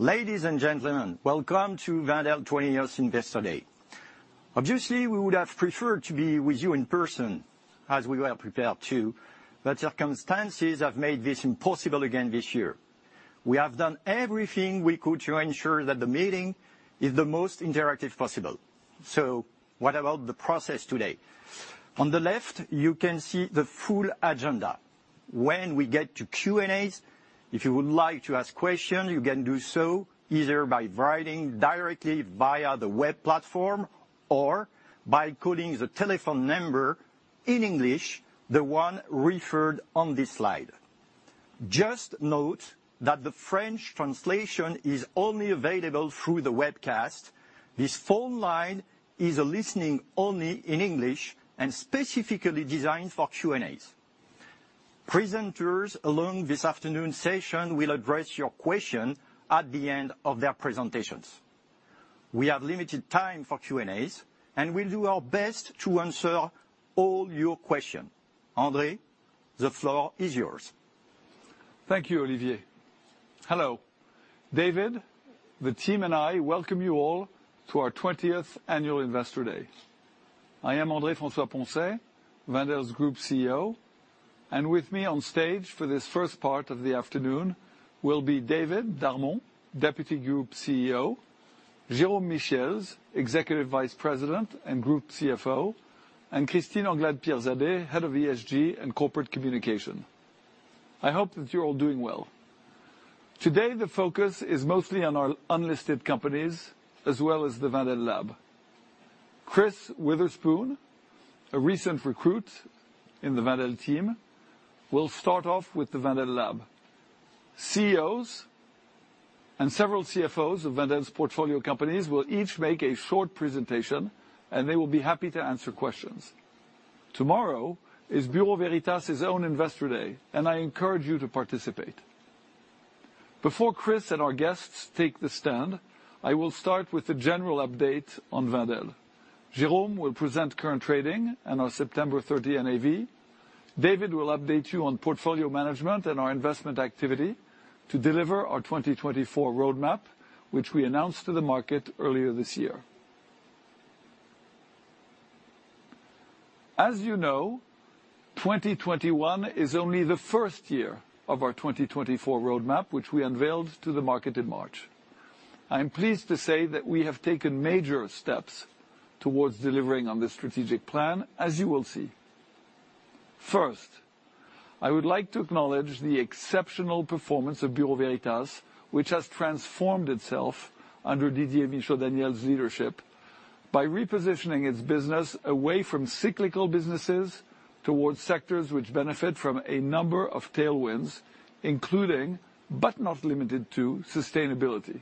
Ladies and gentlemen, welcome to Wendel 20 Years Investor Day. Obviously, we would have preferred to be with you in person as we were prepared to, but circumstances have made this impossible again this year. We have done everything we could to ensure that the meeting is the most interactive possible. What about the process today? On the left, you can see the full agenda. When we get to Q&As, if you would like to ask questions, you can do so either by writing directly via the web platform or by calling the telephone number in English, the one referred on this slide. Just note that the French translation is only available through the webcast. This phone line is a listening only in English and specifically designed for Q&As. Presenters along this afternoon's session will address your question at the end of their presentations. We have limited time for Q&As, and we'll do our best to answer all your questions. André, the floor is yours. Thank you, Olivier. Hello. David, the team and I welcome you all to our 20th Annual Investor Day. I am André François-Poncet, Wendel's Group CEO. With me on stage for this first part of the afternoon will be David Darmon, Deputy Group CEO, Jérôme Michiels, Executive Vice President and Group CFO, and Christine Anglade-Pirzadeh, Head of ESG and Corporate Communication. I hope that you're all doing well. Today, the focus is mostly on our unlisted companies as well as the Wendel Lab. Chris Witherspoon, a recent recruit in the Wendel team, will start off with the Wendel Lab. CEOs and several CFOs of Wendel's portfolio companies will each make a short presentation, and they will be happy to answer questions. Tomorrow is Bureau Veritas' own Investor Day, and I encourage you to participate. Before Chris and our guests take the stand, I will start with a general update on Wendel. Jérôme will present current trading and our September 30 NAV. David will update you on portfolio management and our investment activity to deliver our 2024 roadmap, which we announced to the market earlier this year. As you know, 2021 is only the first year of our 2024 roadmap, which we unveiled to the market in March. I am pleased to say that we have taken major steps towards delivering on this strategic plan, as you will see. First, I would like to acknowledge the exceptional performance of Bureau Veritas, which has transformed itself under Didier Michaud-Daniel's leadership by repositioning its business away from cyclical businesses towards sectors which benefit from a number of tailwinds, including, but not limited to, sustainability.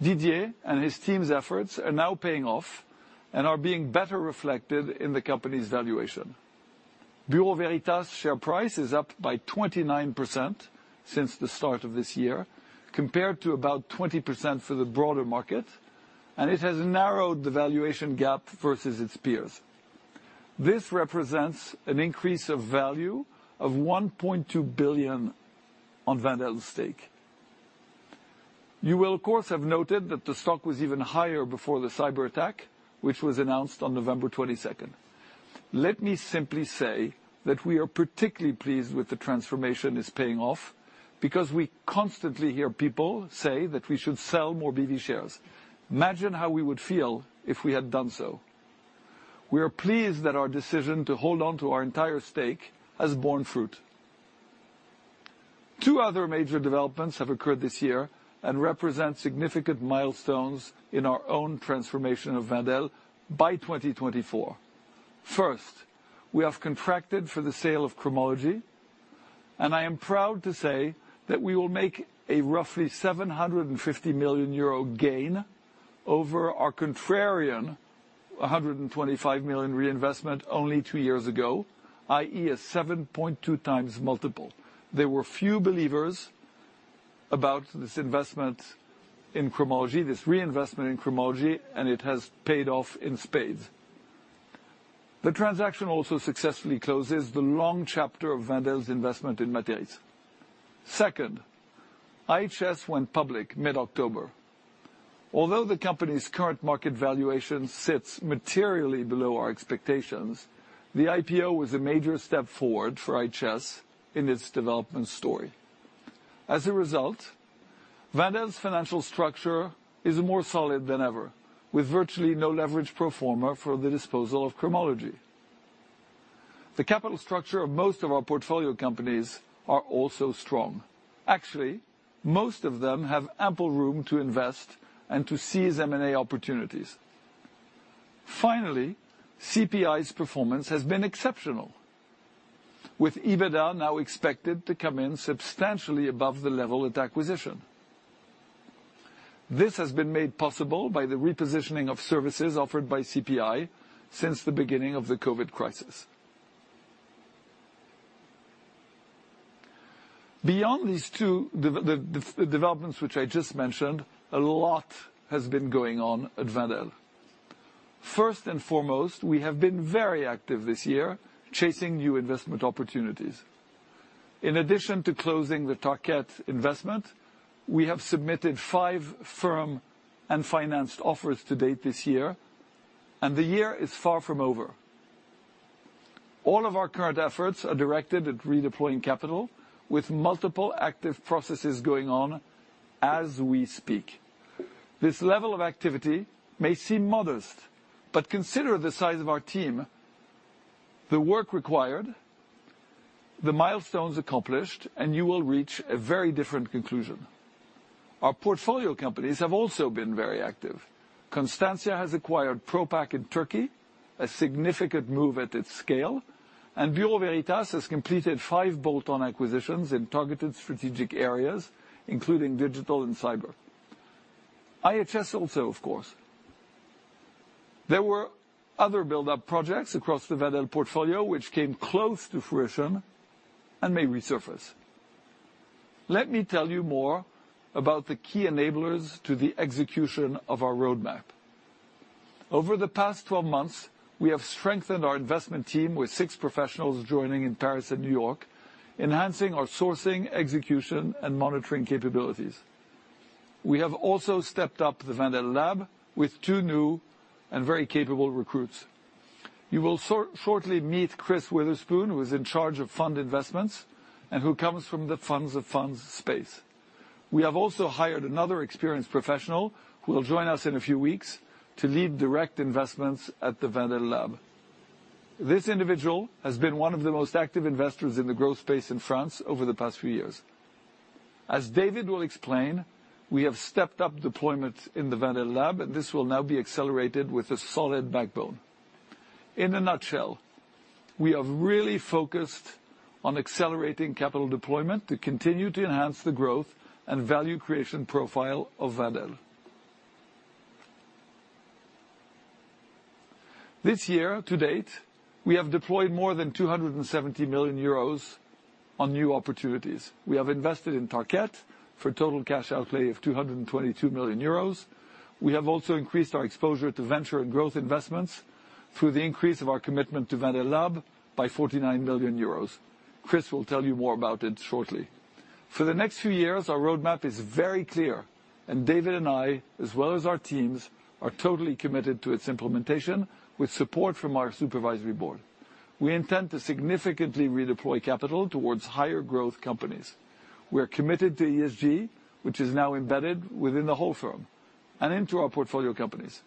Didier and his team's efforts are now paying off and are being better reflected in the company's valuation. Bureau Veritas' share price is up by 29% since the start of this year, compared to about 20% for the broader market, and it has narrowed the valuation gap versus its peers. This represents an increase of value of 1.2 billion on Wendel's stake. You will, of course, have noted that the stock was even higher before the cyberattack, which was announced on November 22. Let me simply say that we are particularly pleased with the transformation is paying off because we constantly hear people say that we should sell more BV shares. Imagine how we would feel if we had done so. We are pleased that our decision to hold on to our entire stake has borne fruit. Two other major developments have occurred this year and represent significant milestones in our own transformation of Wendel by 2024. First, we have contracted for the sale of Cromology, and I am proud to say that we will make a roughly 750 million euro gain over our contrarian 125 million reinvestment only two years ago, i.e. a 7.2x multiple. There were few believers about this investment in Cromology, this reinvestment in Cromology, and it has paid off in spades. The transaction also successfully closes the long chapter of Wendel's investment in Materis. Second, IHS went public mid-October. Although the company's current market valuation sits materially below our expectations, the IPO was a major step forward for IHS in its development story. As a result, Wendel's financial structure is more solid than ever, with virtually no leverage pro forma for the disposal of Cromology. The capital structure of most of our portfolio companies are also strong. Actually, most of them have ample room to invest and to seize M&A opportunities. Finally, CPI's performance has been exceptional, with EBITDA now expected to come in substantially above the level at acquisition. This has been made possible by the repositioning of services offered by CPI since the beginning of the COVID crisis. Beyond these two developments which I just mentioned, a lot has been going on at Wendel. First and foremost, we have been very active this year chasing new investment opportunities. In addition to closing the Tarkett investment, we have submitted five firm and financed offers to date this year, and the year is far from over. All of our current efforts are directed at redeploying capital with multiple active processes going on as we speak. This level of activity may seem modest, but consider the size of our team, the work required, the milestones accomplished, and you will reach a very different conclusion. Our portfolio companies have also been very active. Constantia has acquired Propak in Turkey, a significant move at its scale, and Bureau Veritas has completed five bolt-on acquisitions in targeted strategic areas, including digital and cyber. IHS also, of course. There were other build-up projects across the Wendel portfolio which came close to fruition and may resurface. Let me tell you more about the key enablers to the execution of our roadmap. Over the past 12 months, we have strengthened our investment team with six professionals joining in Paris and New York, enhancing our sourcing, execution, and monitoring capabilities. We have also stepped up the Wendel Lab with two new and very capable recruits. You will shortly meet Chris Witherspoon, who is in charge of fund investments and who comes from the funds of funds space. We have also hired another experienced professional who will join us in a few weeks to lead direct investments at the Wendel Lab. This individual has been one of the most active investors in the growth space in France over the past few years. As David will explain, we have stepped up deployment in the Wendel Lab, and this will now be accelerated with a solid backbone. In a nutshell, we have really focused on accelerating capital deployment to continue to enhance the growth and value creation profile of Wendel. This year-to-date, we have deployed more than 270 million euros on new opportunities. We have invested in Tarkett for total cash outlay of 222 million euros. We have also increased our exposure to venture and growth investments through the increase of our commitment to Wendel Lab by 49 million euros. Chris will tell you more about it shortly. For the next few years, our roadmap is very clear, and David and I, as well as our teams, are totally committed to its implementation with support from our supervisory board. We intend to significantly redeploy capital towards higher growth companies. We are committed to ESG, which is now embedded within the whole firm and into our portfolio companies.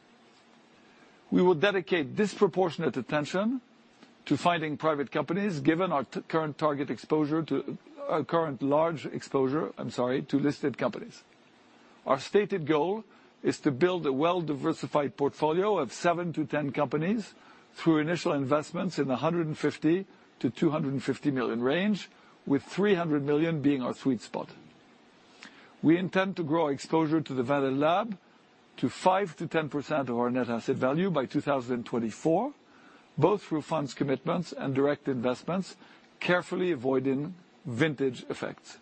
We will dedicate disproportionate attention to finding private companies, given our current large exposure, I'm sorry, to listed companies. Our stated goal is to build a well-diversified portfolio of seven to 10 companies through initial investments in the 150 million-250 million range, with 300 million being our sweet spot. We intend to grow exposure to the Wendel Lab to 5%-10% of our net asset value by 2024, both through funds commitments and direct investments, carefully avoiding vintage effects.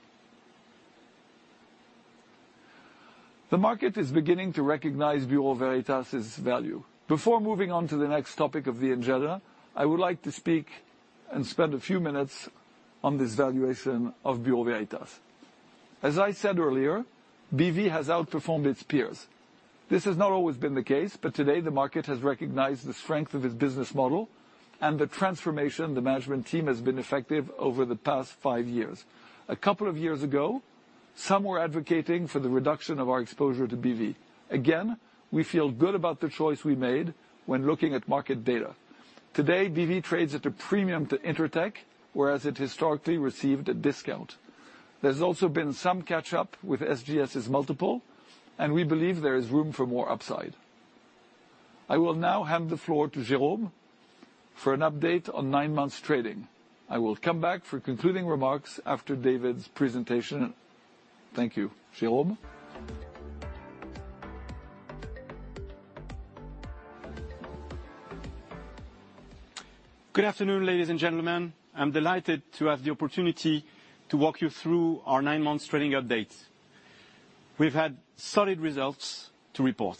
The market is beginning to recognize Bureau Veritas' value. Before moving on to the next topic of the agenda, I would like to speak and spend a few minutes on this valuation of Bureau Veritas. As I said earlier, BV has outperformed its peers. This has not always been the case, but today the market has recognized the strength of its business model and the transformation the management team has been effective over the past five years. A couple of years ago, some were advocating for the reduction of our exposure to BV. Again, we feel good about the choice we made when looking at market data. Today, BV trades at a premium to Intertek, whereas it historically received a discount. There's also been some catch up with SGS' multiple, and we believe there is room for more upside. I will now hand the floor to Jérôme for an update on nine months trading. I will come back for concluding remarks after David Darmon's presentation. Thank you. Jérôme? Good afternoon, ladies and gentlemen. I'm delighted to have the opportunity to walk you through our nine months trading update. We've had solid results to report.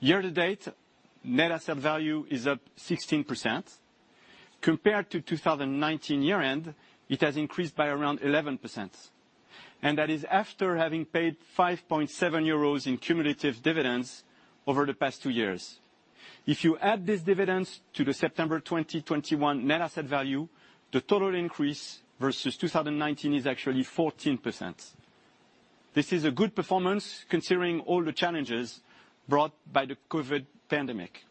Year-to-date, net asset value is up 16%. Compared to 2019 year-end, it has increased by around 11%, and that is after having paid 5.7 euros in cumulative dividends over the past two years. If you add these dividends to the September 2021 net asset value, the total increase versus 2019 is actually 14%. This is a good performance considering all the challenges brought by the COVID pandemic.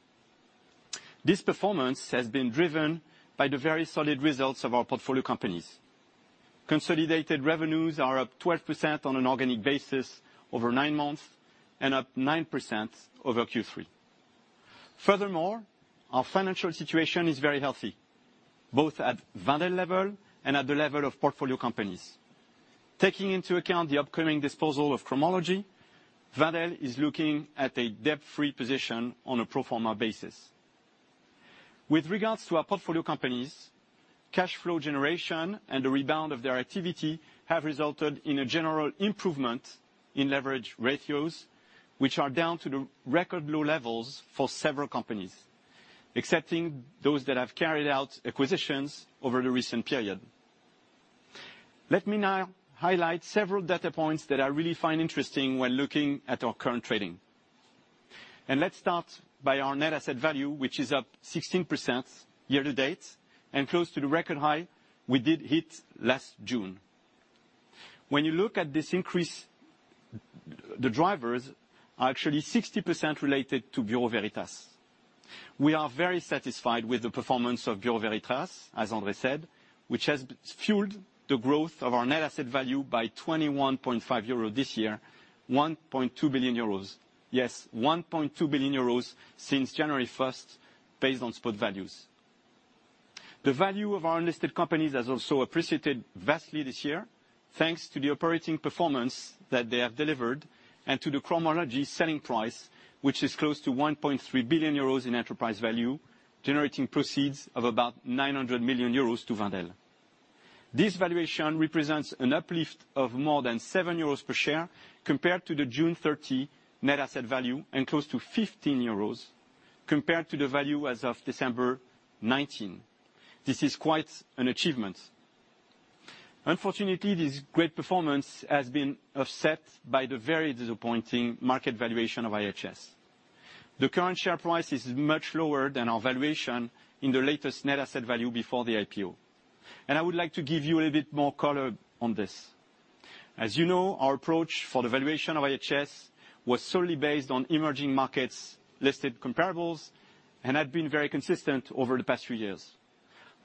This performance has been driven by the very solid results of our portfolio companies. Consolidated revenues are up 12% on an organic basis over nine months and up 9% over Q3. Furthermore, our financial situation is very healthy, both at Wendel level and at the level of portfolio companies. Taking into account the upcoming disposal of Cromology, Wendel is looking at a debt-free position on a pro forma basis. With regards to our portfolio companies, cash flow generation and the rebound of their activity have resulted in a general improvement in leverage ratios, which are down to the record low levels for several companies, excepting those that have carried out acquisitions over the recent period. Let me now highlight several data points that I really find interesting when looking at our current trading. Let's start by our net asset value, which is up 16% year-to-date and close to the record high we did hit last June. When you look at this increase, the drivers are actually 60% related to Bureau Veritas. We are very satisfied with the performance of Bureau Veritas, as André said, which has fueled the growth of our net asset value by 21.5 euros this year, 1.2 billion euros. Yes, 1.2 billion euros since January 1st, based on spot values. The value of our unlisted companies has also appreciated vastly this year, thanks to the operating performance that they have delivered and to the Cromology selling price, which is close to 1.3 billion euros in enterprise value, generating proceeds of about 900 million euros to Wendel. This valuation represents an uplift of more than 7 euros per share compared to the June 30 net asset value and close to 15 euros compared to the value as of December 2019. This is quite an achievement. Unfortunately, this great performance has been offset by the very disappointing market valuation of IHS. The current share price is much lower than our valuation in the latest net asset value before the IPO. I would like to give you a little bit more color on this. As you know, our approach for the valuation of IHS Towers was solely based on emerging markets, listed comparables, and had been very consistent over the past few years.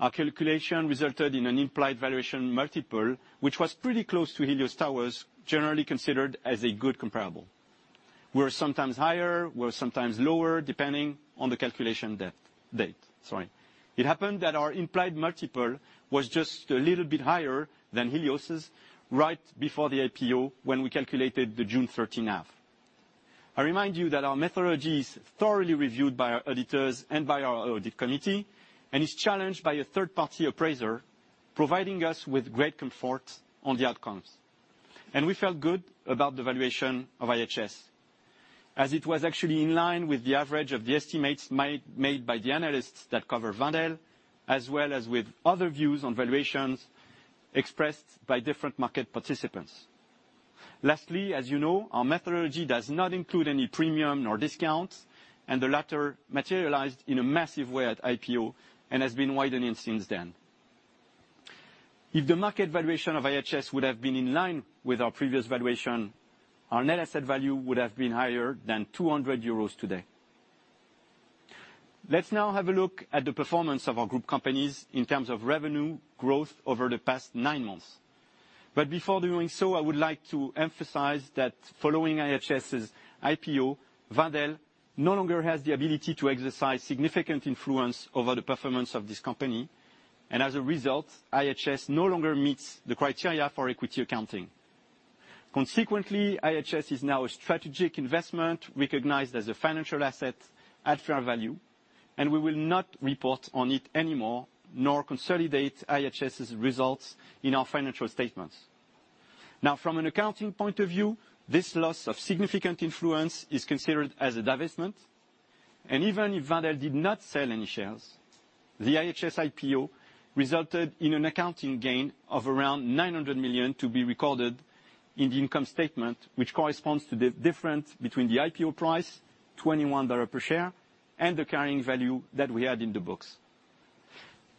Our calculation resulted in an implied valuation multiple, which was pretty close to Helios Towers, generally considered as a good comparable. We're sometimes higher, we're sometimes lower, depending on the calculation date, sorry. It happened that our implied multiple was just a little bit higher than Helios' right before the IPO when we calculated the June 13 NAV. I remind you that our methodology is thoroughly reviewed by our auditors and by our audit committee, and is challenged by a third-party appraiser, providing us with great comfort on the outcomes. We felt good about the valuation of IHS, as it was actually in line with the average of the estimates made by the analysts that cover Wendel, as well as with other views on valuations expressed by different market participants. Lastly, as you know, our methodology does not include any premium nor discounts, and the latter materialized in a massive way at IPO and has been widening since then. If the market valuation of IHS would have been in line with our previous valuation, our net asset value would have been higher than 200 euros today. Let's now have a look at the performance of our group companies in terms of revenue growth over the past nine months. Before doing so, I would like to emphasize that following IHS's IPO, Wendel no longer has the ability to exercise significant influence over the performance of this company, and as a result, IHS no longer meets the criteria for equity accounting. Consequently, IHS is now a strategic investment recognized as a financial asset at fair value, and we will not report on it anymore, nor consolidate IHS's results in our financial statements. Now from an accounting point of view, this loss of significant influence is considered as a divestment. Even if Wendel did not sell any shares, the IHS IPO resulted in an accounting gain of around 900 million to be recorded in the income statement, which corresponds to the difference between the IPO price, $21 per share, and the carrying value that we had in the books.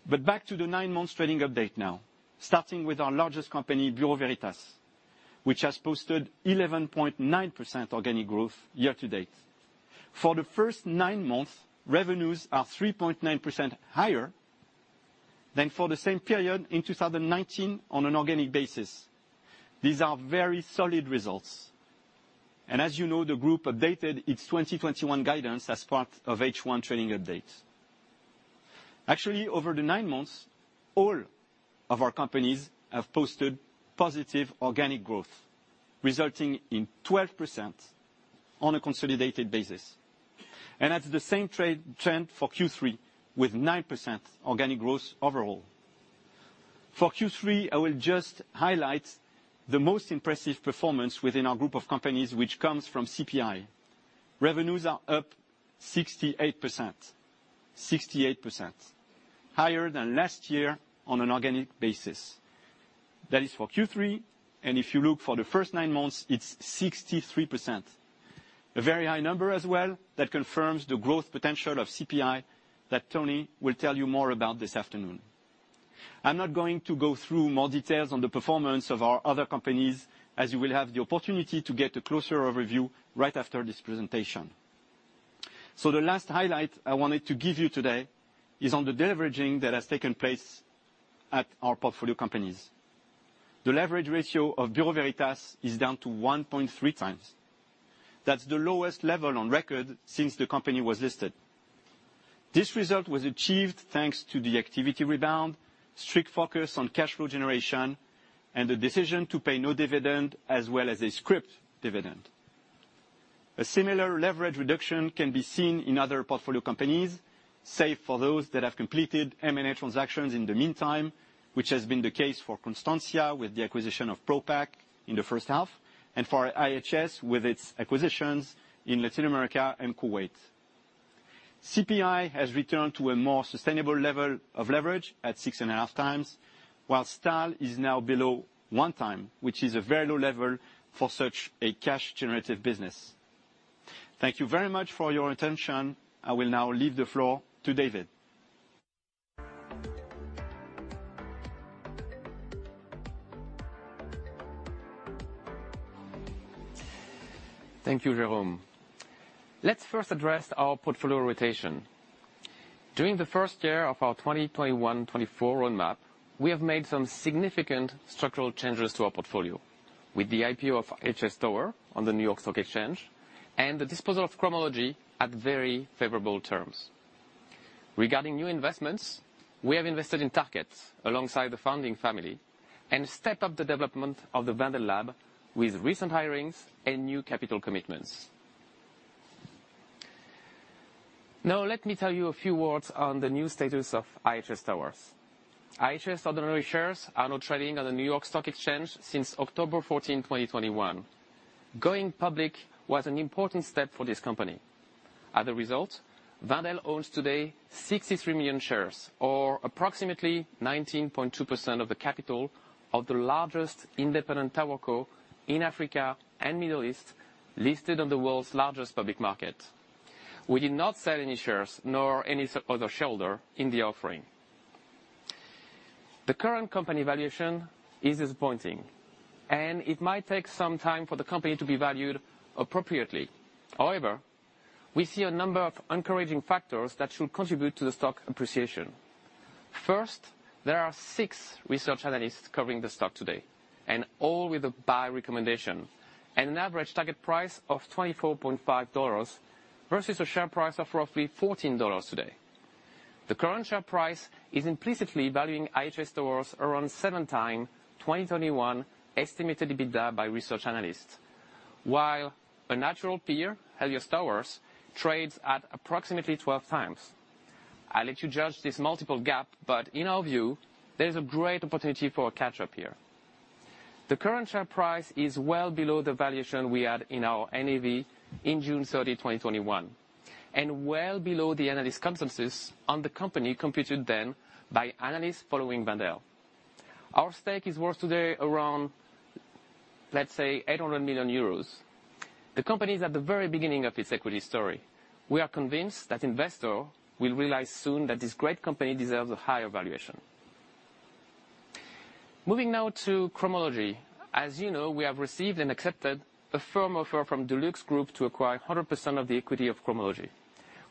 Back to the nine month trading update now, starting with our largest company, Bureau Veritas, which has posted 11.9% organic growth year-to-date. For the first nine months, revenues are 3.9% higher than for the same period in 2019 on an organic basis. These are very solid results. As you know, the group updated its 2021 guidance as part of H1 trading update. Actually, over the nine months, all of our companies have posted positive organic growth, resulting in 12% on a consolidated basis. That's the same trend for Q3 with 9% organic growth overall. For Q3, I will just highlight the most impressive performance within our group of companies, which comes from CPI. Revenues are up 68%. 68% higher than last year on an organic basis. That is for Q3, and if you look for the first nine months, it's 63%. A very high number as well that confirms the growth potential of CPI that Tony will tell you more about this afternoon. I'm not going to go through more details on the performance of our other companies, as you will have the opportunity to get a closer overview right after this presentation. The last highlight I wanted to give you today is on the deleveraging that has taken place at our portfolio companies. The leverage ratio of Bureau Veritas is down to 1.3x. That's the lowest level on record since the company was listed. This result was achieved thanks to the activity rebound, strict focus on cash flow generation, and the decision to pay no dividend as well as a scrip dividend. A similar leverage reduction can be seen in other portfolio companies, save for those that have completed M&A transactions in the meantime, which has been the case for Constantia with the acquisition of Propak in the first half, and for IHS with its acquisitions in Latin America and Kuwait. CPI has returned to a more sustainable level of leverage at 6.5x, while Stahl is now below one time, which is a very low level for such a cash generative business. Thank you very much for your attention. I will now leave the floor to David. Thank you, Jérôme. Let's first address our portfolio rotation. During the first year of our 2021-2024 roadmap, we have made some significant structural changes to our portfolio with the IPO of IHS Towers on the New York Stock Exchange and the disposal of Cromology at very favorable terms. Regarding new investments, we have invested in Tarkett alongside the founding family and stepped up the development of the Wendel Lab with recent hirings and new capital commitments. Now let me tell you a few words on the new status of IHS Towers. IHS ordinary shares are now trading on the New York Stock Exchange since October 14, 2021. Going public was an important step for this company. As a result, Wendel owns today 63 million shares or approximately 19.2% of the capital of the largest independent tower co in Africa and Middle East, listed on the world's largest public market. We did not sell any shares nor any other shareholder in the offering. The current company valuation is disappointing, and it might take some time for the company to be valued appropriately. However, we see a number of encouraging factors that should contribute to the stock appreciation. First, there are six research analysts covering the stock today, and all with a buy recommendation and an average target price of $24.5 versus a share price of roughly $14 today. The current share price is implicitly valuing IHS Towers around 7x 2021 estimated EBITDA by research analysts. While a natural peer, Helios Towers, trades at approximately 12x. I'll let you judge this multiple gap, but in our view, there's a great opportunity for a catch-up here. The current share price is well below the valuation we had in our NAV in June 30, 2021, and well below the analyst consensus on the company computed then by analysts following Wendel. Our stake is worth today around, let's say, 800 million euros. The company is at the very beginning of its equity story. We are convinced that investor will realize soon that this great company deserves a higher valuation. Moving now to Cromology. As you know, we have received and accepted a firm offer from DuluxGroup to acquire 100% of the equity of Cromology.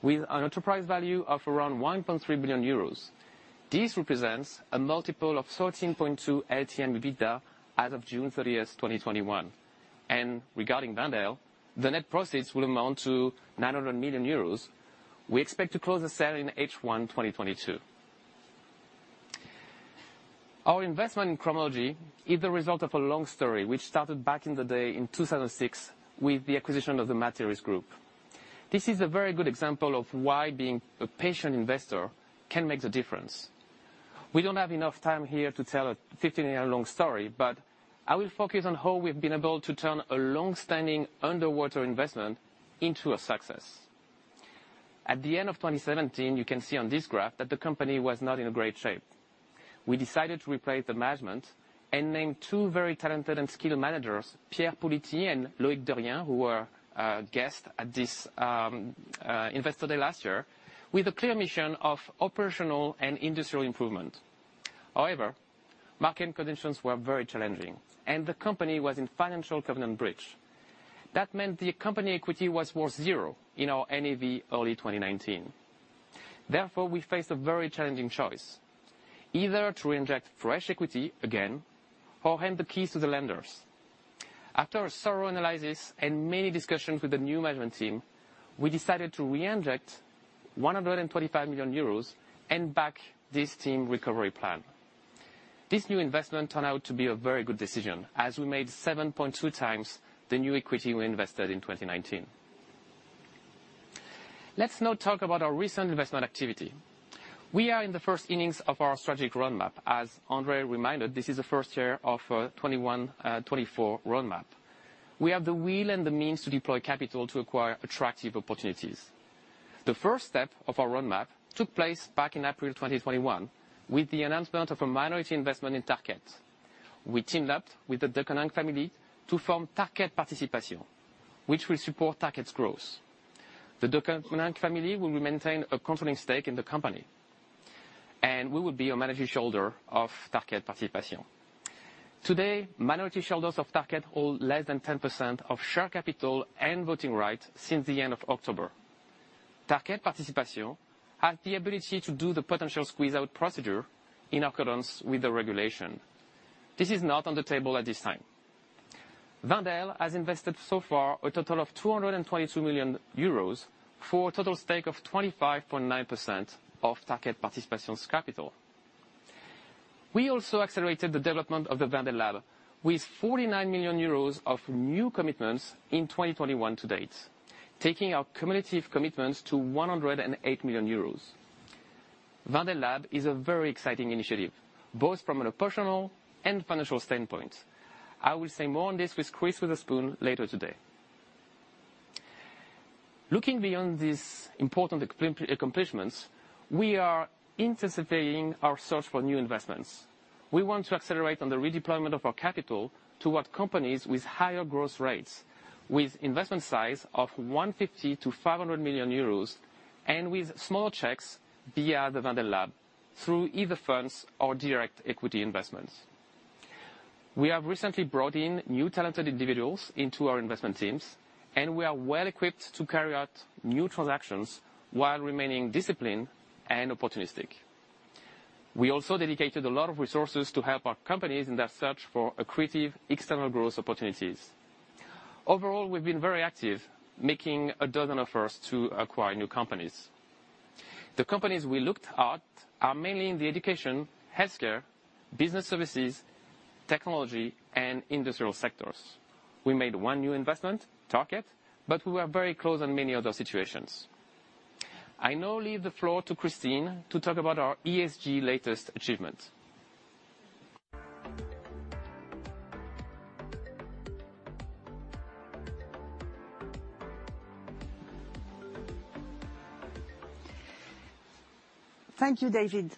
With an enterprise value of around 1.3 billion euros, this represents a multiple of 13.2 LTM EBITDA as of June 30, 2021. Regarding Wendel, the net proceeds will amount to 900 million euros. We expect to close the sale in H1 2022. Our investment in Cromology is the result of a long story which started back in the day in 2006 with the acquisition of the Materis Group. This is a very good example of why being a patient investor can make the difference. We don't have enough time here to tell a 15 year-long story, but I will focus on how we've been able to turn a long-standing underwater investment into a success. At the end of 2017, you can see on this graph that the company was not in a great shape. We decided to replace the management and named two very talented and skilled managers, Pierre Puliti and Loïc Derrienn, who were guests at this investor day last year, with a clear mission of operational and industrial improvement. However, market conditions were very challenging and the company was in financial covenant breach. That meant the company equity was worth zero in our NAV early 2019. Therefore, we faced a very challenging choice, either to inject fresh equity again or hand the keys to the lenders. After a thorough analysis and many discussions with the new management team, we decided to reinject 125 million euros and back this team recovery plan. This new investment turned out to be a very good decision as we made 7.2x the new equity we invested in 2019. Let's now talk about our recent investment activity. We are in the first innings of our strategic roadmap. As André reminded, this is the first year of 2021-2024 roadmap. We have the will and the means to deploy capital to acquire attractive opportunities. The first step of our roadmap took place back in April 2021, with the announcement of a minority investment in Tarkett. We teamed up with the Deconinck family to form Tarkett Participation, which will support Tarkett's growth. The Deconinck family will maintain a controlling stake in the company, and we will be a managing shareholder of Tarkett Participation. Today, minority shareholders of Tarkett hold less than 10% of share capital and voting rights since the end of October. Tarkett Participation has the ability to do the potential squeeze-out procedure in accordance with the regulation. This is not on the table at this time. Wendel has invested so far a total of 222 million euros for a total stake of 25.9% of Tarkett Participation's capital. We also accelerated the development of the Wendel Lab with 49 million euros of new commitments in 2021 to date, taking our cumulative commitments to 108 million euros. Wendel Lab is a very exciting initiative, both from an operational and financial standpoint. I will say more on this with Chris Witherspoon later today. Looking beyond these important accomplishments, we are intensifying our search for new investments. We want to accelerate on the redeployment of our capital toward companies with higher growth rates, with investment size of 150 million-500 million euros, and with small checks via the Wendel Lab, through either funds or direct equity investments. We have recently brought in new talented individuals into our investment teams, and we are well equipped to carry out new transactions while remaining disciplined and opportunistic. We also dedicated a lot of resources to help our companies in their search for accretive external growth opportunities. Overall, we've been very active, making a dozen offers to acquire new companies. The companies we looked at are mainly in the education, healthcare, business services, technology, and industrial sectors. We made one new investment, Tarkett, but we were very close on many other situations. I now leave the floor to Christine to talk about our ESG latest achievement. Thank you, David.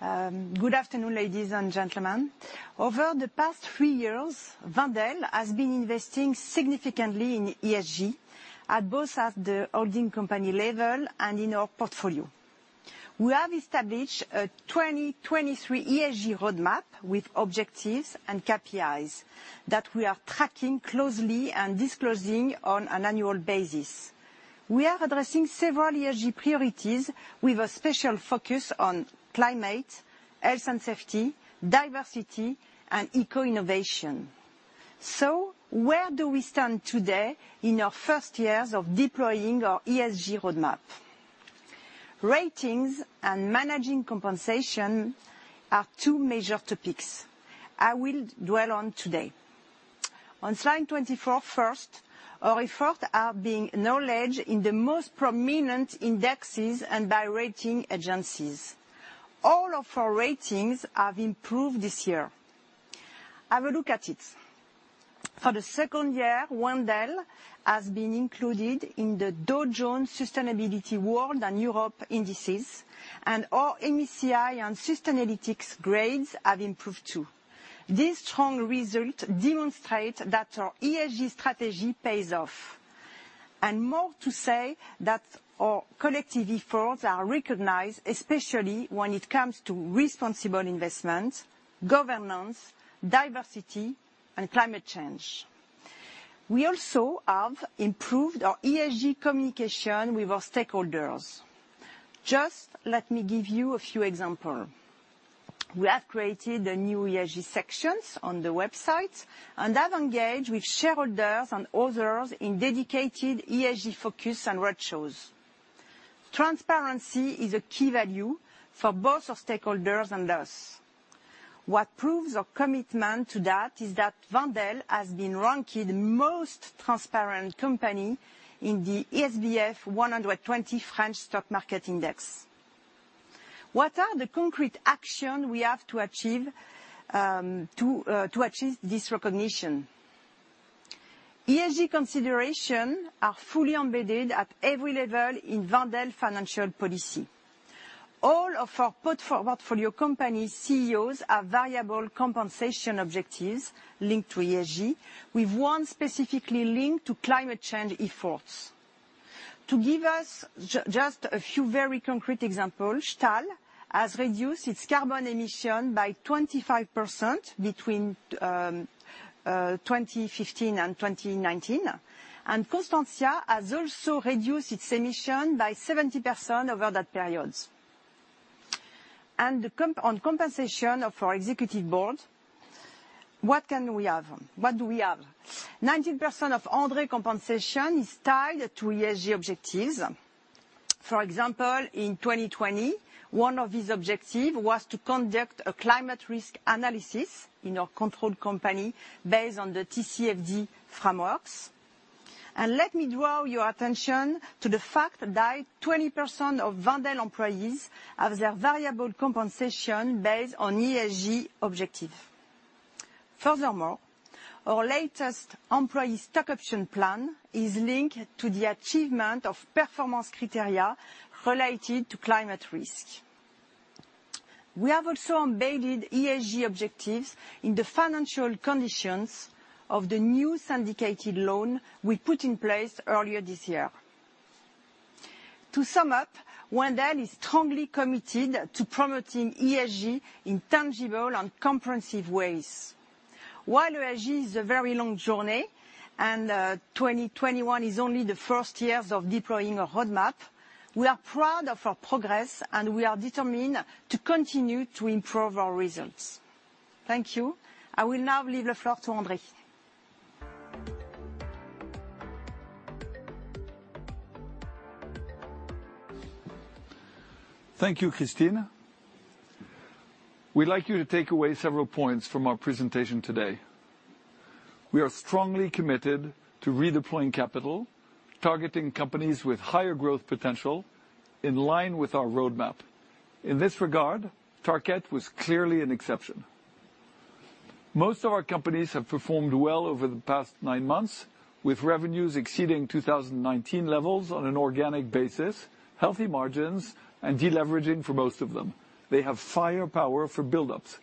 Good afternoon, ladies and gentlemen. Over the past three years, Wendel has been investing significantly in ESG at both the holding company level and in our portfolio. We have established a 2023 ESG roadmap with objectives and KPIs that we are tracking closely and disclosing on an annual basis. We are addressing several ESG priorities with a special focus on climate, health and safety, diversity, and eco-innovation. Where do we stand today in our first years of deploying our ESG roadmap? Ratings and managing compensation are two major topics I will dwell on today. On slide 24 first, our efforts are being acknowledged in the most prominent indexes and by rating agencies. All of our ratings have improved this year. Have a look at it. For the second year, Wendel has been included in the Dow Jones Sustainability World and Europe indices, and our MSCI and Sustainalytics grades have improved too. This strong result demonstrate that our ESG strategy pays off. More to say that our collective efforts are recognized, especially when it comes to responsible investment, governance, diversity, and climate change. We also have improved our ESG communication with our stakeholders. Just let me give you a few example. We have created the new ESG sections on the website and have engaged with shareholders and others in dedicated ESG focus and roadshows. Transparency is a key value for both our stakeholders and us. What proves our commitment to that is that Wendel has been ranked the most transparent company in the SBF 120 French stock market index. What are the concrete action we have to achieve this recognition? ESG considerations are fully embedded at every level in Wendel financial policy. All of our portfolio company CEOs have variable compensation objectives linked to ESG, with one specifically linked to climate change efforts. To give us just a few very concrete example, Stahl has reduced its carbon emission by 25% between 2015 and 2019, and Constantia has also reduced its emission by 70% over that period. The compensation of our executive board, what can we have? What do we have? 90% of André compensation is tied to ESG objectives. For example, in 2020, one of his objective was to conduct a climate risk analysis in our controlled company based on the TCFD frameworks. Let me draw your attention to the fact that 20% of Wendel employees have their variable compensation based on ESG objective. Furthermore, our latest employee stock option plan is linked to the achievement of performance criteria related to climate risk. We have also embedded ESG objectives in the financial conditions of the new syndicated loan we put in place earlier this year. To sum up, Wendel is strongly committed to promoting ESG in tangible and comprehensive ways. While ESG is a very long journey, and 2021 is only the first years of deploying a roadmap, we are proud of our progress, and we are determined to continue to improve our results. Thank you. I will now leave the floor to André. Thank you, Christine. We'd like you to take away several points from our presentation today. We are strongly committed to redeploying capital, targeting companies with higher growth potential in line with our roadmap. In this regard, Tarkett was clearly an exception. Most of our companies have performed well over the past nine months, with revenues exceeding 2019 levels on an organic basis, healthy margins, and deleveraging for most of them. They have firepower for buildups.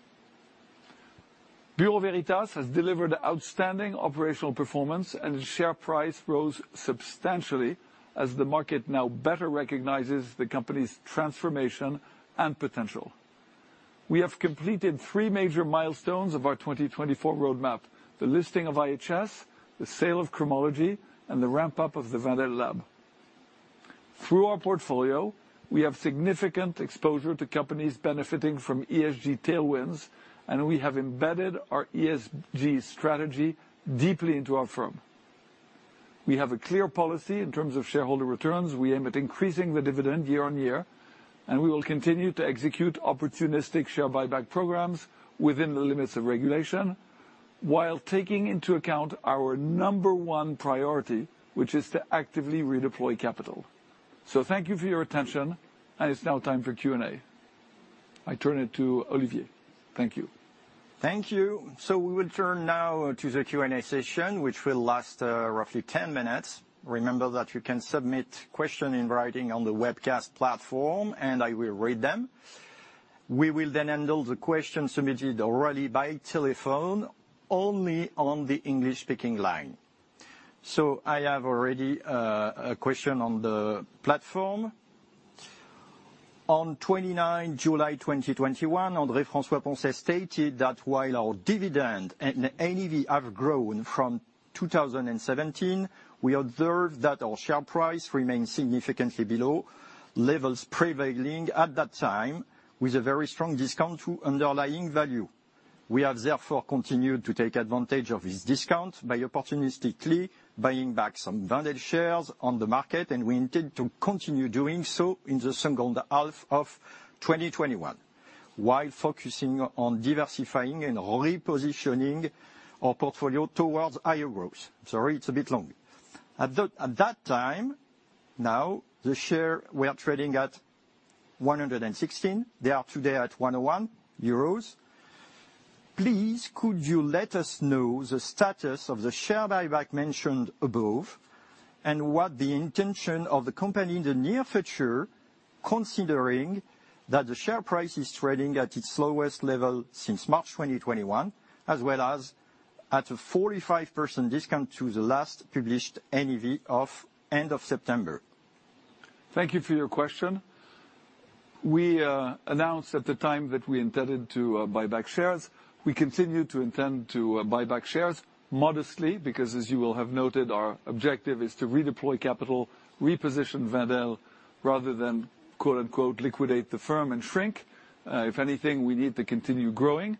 Bureau Veritas has delivered outstanding operational performance, and share price rose substantially as the market now better recognizes the company's transformation and potential. We have completed three major milestones of our 2024 roadmap, the listing of IHS, the sale of Cromology, and the ramp-up of the Wendel Lab. Through our portfolio, we have significant exposure to companies benefiting from ESG tailwinds, and we have embedded our ESG strategy deeply into our firm. We have a clear policy in terms of shareholder returns. We aim at increasing the dividend year-on-year, and we will continue to execute opportunistic share buyback programs within the limits of regulation while taking into account our number one priority, which is to actively redeploy capital. Thank you for your attention, and it's now time for Q&A. I turn it to Olivier. Thank you. Thank you. We will turn now to the Q&A session, which will last roughly 10 minutes. Remember that you can submit question in writing on the webcast platform, and I will read them. We will then handle the questions submitted orally by telephone only on the English-speaking line. I have already a question on the platform. On 29 July 2021, André François-Poncet stated that while our dividend and NAV have grown from 2017, we observed that our share price remains significantly below levels prevailing at that time with a very strong discount to underlying value. We have therefore continued to take advantage of this discount by opportunistically buying back some Wendel shares on the market, and we intend to continue doing so in the second half of 2021 while focusing on diversifying and repositioning our portfolio towards higher growth. Sorry, it's a bit long. At that time, now, the shares were trading at 116; they are today at 101 euros. Please, could you let us know the status of the share buyback mentioned above and what the intention of the company is in the near future, considering that the share price is trading at its lowest level since March 2021 as well as at a 45% discount to the last published NAV of end of September? Thank you for your question. We announced at the time that we intended to buy back shares. We continue to intend to buy back shares modestly because, as you will have noted, our objective is to redeploy capital, reposition Wendel rather than, quote, unquote, "liquidate the firm and shrink." If anything, we need to continue growing,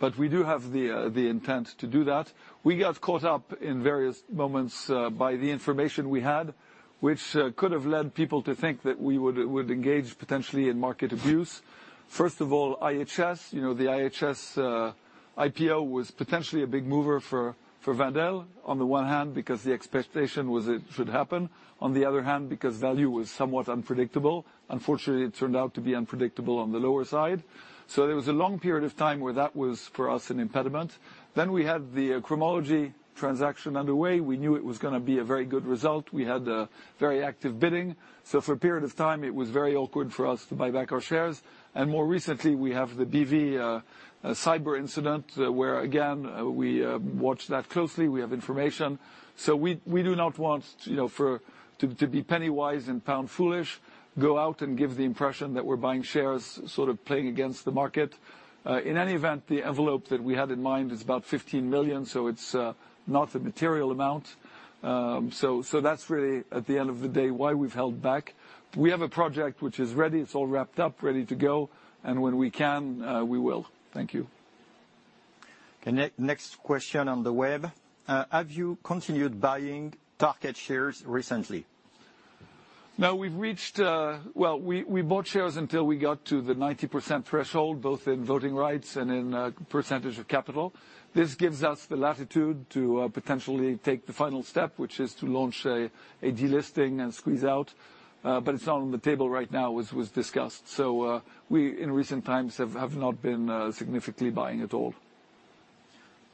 but we do have the intent to do that. We got caught up in various moments by the information we had, which could have led people to think that we would engage potentially in market abuse. First of all, IHS. You know, the IHS IPO was potentially a big mover for Wendel on the one hand because the expectation was it should happen, on the other hand because value was somewhat unpredictable. Unfortunately, it turned out to be unpredictable on the lower side. There was a long period of time where that was for us an impediment. We had the Cromology transaction underway. We knew it was gonna be a very good result. We had very active bidding. For a period of time, it was very awkward for us to buy back our shares. More recently, we have the BV cyber incident where again we watch that closely. We have information. We do not want, you know, to be penny-wise and pound-foolish, go out and give the impression that we're buying shares sort of playing against the market. In any event, the envelope that we had in mind is about 15 million, so it's not a material amount. That's really at the end of the day why we've held back. We have a project which is ready. It's all wrapped up, ready to go, and when we can, we will. Thank you. Okay. Next question on the web. Have you continued buying Tarkett shares recently? No, we've reached. Well, we bought shares until we got to the 90% threshold, both in voting rights and in percentage of capital. This gives us the latitude to potentially take the final step, which is to launch a delisting and squeeze out, but it's not on the table right now as was discussed. We in recent times have not been significantly buying at all.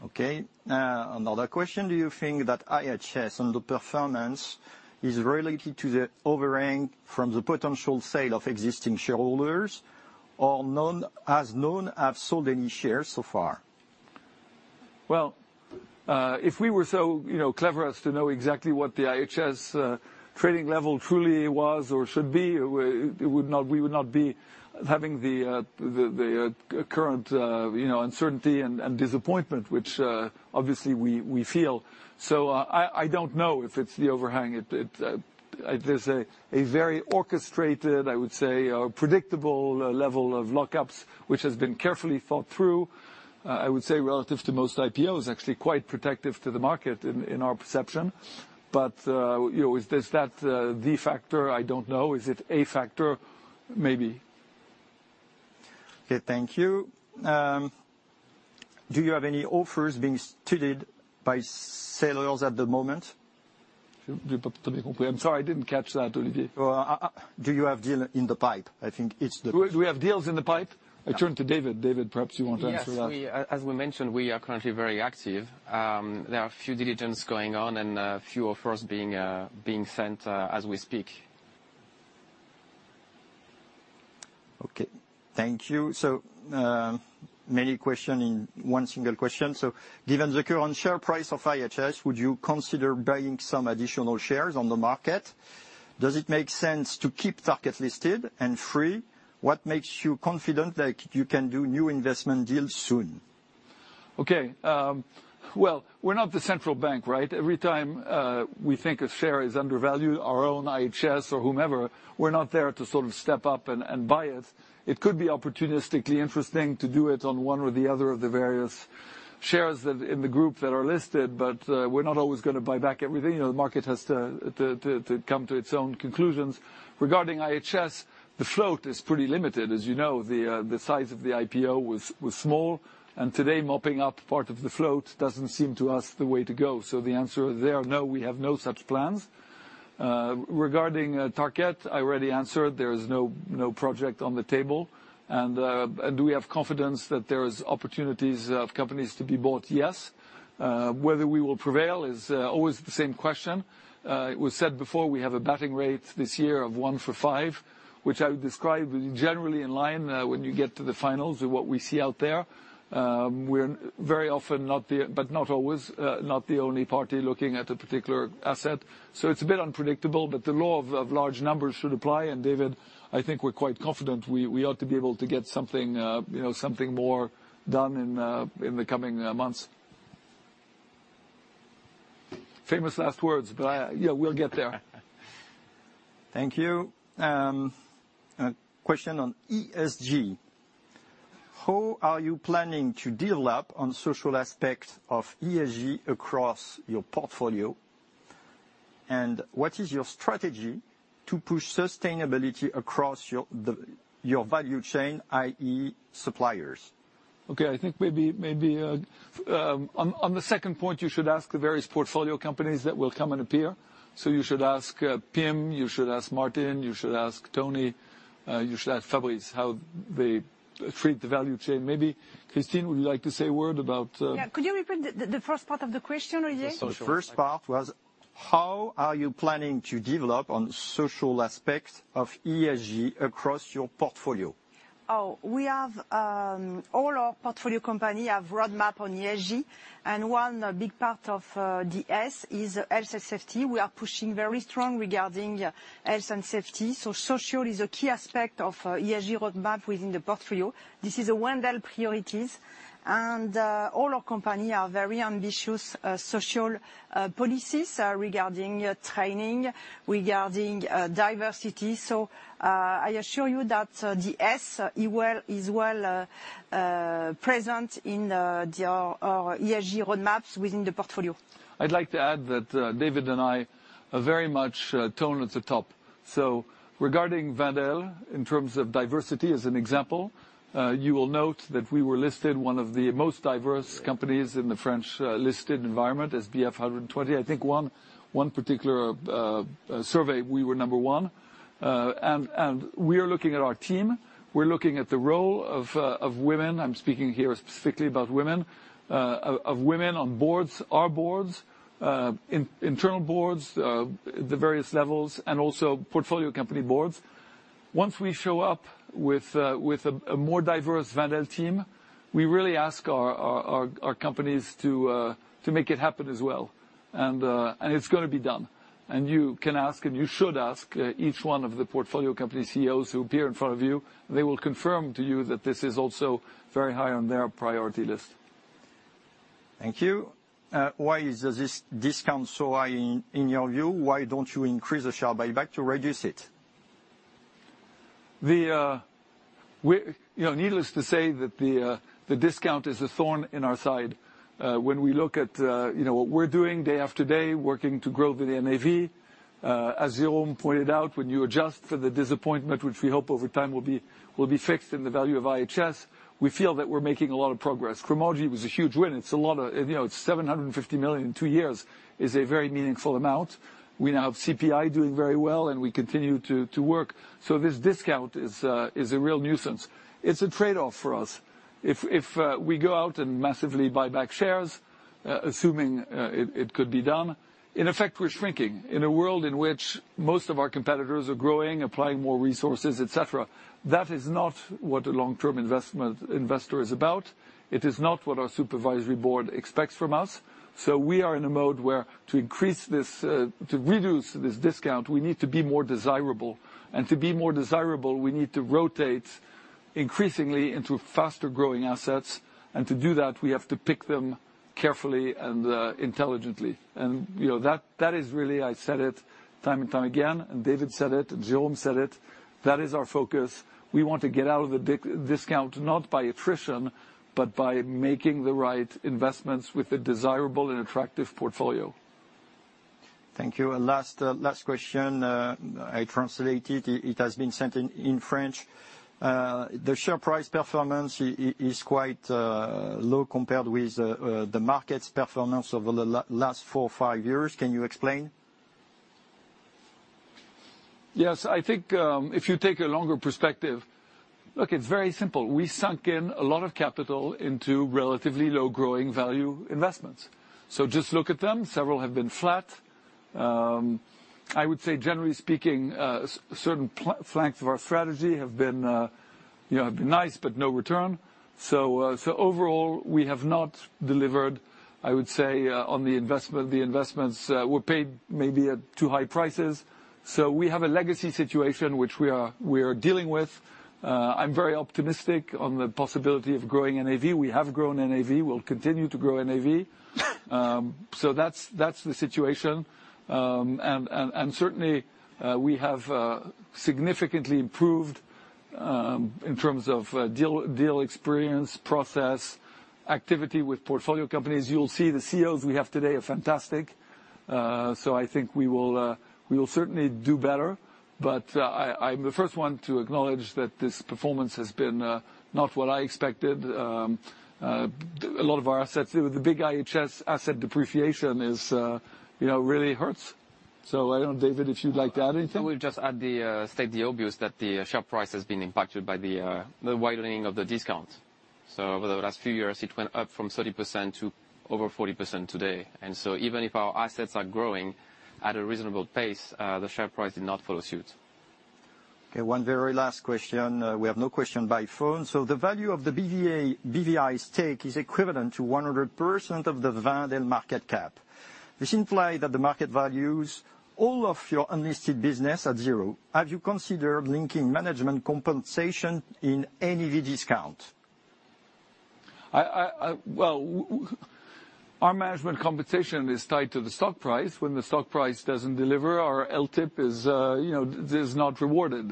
Okay. Another question. Do you think that IHS underperformance is related to the overhang from the potential sale of existing shareholders or none have sold any shares so far? Well, if we were so, you know, clever as to know exactly what the IHS trading level truly was or should be, we would not be having the current, you know, uncertainty and disappointment, which obviously we feel. I don't know if it's the overhang. There's a very orchestrated, I would say, or predictable level of lock-ups which has been carefully thought through, I would say relative to most IPOs, actually quite protective to the market in our perception. You know, is this the factor? I don't know. Is it a factor? Maybe. Okay, thank you. Do you have any offers being studied by sellers at the moment? I'm sorry, I didn't catch that, Olivier. Well, do you have deal in the pipe? I think it's the- Do we have deals in the pipe? Yeah. I turn to David. David, perhaps you want to answer that. Yes, we, as we mentioned, we are currently very active. There are a few diligence going on and a few offers being sent, as we speak. Thank you. Many questions in one single question. Given the current share price of IHS, would you consider buying some additional shares on the market? Does it make sense to keep Tarkett listed? And third, what makes you confident that you can do new investment deals soon? Okay. Well, we're not the central bank, right? Every time we think a share is undervalued, our own IHS or whomever, we're not there to sort of step up and buy it. It could be opportunistically interesting to do it on one or the other of the various shares that in the group that are listed, but we're not always gonna buy back everything. You know, the market has to come to its own conclusions. Regarding IHS, the float is pretty limited. As you know, the size of the IPO was small, and today mopping up part of the float doesn't seem to us the way to go. The answer there, no, we have no such plans. Regarding Tarkett, I already answered, there is no project on the table. Do we have confidence that there's opportunities of companies to be bought? Yes. Whether we will prevail is always the same question. It was said before, we have a batting rate this year of one for five, which I would describe generally in line when you get to the finals of what we see out there. We're very often not the, but not always, not the only party looking at a particular asset, so it's a bit unpredictable. The law of large numbers should apply, and David, I think we're quite confident we ought to be able to get something, you know, something more done in the coming months. Famous last words, but yeah, we'll get there. Thank you. A question on ESG. How are you planning to develop on social aspect of ESG across your portfolio? And what is your strategy to push sustainability across your value chain, i.e. suppliers? Okay. I think on the second point, you should ask the various portfolio companies that will come and appear. You should ask Pim, you should ask Maarten, you should ask Tony, you should ask Fabrice how they treat the value chain. Maybe Christine, would you like to say a word about? Yeah. Could you repeat the first part of the question, Olivier? The social aspect. The first part was, how are you planning to develop on social aspects of ESG across your portfolio? We have all our portfolio company have roadmap on ESG, and one big part of the S is health and safety. We are pushing very strong regarding health and safety, so social is a key aspect of ESG roadmap within the portfolio. This is a Wendel priorities. All our company are very ambitious social policies regarding training, regarding diversity. I assure you that the S is well present in our ESG roadmaps within the portfolio. I'd like to add that, David and I are very much tone at the top. Regarding Wendel, in terms of diversity as an example, you will note that we were listed one of the most diverse companies in the French listed environment as SBF 120. I think one particular survey we were number one. We are looking at our team. We're looking at the role of women, I'm speaking here specifically about women, of women on boards, our boards, internal boards, at the various levels, and also portfolio company boards. Once we show up with a more diverse Wendel team, we really ask our companies to make it happen as well. It's gonna be done. You can ask, and you should ask, each one of the portfolio company CEOs who appear in front of you, and they will confirm to you that this is also very high on their priority list. Thank you. Why is this discount so high in your view? Why don't you increase the share buyback to reduce it? You know, needless to say that the discount is a thorn in our side. When we look at you know, what we're doing day after day, working to grow the NAV, as Jérôme pointed out, when you adjust for the disappointment, which we hope over time will be fixed in the value of IHS, we feel that we're making a lot of progress. Cromology was a huge win. You know, it's 750 million in two years is a very meaningful amount. We now have CPI doing very well, and we continue to work. This discount is a real nuisance. It's a trade-off for us. If we go out and massively buy back shares, assuming it could be done, in effect, we're shrinking in a world in which most of our competitors are growing, applying more resources, et cetera. That is not what a long-term investor is about. It is not what our supervisory board expects from us. We are in a mode where to increase this, to reduce this discount, we need to be more desirable. To be more desirable, we need to rotate increasingly into faster-growing assets. To do that, we have to pick them carefully and intelligently. You know, that is really, I said it time and time again, and David said it and Jérôme said it, that is our focus. We want to get out of the discount not by attrition, but by making the right investments with a desirable and attractive portfolio. Thank you. Last question, I translate it. It has been sent in French. The share price performance is quite low compared with the market's performance over the last four or five years. Can you explain? Yes. I think, if you take a longer perspective, look, it's very simple. We sunk in a lot of capital into relatively low growing value investments. Just look at them. Several have been flat. I would say generally speaking, certain flanks of our strategy have been, you know, nice but no return. Overall, we have not delivered, I would say, on the investment. The investments were paid maybe at too high prices. We have a legacy situation which we are dealing with. I'm very optimistic on the possibility of growing NAV. We have grown NAV. We'll continue to grow NAV. That's the situation. Certainly, we have significantly improved in terms of deal experience, process, activity with portfolio companies. You'll see the CEOs we have today are fantastic. I think we will certainly do better. I'm the first one to acknowledge that this performance has been, not what I expected. A lot of our assets, the big IHS asset depreciation is, you know, really hurts. I don't know, David, if you'd like to add anything. I will just state the obvious that the share price has been impacted by the widening of the discount. Over the last few years, it went up from 30% to over 40% today. Even if our assets are growing at a reasonable pace, the share price did not follow suit. Okay, one very last question. We have no question by phone. The value of the BVI stake is equivalent to 100% of the Wendel market cap. This imply that the market values all of your unlisted business at zero. Have you considered linking management compensation in any discount? I well, our management compensation is tied to the stock price. When the stock price doesn't deliver, our LTIP is not rewarded.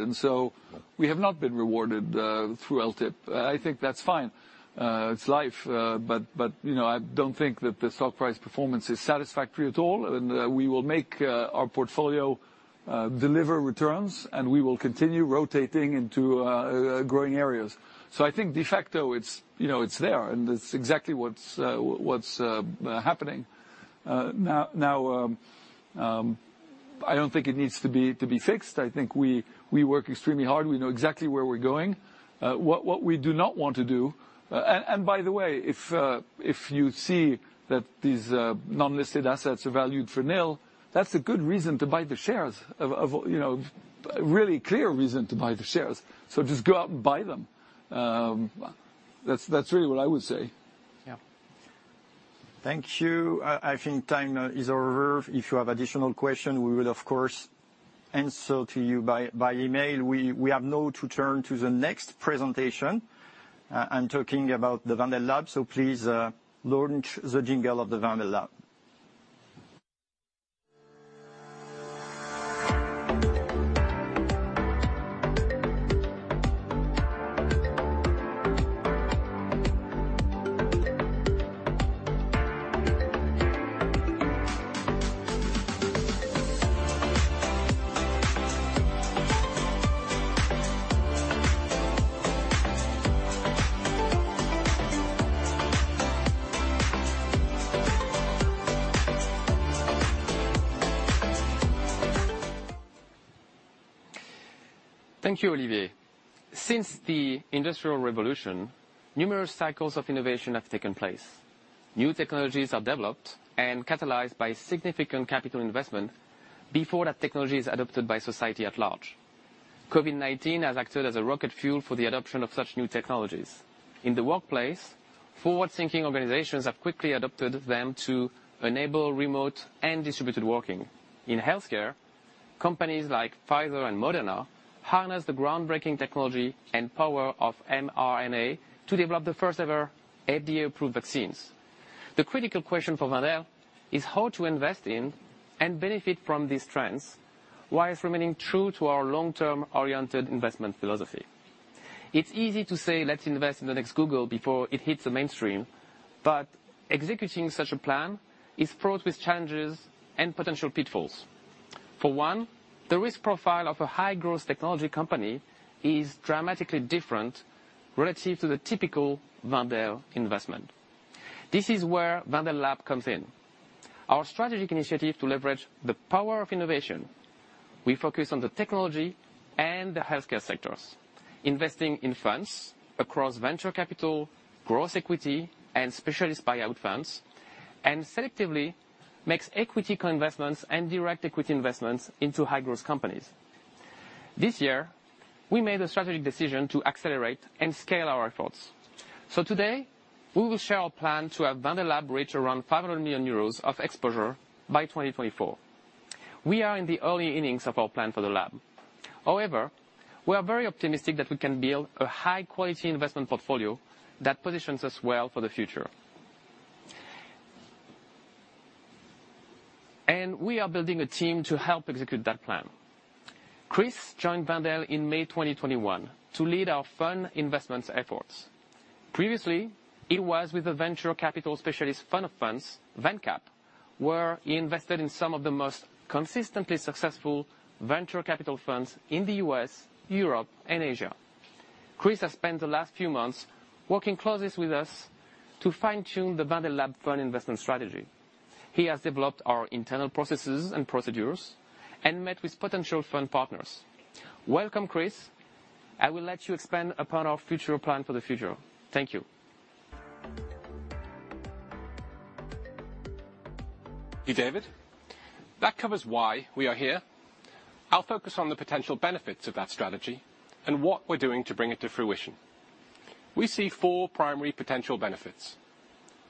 We have not been rewarded through LTIP. I think that's fine. It's life. I don't think that the stock price performance is satisfactory at all. We will make our portfolio deliver returns, and we will continue rotating into growing areas. I think de facto it's there, and it's exactly what's happening. I don't think it needs to be fixed. I think we work extremely hard. We know exactly where we're going. By the way, if you see that these non-listed assets are valued for nil, that's a good reason to buy the shares of you know, a really clear reason to buy the shares. Just go out and buy them. That's really what I would say. Yeah. Thank you. I think time is over. If you have additional question, we will of course answer to you by email. We have now to turn to the next presentation. I'm talking about the Wendel Lab. Please, launch the jingle of the Wendel Lab. Thank you, Olivier. Since the Industrial Revolution, numerous cycles of innovation have taken place. New technologies are developed and catalyzed by significant capital investment before that technology is adopted by society at large. COVID-19 has acted as a rocket fuel for the adoption of such new technologies. In the workplace, forward-thinking organizations have quickly adopted them to enable remote and distributed working. In healthcare, companies like Pfizer and Moderna harness the groundbreaking technology and power of mRNA to develop the first ever FDA-approved vaccines. The critical question for Wendel is how to invest in and benefit from these trends while remaining true to our long-term oriented investment philosophy. It's easy to say, let's invest in the next Google before it hits the mainstream. Executing such a plan is fraught with challenges and potential pitfalls. For one, the risk profile of a high-growth technology company is dramatically different relative to the typical Wendel investment. This is where Wendel Lab comes in, our strategic initiative to leverage the power of innovation. We focus on the technology and the healthcare sectors, investing in funds across venture capital, growth equity, and specialist buyout funds, and selectively make equity co-investments and direct equity investments into high-growth companies. This year, we made a strategic decision to accelerate and scale our efforts. Today, we will share our plan to have Wendel Lab reach around 500 million euros of exposure by 2024. We are in the early innings of our plan for the lab. However, we are very optimistic that we can build a high-quality investment portfolio that positions us well for the future. We are building a team to help execute that plan. Chris joined Wendel in May 2021 to lead our fund investments efforts. Previously, he was with the venture capital specialist fund of funds, VenCap, where he invested in some of the most consistently successful venture capital funds in the U.S., Europe and Asia. Chris has spent the last few months working closely with us to fine-tune the Wendel Lab fund investment strategy. He has developed our internal processes and procedures and met with potential fund partners. Welcome, Chris. I will let you expand upon our future plan for the future. Thank you. Thank you, David. That covers why we are here. I'll focus on the potential benefits of that strategy and what we're doing to bring it to fruition. We see four primary potential benefits.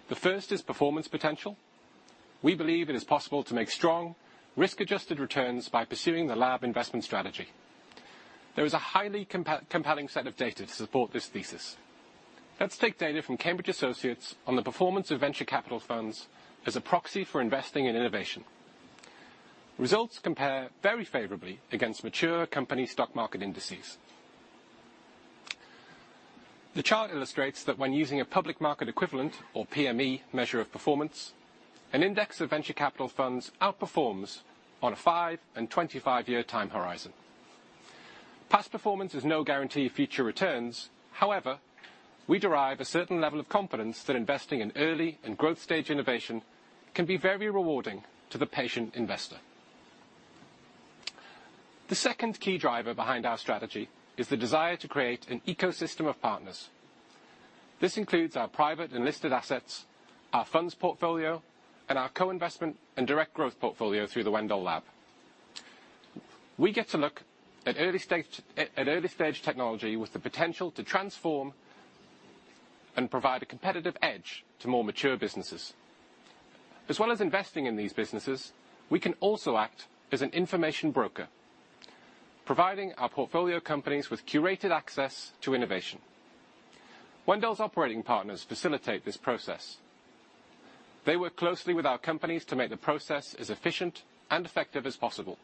The first is performance potential. We believe it is possible to make strong risk-adjusted returns by pursuing the Lab investment strategy. There is a highly compelling set of data to support this thesis. Let's take data from Cambridge Associates on the performance of venture capital funds as a proxy for investing in innovation. Results compare very favorably against mature company stock market indices. The chart illustrates that when using a public market equivalent or PME measure of performance, an index of venture capital funds outperforms on a five and 25 year time horizon. Past performance is no guarantee of future returns. However, we derive a certain level of confidence that investing in early and growth stage innovation can be very rewarding to the patient investor. The second key driver behind our strategy is the desire to create an ecosystem of partners. This includes our private and listed assets, our funds portfolio, and our co-investment and direct growth portfolio through the Wendel Lab. We get to look at early-stage technology with the potential to transform and provide a competitive edge to more mature businesses. As well as investing in these businesses, we can also act as an information broker, providing our portfolio companies with curated access to innovation. Wendel's operating partners facilitate this process. They work closely with our companies to make the process as efficient and effective as possible.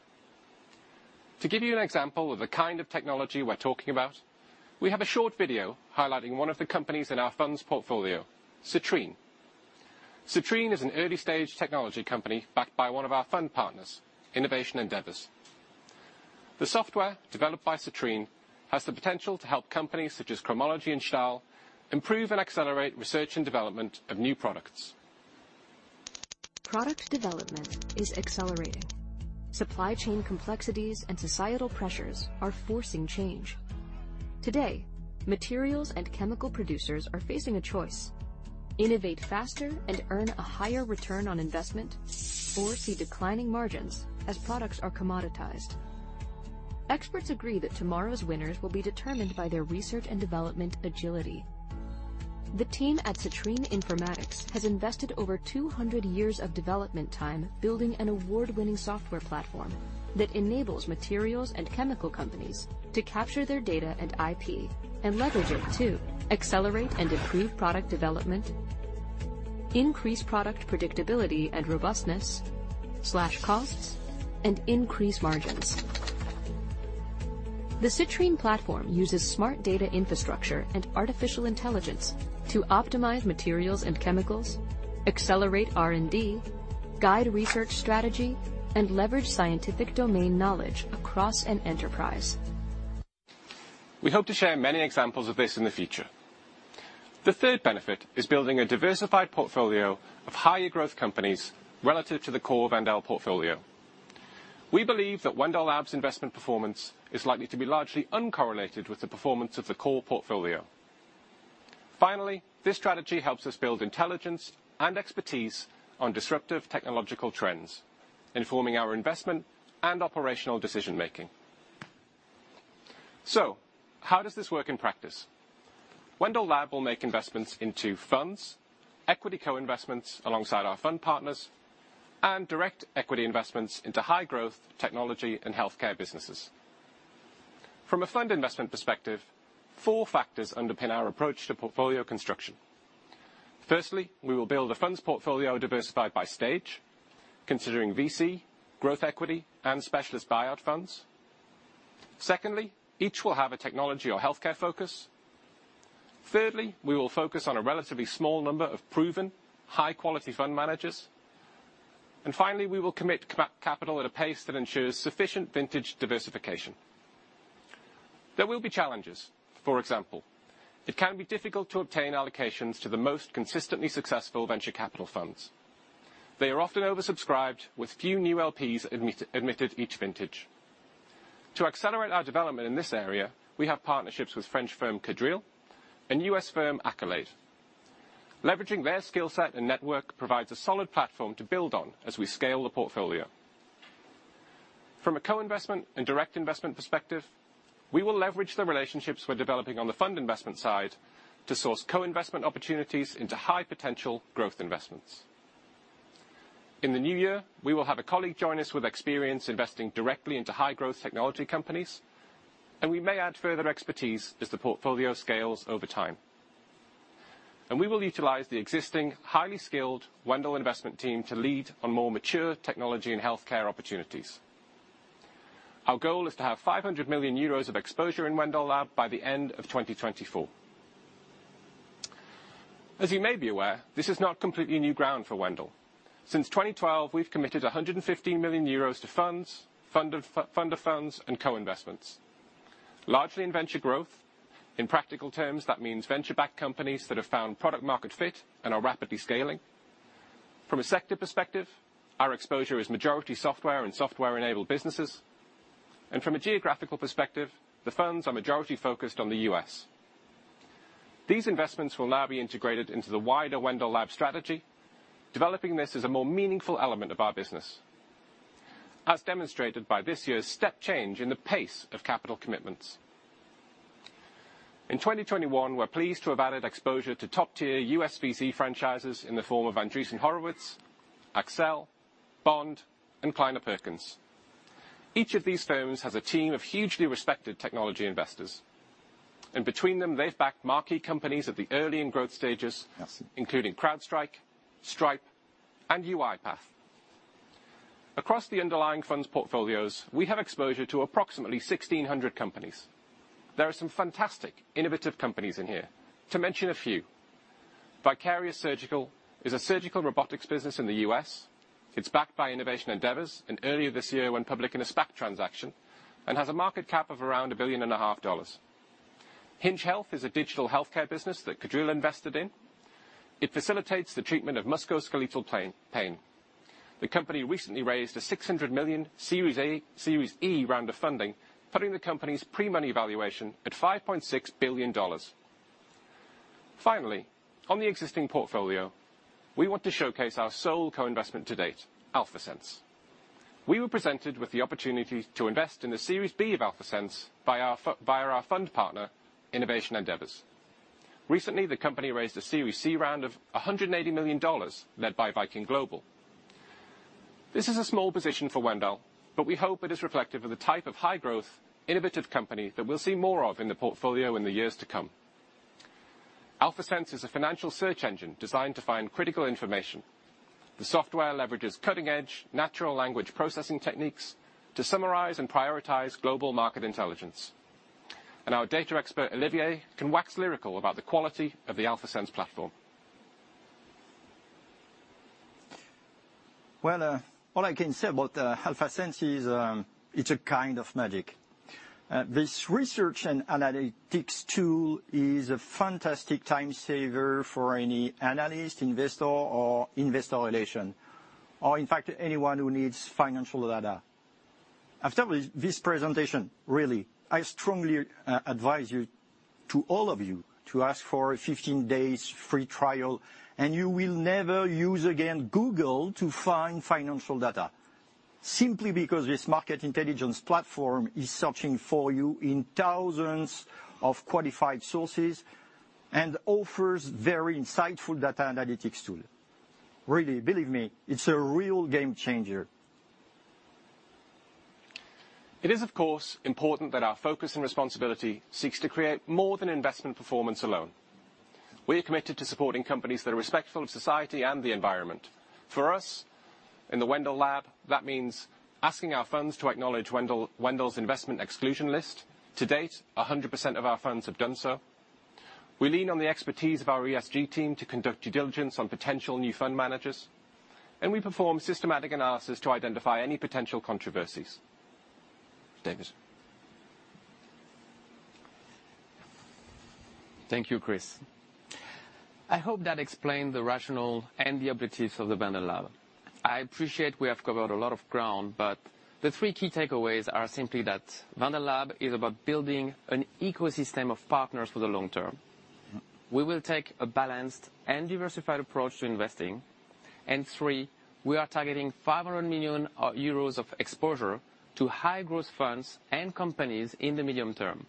To give you an example of the kind of technology we're talking about, we have a short video highlighting one of the companies in our funds portfolio, Citrine. Citrine is an early-stage technology company backed by one of our fund partners, Innovation Endeavors. The software developed by Citrine has the potential to help companies such as Cromology and Shell improve and accelerate research and development of new products. Product development is accelerating. Supply chain complexities and societal pressures are forcing change. Today, materials and chemical producers are facing a choice. Innovate faster and earn a higher return on investment, or see declining margins as products are commoditized. Experts agree that tomorrow's winners will be determined by their research and development agility. The team at Citrine Informatics has invested over 200 years of development time building an award-winning software platform that enables materials and chemical companies to capture their data and IP and leverage it to accelerate and improve product development, increase product predictability and robustness, slash costs, and increase margins. The Citrine platform uses smart data infrastructure and artificial intelligence to optimize materials and chemicals, accelerate R&D, guide research strategy, and leverage scientific domain knowledge across an enterprise. We hope to share many examples of this in the future. The third benefit is building a diversified portfolio of higher growth companies relative to the core Wendel portfolio. We believe that Wendel Lab's investment performance is likely to be largely uncorrelated with the performance of the core portfolio. Finally, this strategy helps us build intelligence and expertise on disruptive technological trends, informing our investment and operational decision-making. How does this work in practice? Wendel Lab will make investments into funds, equity co-investments alongside our fund partners, and direct equity investments into high-growth technology and healthcare businesses. From a fund investment perspective, four factors underpin our approach to portfolio construction. Firstly, we will build a funds portfolio diversified by stage, considering VC, growth equity, and specialist buyout funds. Secondly, each will have a technology or healthcare focus. Thirdly, we will focus on a relatively small number of proven high-quality fund managers. Finally, we will commit capital at a pace that ensures sufficient vintage diversification. There will be challenges. For example, it can be difficult to obtain allocations to the most consistently successful venture capital funds. They are often oversubscribed with few new LPs admitted each vintage. To accelerate our development in this area, we have partnerships with French firm Quadrille Capital and U.S. firm Accolade Partners. Leveraging their skill set and network provides a solid platform to build on as we scale the portfolio. From a co-investment and direct investment perspective, we will leverage the relationships we're developing on the fund investment side to source co-investment opportunities into high-potential growth investments. In the new year, we will have a colleague join us with experience investing directly into high-growth technology companies, and we may add further expertise as the portfolio scales over time. We will utilize the existing highly skilled Wendel investment team to lead on more mature technology and healthcare opportunities. Our goal is to have 500 million euros of exposure in Wendel Lab by the end of 2024. As you may be aware, this is not completely new ground for Wendel. Since 2012 we've committed 115 million euros to funds, fund-of-funds, and co-investments. Largely in venture growth. In practical terms, that means venture-backed companies that have found product-market fit and are rapidly scaling. From a sector perspective, our exposure is majority software and software-enabled businesses. From a geographical perspective, the firms are majority focused on the U.S. These investments will now be integrated into the wider Wendel Lab strategy, developing this as a more meaningful element of our business, as demonstrated by this year's step change in the pace of capital commitments. In 2021, we're pleased to have added exposure to top-tier U.S. VC franchises in the form of Andreessen Horowitz, Accel, Bond, and Kleiner Perkins. Each of these firms has a team of hugely respected technology investors, and between them, they've backed marquee companies at the early and growth stages, including CrowdStrike, Stripe, and UiPath. Across the underlying funds portfolios, we have exposure to approximately 1,600 companies. There are some fantastic innovative companies in here. To mention a few, Vicarious Surgical is a surgical robotics business in the U.S. It's backed by Innovation Endeavors and earlier this year went public in a SPAC transaction and has a market cap of around $1.5 billion. Hinge Health is a digital healthcare business that Kaju invested in. It facilitates the treatment of musculoskeletal pain. The company recently raised a $600 million series E round of funding, putting the company's pre-money valuation at $5.6 billion. Finally, on the existing portfolio, we want to showcase our sole co-investment to date, AlphaSense. We were presented with the opportunity to invest in the series B of AlphaSense via our fund partner, Innovation Endeavors. Recently, the company raised a series C round of $180 million led by Viking Global. This is a small position for Wendel, but we hope it is reflective of the type of high-growth, innovative company that we'll see more of in the portfolio in the years to come. AlphaSense is a financial search engine designed to find critical information. The software leverages cutting-edge natural language processing techniques to summarize and prioritize global market intelligence. Our data expert, Olivier, can wax lyrical about the quality of the AlphaSense platform. Well, all I can say about AlphaSense is it's a kind of magic. This research and analytics tool is a fantastic time saver for any analyst, investor, or investor relation, or in fact, anyone who needs financial data. After this presentation, really, I strongly advise all of you to ask for a 15 days free trial, and you will never use again Google to find financial data. Simply because this market intelligence platform is searching for you in thousands of qualified sources and offers very insightful data analytics tool. Really, believe me, it's a real game changer. It is, of course, important that our focus and responsibility seeks to create more than investment performance alone. We are committed to supporting companies that are respectful of society and the environment. For us, in the Wendel Lab, that means asking our firms to acknowledge Wendel's investment exclusion list. To date, 100% of our firms have done so. We lean on the expertise of our ESG team to conduct due diligence on potential new fund managers, and we perform systematic analysis to identify any potential controversies. David? Thank you, Chris. I hope that explained the rationale and the objectives of the Wendel Lab. I appreciate we have covered a lot of ground, but the three key takeaways are simply that Wendel Lab is about building an ecosystem of partners for the long term. We will take a balanced and diversified approach to investing. Three, we are targeting 500 million euros of exposure to high-growth funds and companies in the medium term.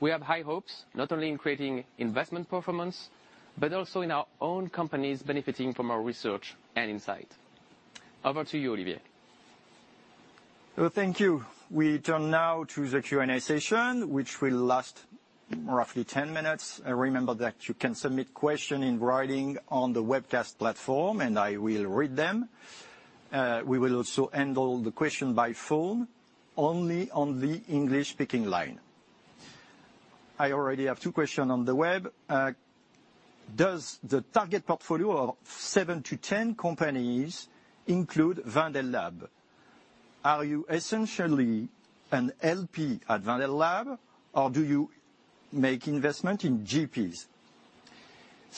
We have high hopes, not only in creating investment performance, but also in our own companies benefiting from our research and insight. Over to you, Olivier. Well, thank you. We turn now to the Q&A session, which will last roughly 10 minutes. Remember that you can submit questions in writing on the webcast platform, and I will read them. We will also handle the questions by phone only on the English-speaking line. I already have two questions on the web. Does the target portfolio of seven to 10 companies include Wendel Lab? Are you essentially an LP at Wendel Lab, or do you make investments in GPs?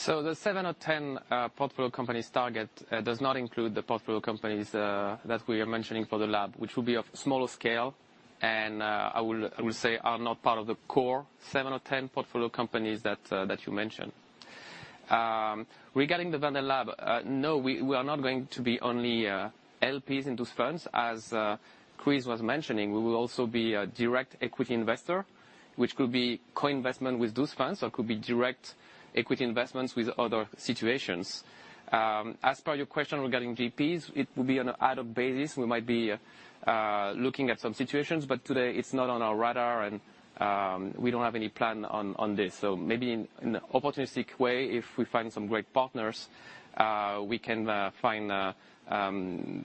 The seven or 10 portfolio companies target does not include the portfolio companies that we are mentioning for the lab, which will be of smaller scale, and I will say are not part of the core seven or 10 portfolio companies that you mentioned. Regarding the Wendel Lab, no, we are not going to be only LPs in those funds. As Chris was mentioning, we will also be a direct equity investor, which could be co-investment with those funds, or could be direct equity investments with other situations. As per your question regarding GPs, it will be on an ad hoc basis. We might be looking at some situations, but today it's not on our radar, and we don't have any plan on this. Maybe in an opportunistic way, if we find some great partners, we can find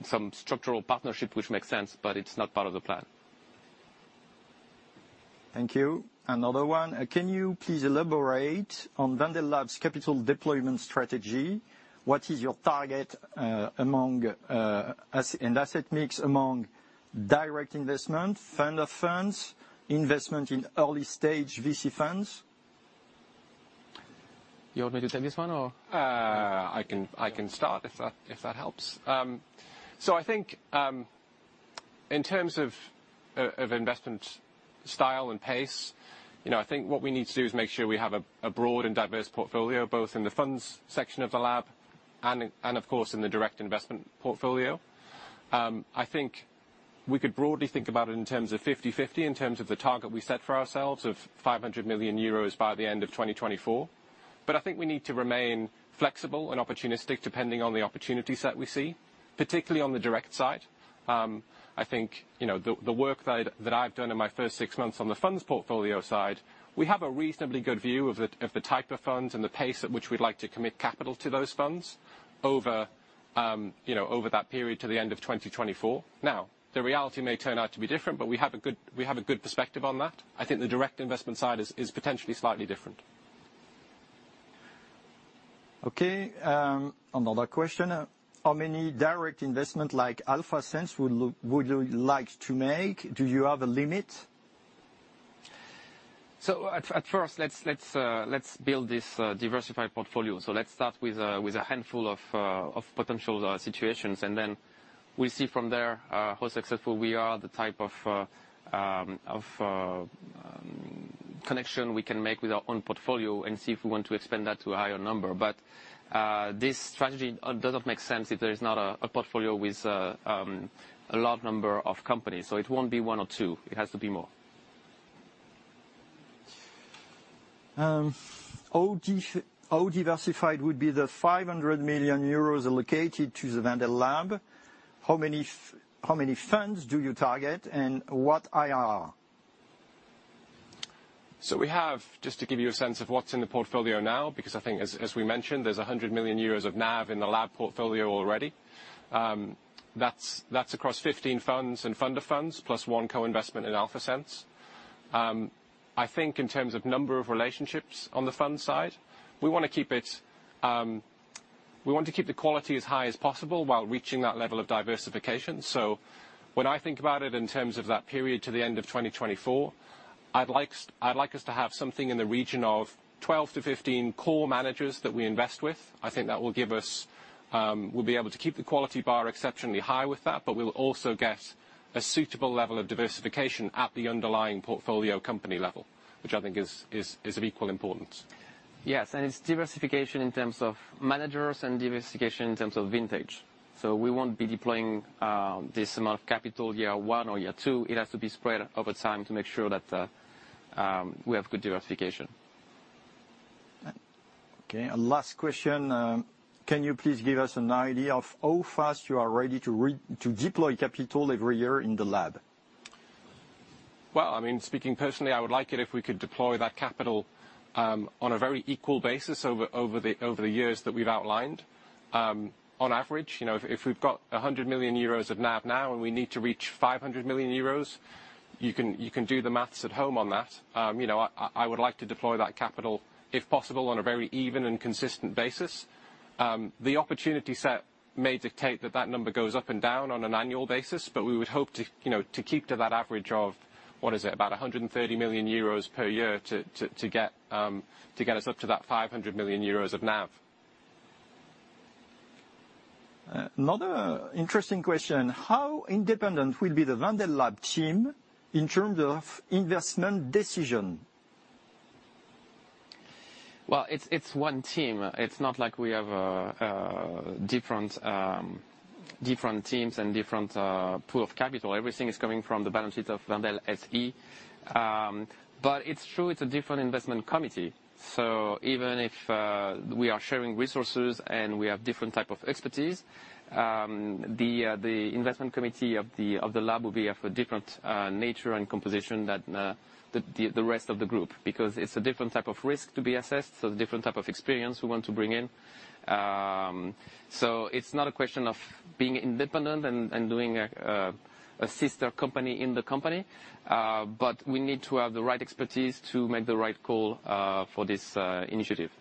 some structural partnership which makes sense, but it's not part of the plan. Thank you. Another one. Can you please elaborate on Wendel Lab's capital deployment strategy? What is your target among as an asset mix among direct investment, fund of funds, investment in early stage VC funds? You want me to take this one or? I can start if that helps. I think in terms of investment style and pace, you know, I think what we need to do is make sure we have a broad and diverse portfolio, both in the funds section of the lab and of course in the direct investment portfolio. I think we could broadly think about it in terms of 50/50, in terms of the target we set for ourselves of 500 million euros by the end of 2024. I think we need to remain flexible and opportunistic depending on the opportunity set we see, particularly on the direct side. I think, you know, the work that I've done in my first six months on the funds portfolio side, we have a reasonably good view of the type of funds and the pace at which we'd like to commit capital to those funds over, you know, over that period to the end of 2024. Now, the reality may turn out to be different, but we have a good perspective on that. I think the direct investment side is potentially slightly different. Okay, another question. How many direct investment like AlphaSense would you like to make? Do you have a limit? At first, let's build this diversified portfolio. Let's start with a handful of potential situations, and then we'll see from there how successful we are, the type of connection we can make with our own portfolio and see if we want to expand that to a higher number. This strategy doesn't make sense if there is not a portfolio with a large number of companies. It won't be one or two. It has to be more. How diversified would be the 500 million euros allocated to the Wendel Lab? How many funds do you target, and what IRR? We have, just to give you a sense of what's in the portfolio now, because I think as we mentioned, there's 100 million euros of NAV in the lab portfolio already. That's across 15 funds and fund of funds, plus one co-investment in AlphaSense. I think in terms of number of relationships on the fund side, we want to keep the quality as high as possible while reaching that level of diversification. When I think about it in terms of that period to the end of 2024, I'd like us to have something in the region of 12-15 core managers that we invest with. I think that will give us we'll be able to keep the quality bar exceptionally high with that, but we'll also get a suitable level of diversification at the underlying portfolio company level, which I think is of equal importance. Yes, it's diversification in terms of managers and diversification in terms of vintage. We won't be deploying this amount of capital year one or year two. It has to be spread over time to make sure that we have good diversification. Okay, last question. Can you please give us an idea of how fast you are ready to deploy capital every year in the lab? Well, I mean, speaking personally, I would like it if we could deploy that capital on a very equal basis over the years that we've outlined. On average, you know, if we've got 100 million euros of NAV now and we need to reach 500 million euros, you can do the math at home on that. You know, I would like to deploy that capital if possible on a very even and consistent basis. The opportunity set may dictate that that number goes up and down on an annual basis, but we would hope to keep to that average of, what is it, about 130 million euros per year to get us up to that 500 million euros of NAV. Another interesting question. How independent will be the Wendel Lab team in terms of investment decision? Well, it's one team. It's not like we have different teams and different pool of capital. Everything is coming from the balance sheet of Wendel SE. It's true, it's a different investment committee. Even if we are sharing resources and we have different type of expertise, the investment committee of the Lab will be of a different nature and composition than the rest of the group because it's a different type of risk to be assessed, so different type of experience we want to bring in. It's not a question of being independent and doing a sister company in the company, but we need to have the right expertise to make the right call for this initiative.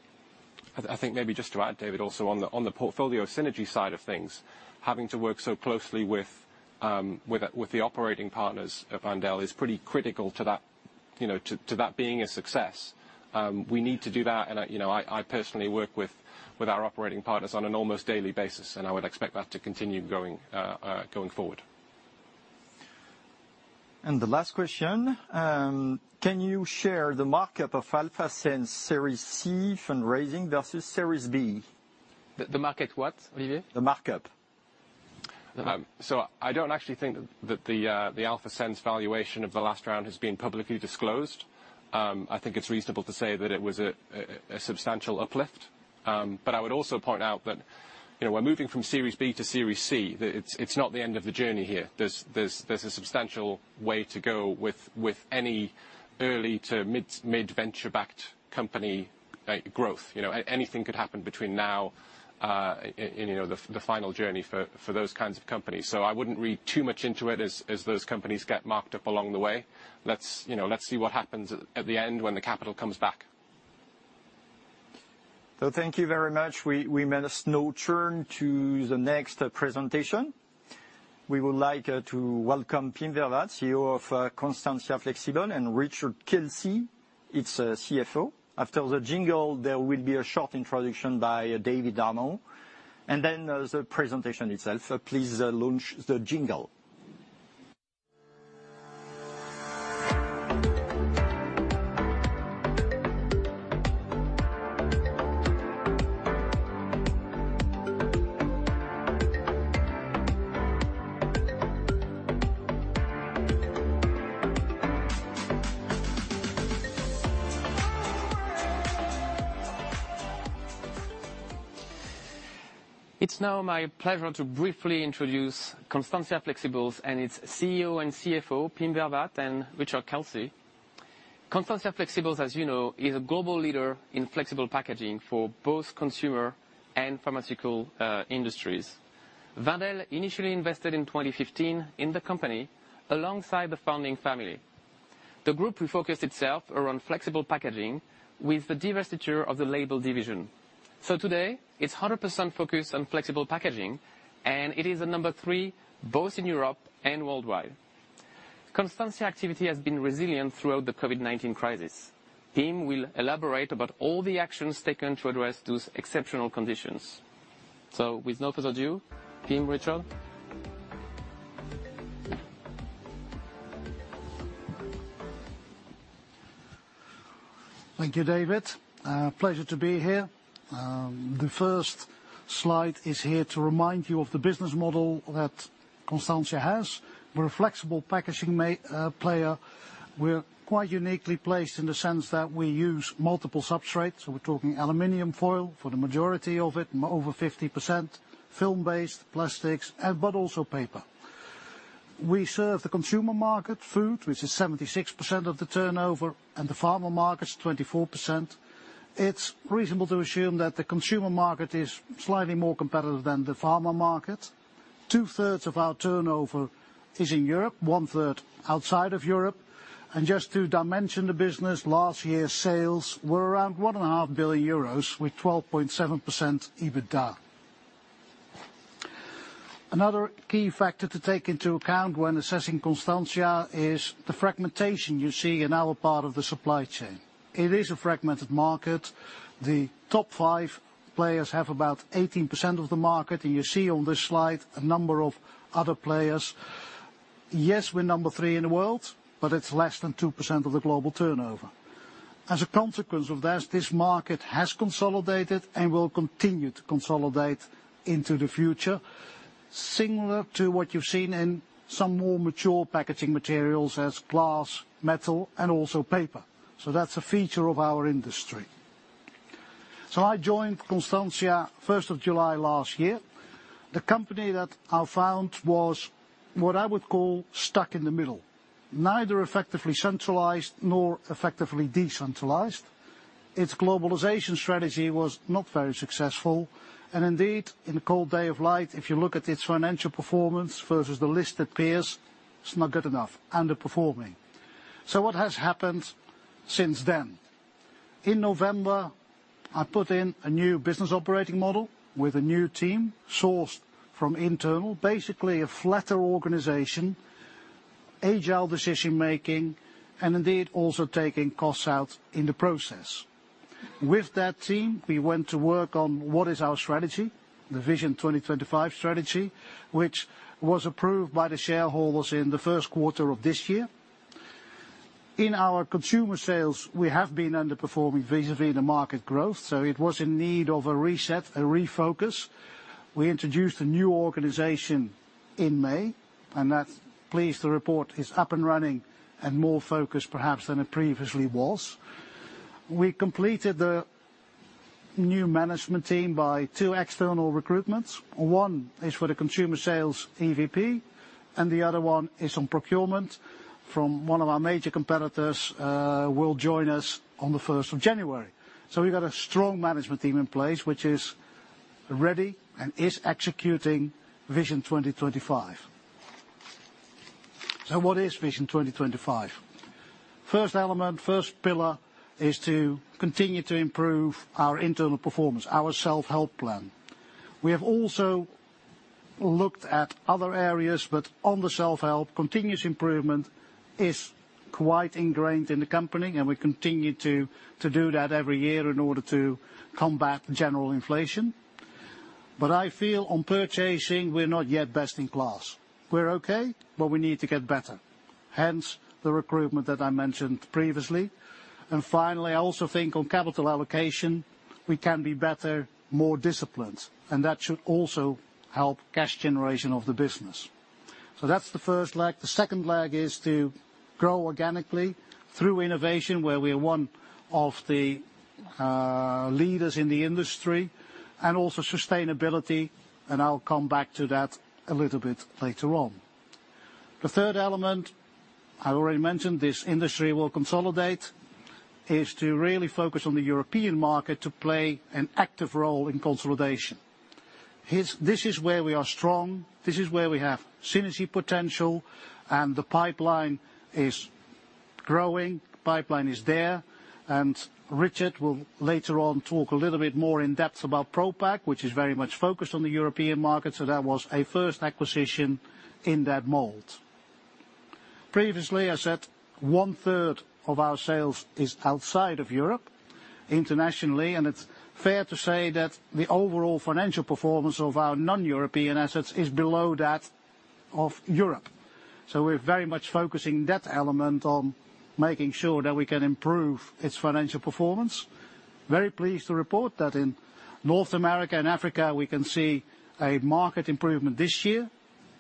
I think maybe just to add, David, also on the portfolio synergy side of things, having to work so closely with the operating partners of Wendel is pretty critical to that, you know, to that being a success. We need to do that, and you know, I personally work with our operating partners on an almost daily basis, and I would expect that to continue going forward. The last question, can you share the markup of AlphaSense Series C fundraising versus Series B? The market what, Olivier? The markup. I don't actually think that the AlphaSense valuation of the last round has been publicly disclosed. I think it's reasonable to say that it was a substantial uplift. I would also point out that, you know, we're moving from Series B to Series C. It's not the end of the journey here. There's a substantial way to go with any early to mid venture-backed company growth. You know, anything could happen between now and the final journey for those kinds of companies. I wouldn't read too much into it as those companies get marked up along the way. Let's see what happens at the end when the capital comes back. Thank you very much. We now turn to the next presentation. We would like to welcome Pim Vervaat, CEO of Constantia Flexibles, and Richard Kelsey, its CFO. After the jingle, there will be a short introduction by David Darmon, and then there's the presentation itself. Please launch the jingle. It's now my pleasure to briefly introduce Constantia Flexibles and its CEO and CFO, Pim Vervaat and Richard Kelsey. Constantia Flexibles, as you know, is a global leader in flexible packaging for both consumer and pharmaceutical industries. Wendel initially invested in 2015 in the company alongside the founding family. The group refocused itself around flexible packaging with the divestiture of the label division. Today it's 100% focused on flexible packaging, and it is number three, both in Europe and worldwide. Constantia's activity has been resilient throughout the COVID-19 crisis. Pim will elaborate about all the actions taken to address those exceptional conditions. With no further ado, Pim, Richard. Thank you, David. Pleasure to be here. The first slide is here to remind you of the business model that Constantia has. We're a flexible packaging player. We're quite uniquely placed in the sense that we use multiple substrates. We're talking aluminum foil for the majority of it, over 50% film-based plastics, but also paper. We serve the consumer market food, which is 76% of the turnover, and the pharma markets, 24%. It's reasonable to assume that the consumer market is slightly more competitive than the pharma market. Two-thirds of our turnover is in Europe, 1/3 outside of Europe. Just to dimension the business, last year's sales were around 1.5 billion euros with 12.7% EBITDA. Another key factor to take into account when assessing Constantia is the fragmentation you see in our part of the supply chain. It is a fragmented market. The top five players have about 18% of the market, and you see on this slide a number of other players. Yes, we're number three in the world, but it's less than 2% of the global turnover. As a consequence of that, this market has consolidated and will continue to consolidate into the future, similar to what you've seen in some more mature packaging materials as glass, metal, and also paper. That's a feature of our industry. I joined Constantia 1st of July last year. The company that I found was what I would call stuck in the middle. Neither effectively centralized nor effectively decentralized. Its globalization strategy was not very successful. Indeed, in the cold light of day, if you look at its financial performance versus the listed peers, it's not good enough, underperforming. What has happened since then? In November, I put in a new business operating model with a new team sourced from internal, basically a flatter organization, agile decision-making, and indeed also taking costs out in the process. With that team, we went to work on what is our strategy, the Vision 2025 strategy, which was approved by the shareholders in the first quarter of this year. In our consumer sales, we have been underperforming vis-à-vis the market growth, so it was in need of a reset, a refocus. We introduced a new organization in May, and I'm pleased to report it's up and running and more focused perhaps than it previously was. We completed the new management team by two external recruitments. One is for the consumer sales EVP, and the other one is on procurement from one of our major competitors, will join us on the 1st of January. We've got a strong management team in place, which is ready and is executing Vision 2025. What is Vision 2025? First element, first pillar is to continue to improve our internal performance, our self-help plan. We have also looked at other areas, but on the self-help, continuous improvement is quite ingrained in the company, and we continue to do that every year in order to combat general inflation. I feel on purchasing, we're not yet best in class. We're okay, but we need to get better. Hence, the recruitment that I mentioned previously. Finally, I also think on capital allocation, we can be better, more disciplined, and that should also help cash generation of the business. That's the first leg. The second leg is to grow organically through innovation, where we are one of the leaders in the industry, and also sustainability, and I'll come back to that a little bit later on. The third element, I already mentioned this industry will consolidate, is to really focus on the European market to play an active role in consolidation. This is where we are strong, this is where we have synergy potential, and the pipeline is growing. Pipeline is there, and Richard will later on talk a little bit more in depth about Propak, which is very much focused on the European market. That was a first acquisition in that mold. Previously, I said 1/3 of our sales is outside of Europe, internationally, and it's fair to say that the overall financial performance of our non-European assets is below that of Europe. We're very much focusing that element on making sure that we can improve its financial performance. Very pleased to report that in North America and Africa, we can see a market improvement this year.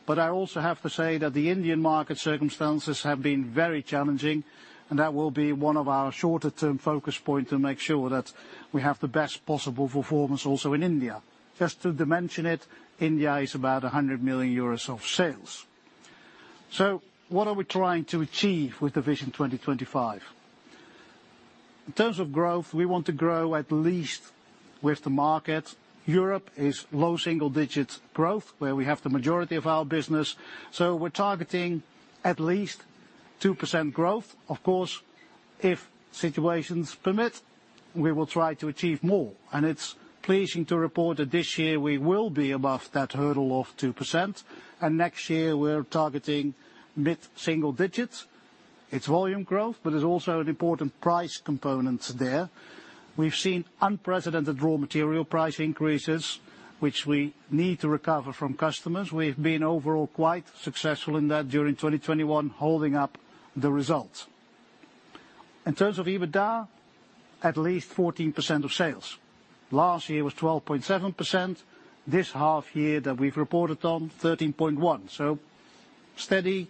I also have to say that the Indian market circumstances have been very challenging, and that will be one of our shorter term focus point to make sure that we have the best possible performance also in India. Just to dimension it, India is about 100 million euros of sales. What are we trying to achieve with the Vision 2025? In terms of growth, we want to grow at least with the market. Europe is low single digit growth, where we have the majority of our business, so we're targeting at least 2% growth. Of course, if situations permit, we will try to achieve more. It's pleasing to report that this year we will be above that hurdle of 2%, and next year we're targeting mid-single digit. It's volume growth, but there's also an important price component there. We've seen unprecedented raw material price increases, which we need to recover from customers. We've been overall quite successful in that during 2021, holding up the results. In terms of EBITDA, at least 14% of sales. Last year was 12.7%. This half year that we've reported on, 13.1. Steady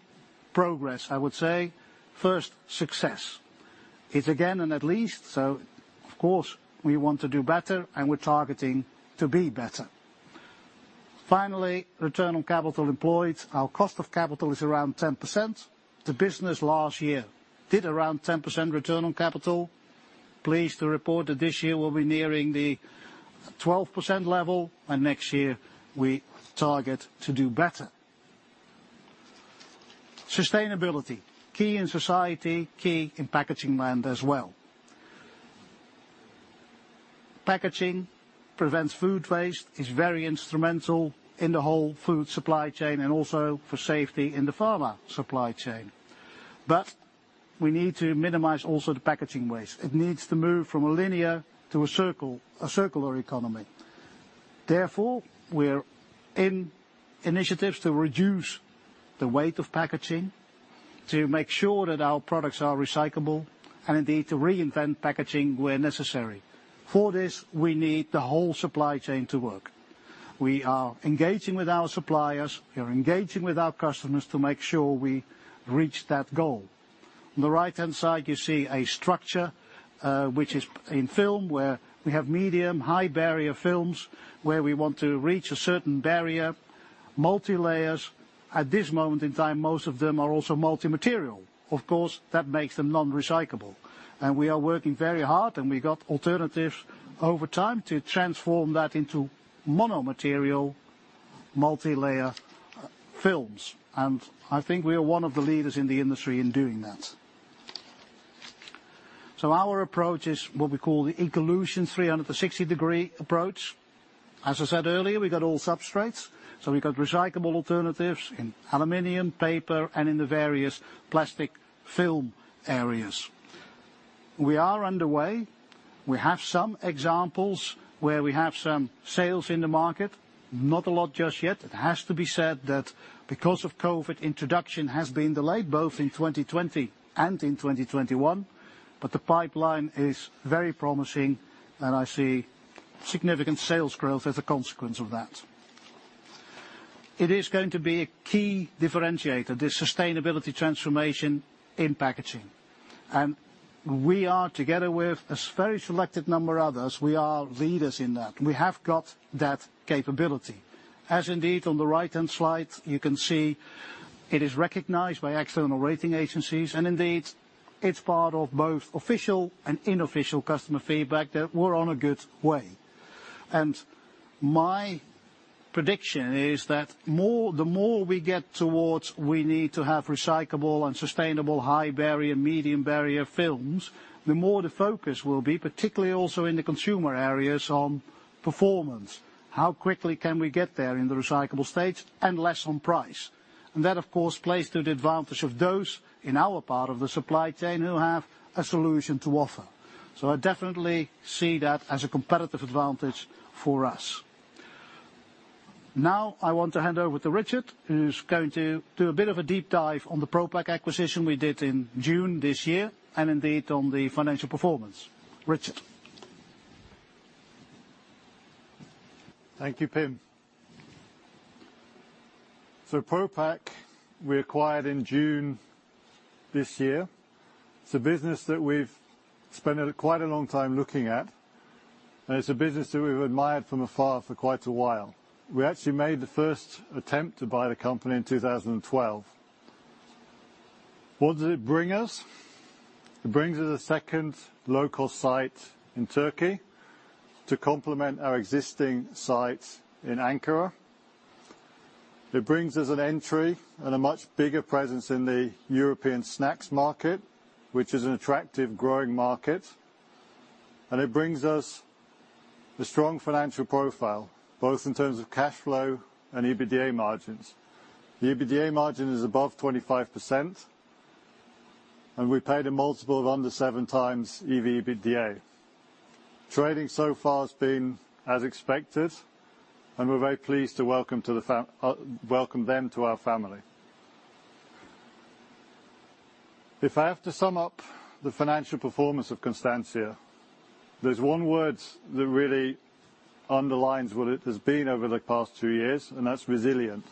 progress, I would say. First success. It's again and at least so of course we want to do better and we're targeting to be better. Finally, return on capital employed. Our cost of capital is around 10%. The business last year did around 10% return on capital. Pleased to report that this year we'll be nearing the 12% level, and next year we target to do better. Sustainability, key in society, key in packaging landscape as well. Packaging prevents food waste, is very instrumental in the whole food supply chain, and also for safety in the pharma supply chain. But we need to minimize also the packaging waste. It needs to move from a linear to a circular, a circular economy. Therefore, we're in initiatives to reduce the weight of packaging to make sure that our products are recyclable and indeed to reinvent packaging where necessary. For this, we need the whole supply chain to work. We are engaging with our suppliers, we are engaging with our customers to make sure we reach that goal. On the right-hand side, you see a structure which is in film where we have medium, high barrier films where we want to reach a certain barrier. Multi-layers. At this moment in time, most of them are also multi-material. Of course, that makes them non-recyclable. We are working very hard, and we got alternatives over time to transform that into mono-material multilayer films. I think we are one of the leaders in the industry in doing that. Our approach is what we call the EcoLution 360-degree approach. As I said earlier, we got all substrates, so we got recyclable alternatives in aluminum, paper, and in the various plastic film areas. We are underway. We have some examples where we have some sales in the market. Not a lot just yet. It has to be said that because of COVID, introduction has been delayed both in 2020 and in 2021, but the pipeline is very promising, and I see significant sales growth as a consequence of that. It is going to be a key differentiator, the sustainability transformation in packaging. We are, together with a very selected number of others, we are leaders in that. We have got that capability. As indeed on the right-hand slide, you can see it is recognized by external rating agencies and indeed it's part of both official and unofficial customer feedback that we're on a good way. My prediction is that the more we get towards the need to have recyclable and sustainable high barrier, medium barrier films, the more the focus will be, particularly also in the Consumer areas on performance. How quickly can we get there in the recyclable stage and less on price? That of course plays to the advantage of those in our part of the supply chain who have a solution to offer. I definitely see that as a competitive advantage for us. Now I want to hand over to Richard, who's going to do a bit of a deep dive on the Propak acquisition we did in June this year and indeed on the financial performance. Richard. Thank you, Pim. Propak we acquired in June this year. It's a business that we've spent quite a long time looking at, and it's a business that we've admired from afar for quite a while. We actually made the first attempt to buy the company in 2012. What does it bring us? It brings us a second local site in Turkey to complement our existing sites in Ankara. It brings us an entry and a much bigger presence in the European snacks market, which is an attractive growing market, and it brings us the strong financial profile, both in terms of cash flow and EBITDA margins. The EBITDA margin is above 25%, and we paid a multiple of under 7x EV/EBITDA. Trading so far has been as expected, and we're very pleased to welcome them to our family. If I have to sum up the financial performance of Constantia, there's one word that really underlines what it has been over the past two years, and that's resilient.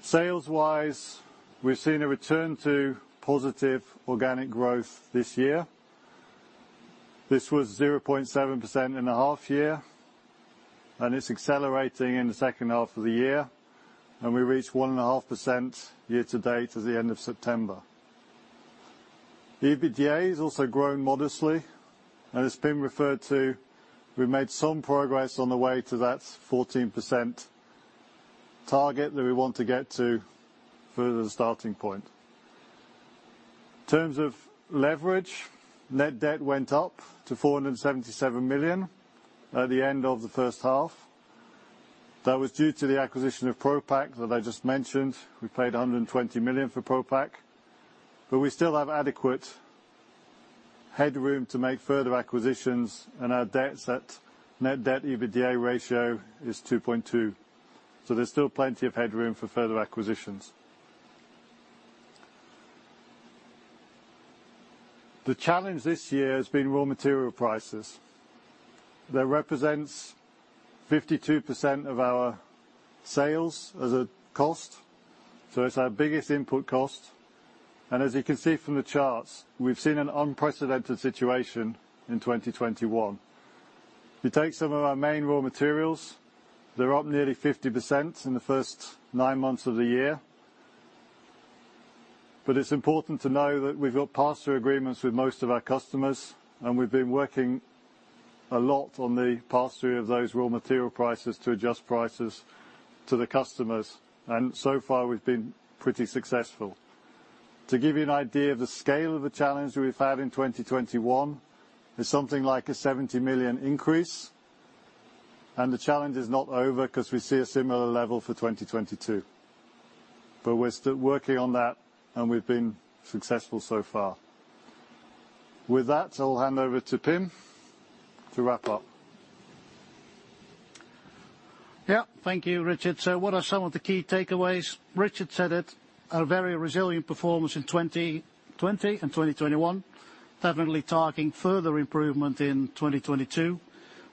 Sales-wise, we've seen a return to positive organic growth this year. This was 0.7% in the half year, and it's accelerating in the second half of the year, and we reached 1.5% year-to-date as the end of September. EBITDA has also grown modestly, and it's been referred to, we've made some progress on the way to that 14% target that we want to get to further the starting point. In terms of leverage, net debt went up to 477 million at the end of the first half. That was due to the acquisition of Propak that I just mentioned. We paid 120 million for Propak, but we still have adequate headroom to make further acquisitions and our net debt/EBITDA ratio is 2.2. There's still plenty of headroom for further acquisitions. The challenge this year has been raw material prices. That represents 52% of our sales as a cost. It's our biggest input cost, and as you can see from the charts, we've seen an unprecedented situation in 2021. If you take some of our main raw materials, they're up nearly 50% in the first nine months of the year. It's important to know that we've got pass-through agreements with most of our customers, and we've been working a lot on the pass-through of those raw material prices to adjust prices to the customers. So far, we've been pretty successful. To give you an idea of the scale of the challenge we've had in 2021, it's something like a 70 million increase. The challenge is not over because we see a similar level for 2022. We're still working on that, and we've been successful so far. With that, I'll hand over to Pim to wrap up. Yeah. Thank you, Richard. What are some of the key takeaways? Richard said it, a very resilient performance in 2020 and 2021. Definitely targeting further improvement in 2022.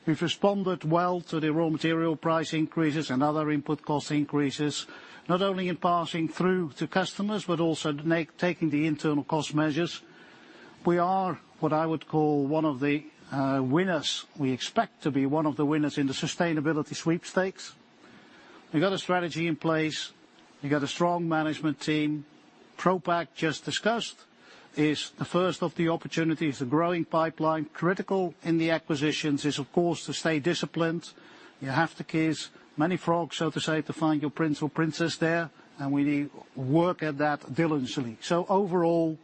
We've responded well to the raw material price increases and other input cost increases, not only in passing through to customers, but also taking the internal cost measures. We are what I would call one of the winners. We expect to be one of the winners in the sustainability sweepstakes. We've got a strategy in place. We got a strong management team. Propak just discussed is the first of the opportunities, the growing pipeline. Critical in the acquisitions is, of course, to stay disciplined. You have to kiss many frogs, so to say, to find your prince or princess there, and we need to work at that diligently. Overall,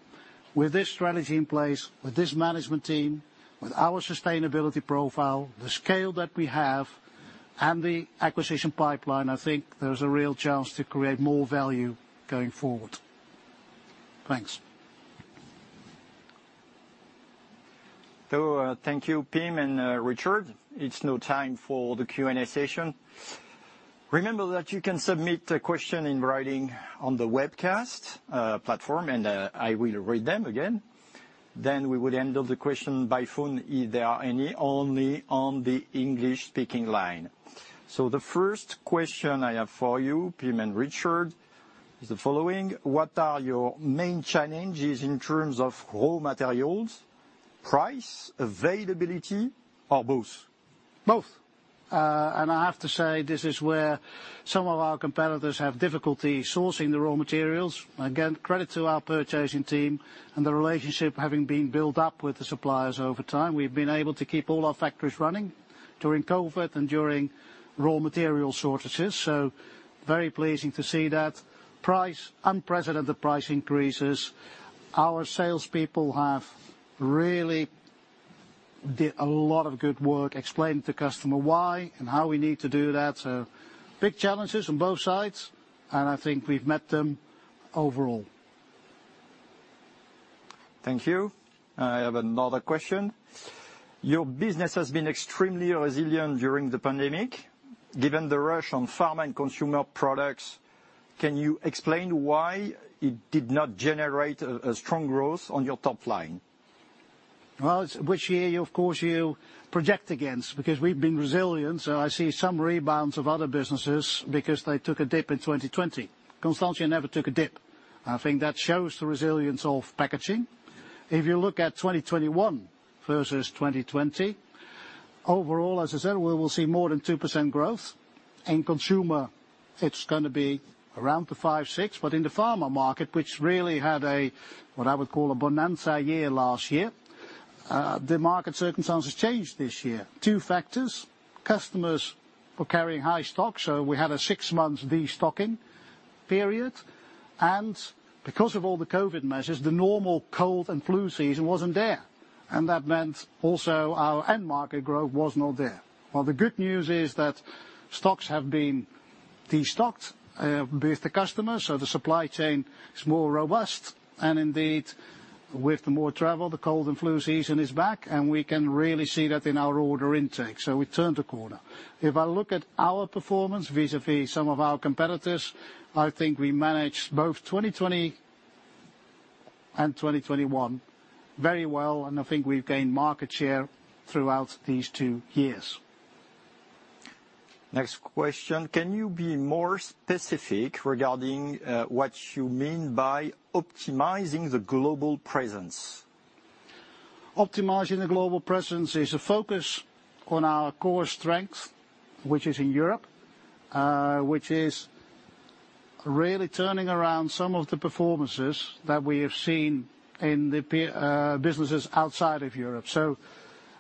with this strategy in place, with this management team, with our sustainability profile, the scale that we have and the acquisition pipeline, I think there's a real chance to create more value going forward. Thanks. Thank you, Pim and Richard. It's now time for the Q&A session. Remember that you can submit a question in writing on the webcast platform, and I will read them again. We would handle the question by phone if there are any, only on the English-speaking line. The first question I have for you, Pim and Richard, is the following. What are your main challenges in terms of raw materials? Price, availability, or both? Both. I have to say this is where some of our competitors have difficulty sourcing the raw materials. Again, credit to our purchasing team and the relationship having been built up with the suppliers over time. We've been able to keep all our factories running during COVID and during raw material shortages. Very pleasing to see that. Price, unprecedented price increases. Our sales people have really did a lot of good work explaining to customer why and how we need to do that. Big challenges on both sides, and I think we've met them overall. Thank you. I have another question. Your business has been extremely resilient during the pandemic. Given the rush on farm and consumer products, can you explain why it did not generate a strong growth on your top line? Well, which year, of course, you project against? Because we've been resilient, so I see some rebounds of other businesses because they took a dip in 2020. Constantia never took a dip. I think that shows the resilience of packaging. If you look at 2021 versus 2020. Overall, as I said, we will see more than 2% growth. In consumer it's gonna be around the 5%-6%, but in the pharma market, which really had a, what I would call a bonanza year last year, the market circumstances changed this year. Two factors, customers were carrying high stock, so we had a six month de-stocking period. Because of all the COVID measures, the normal cold and flu season wasn't there, and that meant also our end market growth was not there. Well, the good news is that stocks have been de-stocked with the customers, so the supply chain is more robust. Indeed, with the more travel, the cold and flu season is back, and we can really see that in our order intake. We turned a corner. If I look at our performance vis-à-vis some of our competitors, I think we managed both 2020 and 2021 very well, and I think we've gained market share throughout these two years. Next question, can you be more specific regarding what you mean by optimizing the global presence? Optimizing the global presence is a focus on our core strength, which is in Europe, which is really turning around some of the performances that we have seen in the businesses outside of Europe.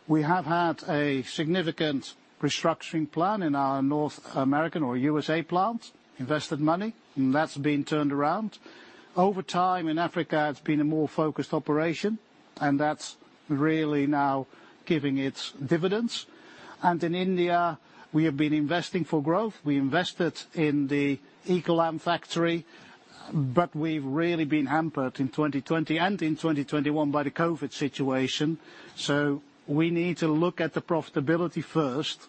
We have had a significant restructuring plan in our North American or U.S. plant, invested money, and that's been turned around. Over time in Africa, it's been a more focused operation, and that's really now giving its dividends. In India, we have been investing for growth. We invested in the EcoLam factory, but we've really been hampered in 2020 and in 2021 by the COVID situation. We need to look at the profitability first,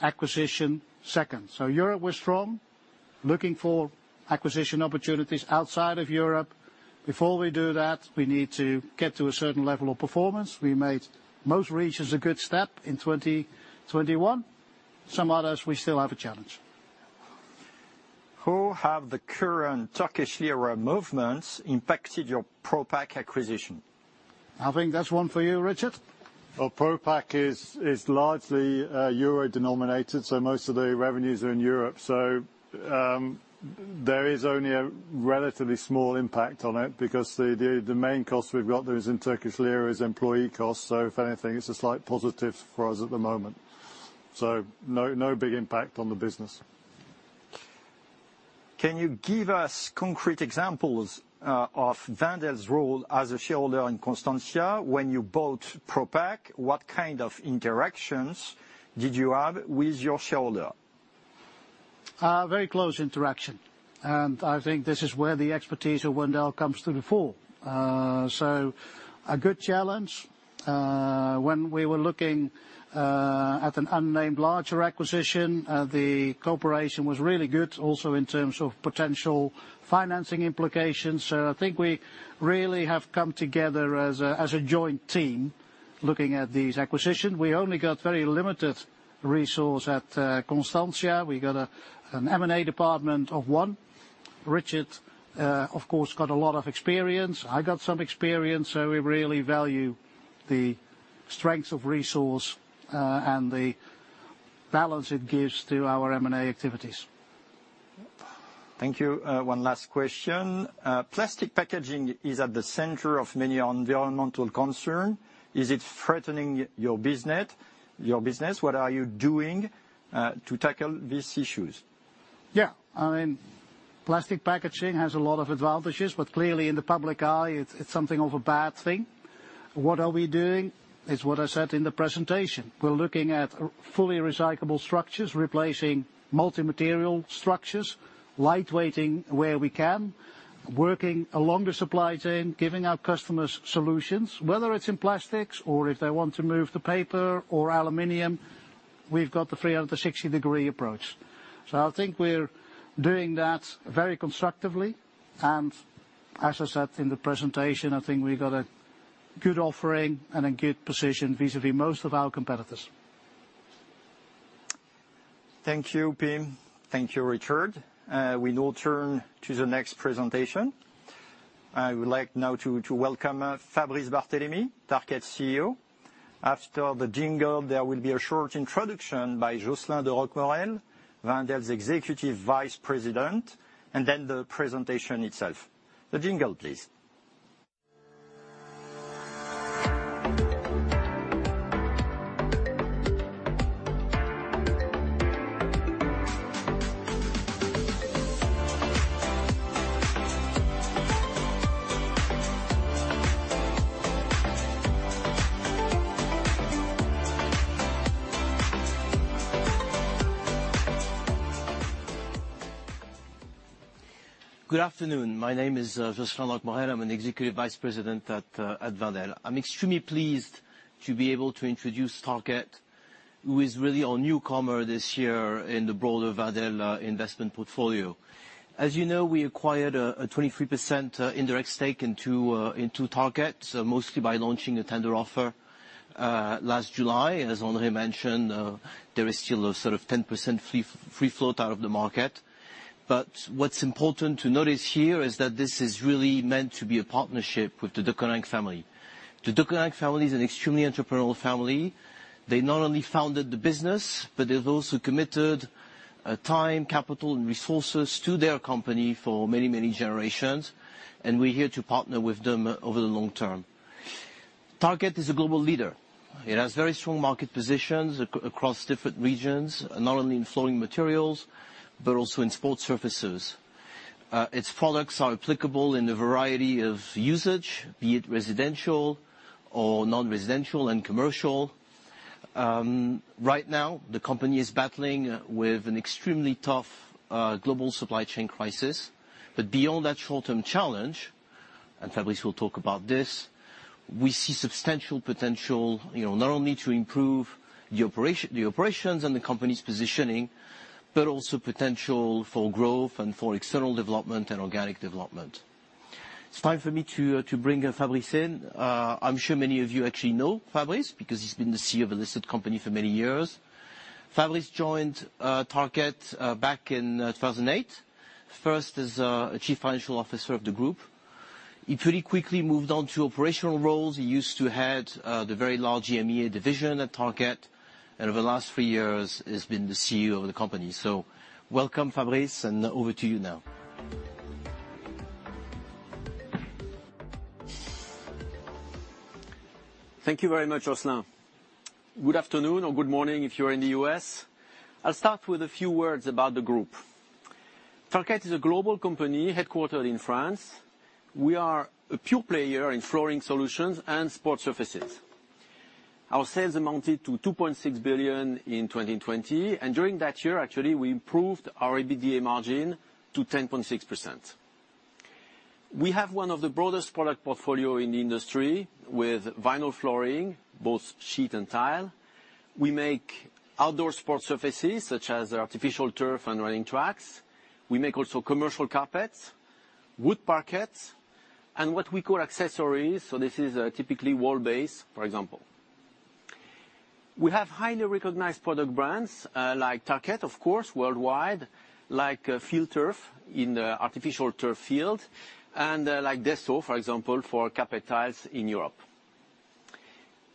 acquisition second. Europe was strong, looking for acquisition opportunities outside of Europe. Before we do that, we need to get to a certain level of performance. We made most regions a good step in 2021. Some others, we still have a challenge. How have the current Turkish lira movements impacted your Propak acquisition? I think that's one for you, Richard. Well, Propak is largely euro-denominated, so most of the revenues are in Europe. There is only a relatively small impact on it because the main cost we've got there is in Turkish lira employee costs. If anything, it's a slight positive for us at the moment. No big impact on the business. Can you give us concrete examples of Wendel's role as a shareholder in Constantia when you bought Propak? What kind of interactions did you have with your shareholder? Very close interaction, and I think this is where the expertise of Wendel comes to the fore. A good challenge. When we were looking at an unnamed larger acquisition, the cooperation was really good also in terms of potential financing implications. I think we really have come together as a joint team looking at these acquisitions. We only got very limited resource at Constantia. We got an M&A department of one. Richard, of course, got a lot of experience. I got some experience. We really value the strength of resource and the balance it gives to our M&A activities. Thank you. One last question. Plastic packaging is at the center of many environmental concerns. Is it threatening your business? What are you doing to tackle these issues? Yeah. I mean, plastic packaging has a lot of advantages, but clearly in the public eye it's something of a bad thing. What are we doing? It's what I said in the presentation. We're looking at fully recyclable structures, replacing multi-material structures, light weighting where we can, working along the supply chain, giving our customers solutions. Whether it's in plastics or if they want to move to paper or aluminum, we've got the 360-degree approach. I think we're doing that very constructively, and as I said in the presentation, I think we've got a good offering and a good position vis-à-vis most of our competitors. Thank you, Pim. Thank you, Richard. We now turn to the next presentation. I would like now to welcome Fabrice Barthélemy, Tarkett CEO. After the jingle, there will be a short introduction by Josselin de Roquemaurel, Wendel's Executive Vice President, and then the presentation itself. The jingle, please. Good afternoon. My name is Josselin de Roquemaurel. I'm an Executive Vice President at Wendel. I'm extremely pleased to be able to introduce Tarkett, who is really our newcomer this year in the broader Wendel investment portfolio. As you know, we acquired a 23% indirect stake in two targets, mostly by launching a tender offer last July. As Henri mentioned, there is still a sort of 10% free float out of the market. What's important to notice here is that this is really meant to be a partnership with the Deconinck family. The Deconinck family is an extremely entrepreneurial family. They not only founded the business, but they've also committed time, capital and resources to their company for many, many generations, and we're here to partner with them over the long term. Tarkett is a global leader. It has very strong market positions across different regions, not only in flooring materials, but also in sports surfaces. Its products are applicable in a variety of usage, be it residential or non-residential and commercial. Right now the company is battling with an extremely tough global supply chain crisis. Beyond that short-term challenge, and Fabrice will talk about this, we see substantial potential, you know, not only to improve the operations and the company's positioning, but also potential for growth and for external development and organic development. It's time for me to bring Fabrice in. I'm sure many of you actually know Fabrice because he's been the CEO of a listed company for many years. Fabrice joined Tarkett back in 2008. First as a chief financial officer of the group. He pretty quickly moved on to operational roles. He used to head the very large EMEA division at Tarkett, and over the last three years he's been the CEO of the company. Welcome, Fabrice, and over to you now. Thank you very much, Josselin. Good afternoon or good morning if you're in the U.S. I'll start with a few words about the group. Tarkett is a global company headquartered in France. We are a pure player in flooring solutions and sports surfaces. Our sales amounted to 2.6 billion in 2020, and during that year, actually, we improved our EBITDA margin to 10.6%. We have one of the broadest product portfolio in the industry with vinyl flooring, both sheet and tile. We make outdoor sports surfaces such as artificial turf and running tracks. We make also commercial carpets, wood parquets, and what we call accessories, so this is typically wall base, for example. We have highly recognized product brands, like Tarkett, of course, worldwide, like, FieldTurf in the artificial turf field, and, like Desso, for example, for carpet tiles in Europe.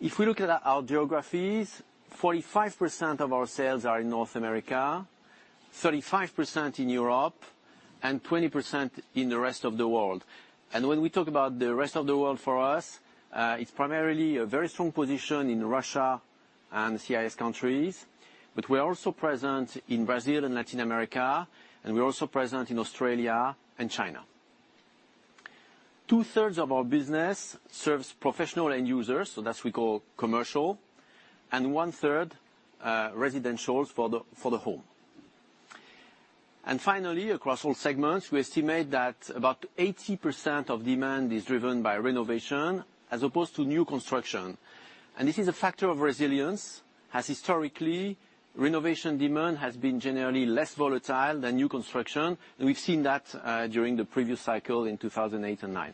If we look at our geographies, 45% of our sales are in North America, 35% in Europe, and 20% in the rest of the world. When we talk about the rest of the world for us, it's primarily a very strong position in Russia and CIS countries, but we're also present in Brazil and Latin America, and we're also present in Australia and China. Two-thirds of our business serves professional end users, so that we call commercial, and 1/3 residentials for the home. Finally, across all segments, we estimate that about 80% of demand is driven by renovation as opposed to new construction. This is a factor of resilience, as historically, renovation demand has been generally less volatile than new construction, and we've seen that during the previous cycle in 2008 and 2009.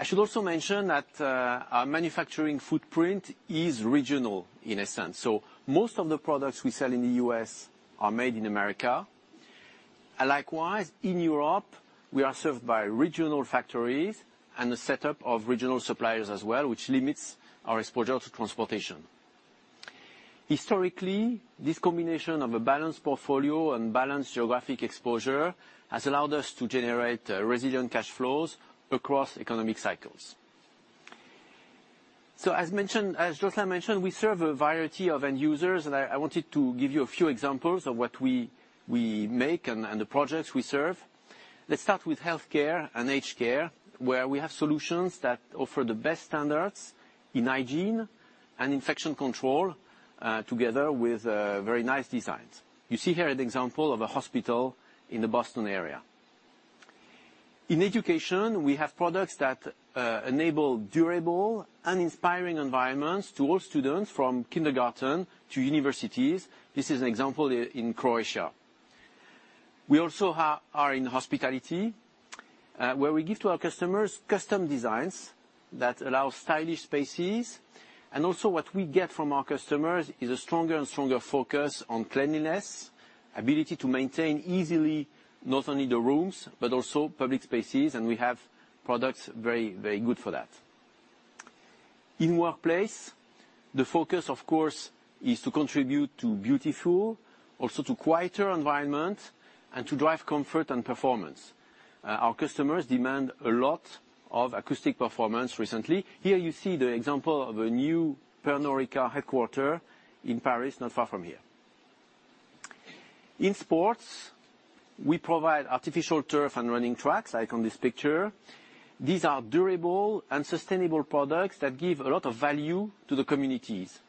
I should also mention that our manufacturing footprint is regional, in a sense. Most of the products we sell in the U.S. are made in America. Likewise, in Europe, we are served by regional factories and a setup of regional suppliers as well, which limits our exposure to transportation. Historically, this combination of a balanced portfolio and balanced geographic exposure has allowed us to generate resilient cash flows across economic cycles. As mentioned, as Josselin mentioned, we serve a variety of end users. I wanted to give you a few examples of what we make and the projects we serve. Let's start with healthcare and aged care, where we have solutions that offer the best standards in hygiene and infection control together with very nice designs. You see here an example of a hospital in the Boston area. In education, we have products that enable durable and inspiring environments to all students from kindergarten to universities. This is an example in Croatia. We also are in hospitality, where we give to our customers custom designs that allow stylish spaces. What we get from our customers is a stronger and stronger focus on cleanliness, ability to maintain easily not only the rooms, but also public spaces, and we have products very, very good for that. In workplace, the focus, of course, is to contribute to beautiful, also to quieter environment, and to drive comfort and performance. Our customers demand a lot of acoustic performance recently. Here you see the example of a new Pernod Ricard headquarters in Paris, not far from here. In sports, we provide artificial turf and running tracks, like on this picture. These are durable and sustainable products that give a lot of value to the communities.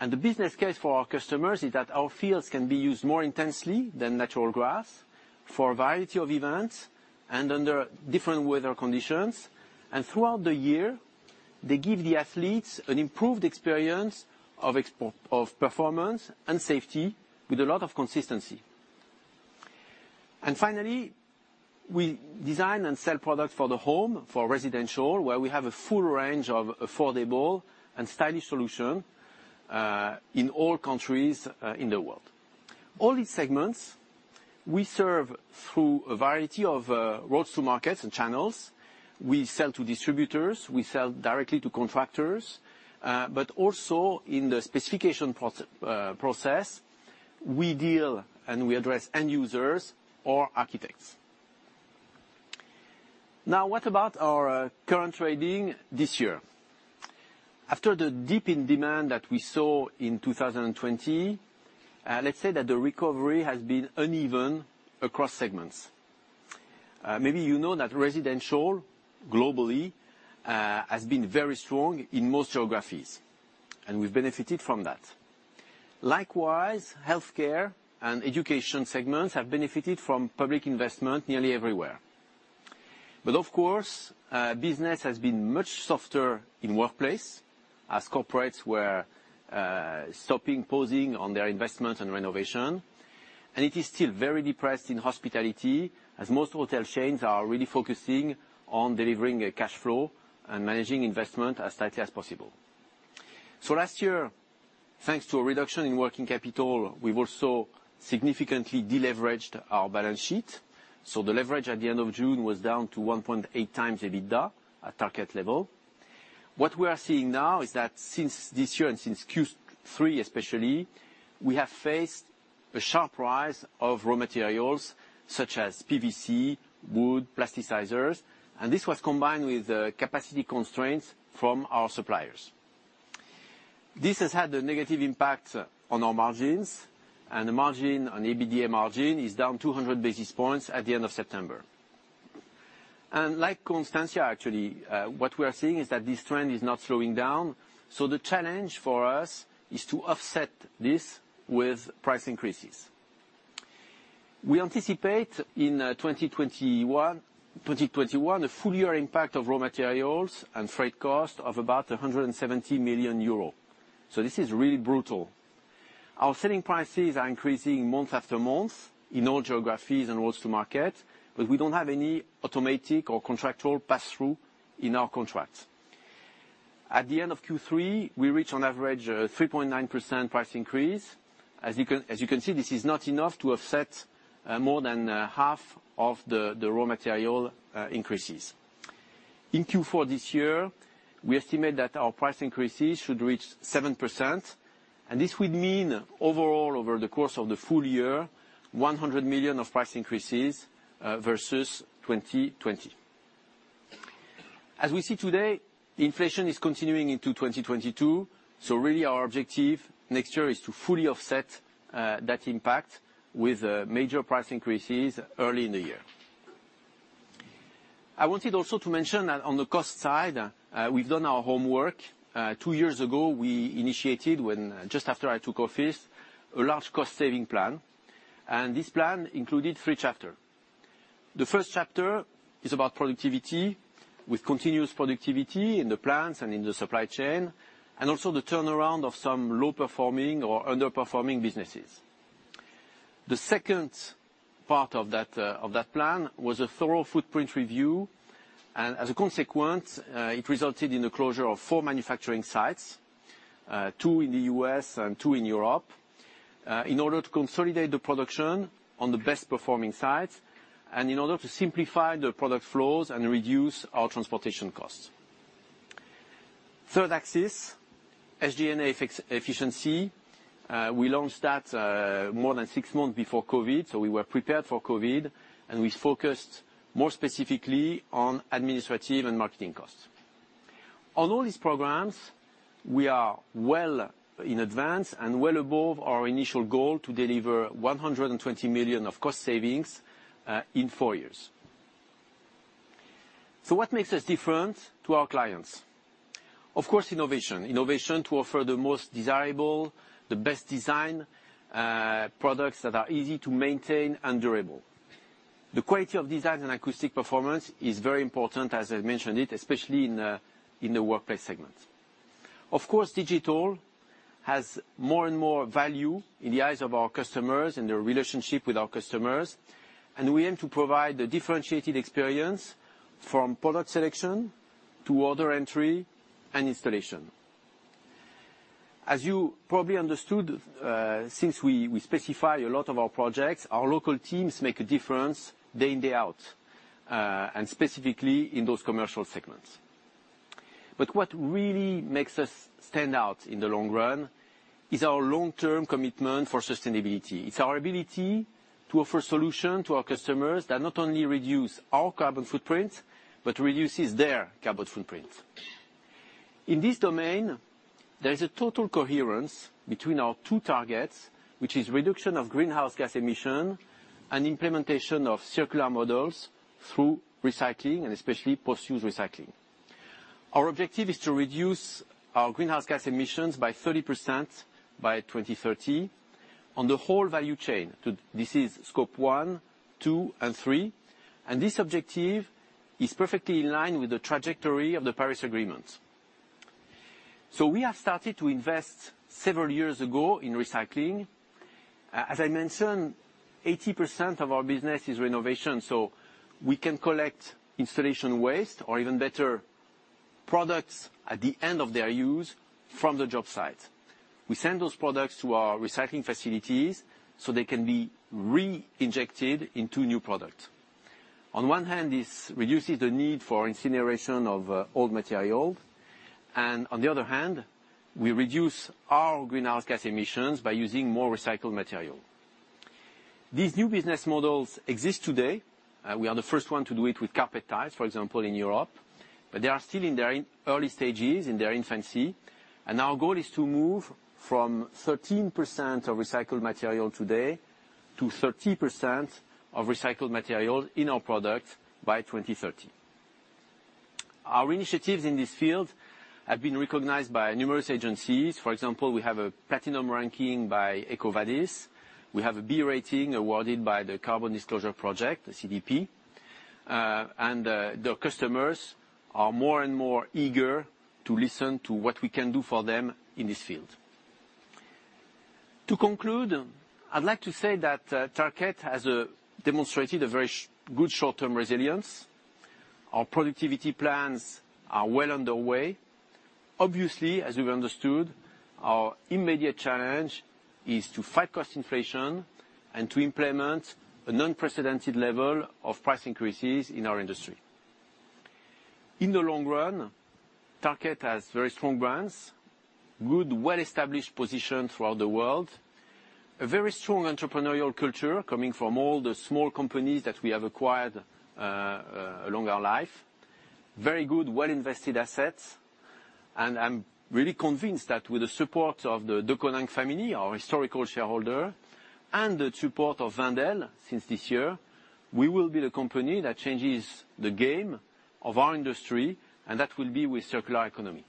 The business case for our customers is that our fields can be used more intensely than natural grass for a variety of events and under different weather conditions. Throughout the year they give the athletes an improved experience of performance and safety with a lot of consistency. Finally, we design and sell products for the home, for residential, where we have a full range of affordable and stylish solution in all countries in the world. All these segments we serve through a variety of routes to markets and channels. We sell to distributors, we sell directly to contractors. Also in the specification process, we deal and we address end users or architects. Now, what about our current trading this year? After the dip in demand that we saw in 2020, let's say that the recovery has been uneven across segments. Maybe you know that residential globally has been very strong in most geographies, and we've benefited from that. Likewise, healthcare and education segments have benefited from public investment nearly everywhere. Of course, business has been much softer in workplace as corporates were stopping, pausing on their investments and renovation. It is still very depressed in hospitality, as most hotel chains are really focusing on delivering a cash flow and managing investment as tightly as possible. Last year, thanks to a reduction in working capital, we've also significantly deleveraged our balance sheet. The leverage at the end of June was down to 1.8x EBITDA, our target level. What we are seeing now is that since this year, and since Q3 especially, we have faced a sharp rise of raw materials such as PVC, wood, plasticizers, and this was combined with capacity constraints from our suppliers. This has had a negative impact on our margins, and the EBITDA margin is down 200 basis points at the end of September. Like Constantia, actually, what we are seeing is that this trend is not slowing down, so the challenge for us is to offset this with price increases. We anticipate in 2021 a full-year impact of raw materials and freight cost of about 170 million euro. This is really brutal. Our selling prices are increasing month-after-month in all geographies and routes to market, but we don't have any automatic or contractual passthrough in our contracts. At the end of Q3, we reach on average 3.9% price increase. As you can see, this is not enough to offset more than half of the raw material increases. In Q4 this year, we estimate that our price increases should reach 7%, and this would mean overall over the course of the full-year, 100 million of price increases versus 2020. As we see today, inflation is continuing into 2022, so really our objective next year is to fully offset that impact with major price increases early in the year. I wanted also to mention that on the cost side, we've done our homework. Two years ago, we initiated, just after I took office, a large cost-saving plan, and this plan included three chapters. The first chapter is about productivity, with continuous productivity in the plants and in the supply chain, and also the turnaround of some low-performing or underperforming businesses. The second part of that plan was a thorough footprint review, and as a consequence, it resulted in the closure of four manufacturing sites, two in the U.S. and two in Europe, in order to consolidate the production on the best-performing sites and in order to simplify the product flows and reduce our transportation costs. Third axis, SG&A efficiency. We launched that more than six months before COVID, so we were prepared for COVID, and we focused more specifically on administrative and marketing costs. On all these programs, we are well in advance and well above our initial goal to deliver 120 million of cost savings in four years. What makes us different to our clients? Of course, innovation. Innovation to offer the most desirable, the best design, products that are easy to maintain and durable. The quality of design and acoustic performance is very important, as I mentioned it, especially in the workplace segment. Of course, digital has more and more value in the eyes of our customers and the relationship with our customers, and we aim to provide a differentiated experience from product selection to order entry and installation. As you probably understood, since we specify a lot of our projects, our local teams make a difference day in, day out, and specifically in those commercial segments. What really makes us stand out in the long run is our long-term commitment for sustainability. It's our ability to offer solution to our customers that not only reduce our carbon footprint, but reduces their carbon footprint. In this domain, there is a total coherence between our two targets, which is reduction of greenhouse gas emission and implementation of circular models through recycling and especially post-use recycling. Our objective is to reduce our greenhouse gas emissions by 30% by 2030. On the whole value chain. This is Scope 1, 2, and 3. This objective is perfectly in line with the trajectory of the Paris Agreement. We have started to invest several years ago in recycling. As I mentioned, 80% of our business is renovation, so we can collect installation waste, or even better, products at the end of their use from the job site. We send those products to our recycling facilities, so they can be reinjected into new product. On one hand, this reduces the need for incineration of old material, and on the other hand, we reduce our greenhouse gas emissions by using more recycled material. These new business models exist today. We are the first one to do it with carpet tiles, for example, in Europe, but they are still in their early stages, in their infancy, and our goal is to move from 13% of recycled material today to 30% of recycled materials in our products by 2030. Our initiatives in this field have been recognized by numerous agencies. For example, we have a platinum ranking by EcoVadis. We have a B rating awarded by the Carbon Disclosure Project, the CDP. The customers are more and more eager to listen to what we can do for them in this field. To conclude, I'd like to say that Tarkett has demonstrated a very good short-term resilience. Our productivity plans are well underway. Obviously, as we understood, our immediate challenge is to fight cost inflation and to implement an unprecedented level of price increases in our industry. In the long run, Tarkett has very strong brands, good well-established position throughout the world, a very strong entrepreneurial culture coming from all the small companies that we have acquired along our life. Very good well-invested assets. I'm really convinced that with the support of the Deconinck family, our historical shareholder, and the support of Wendel since this year, we will be the company that changes the game of our industry, and that will be with circular economy.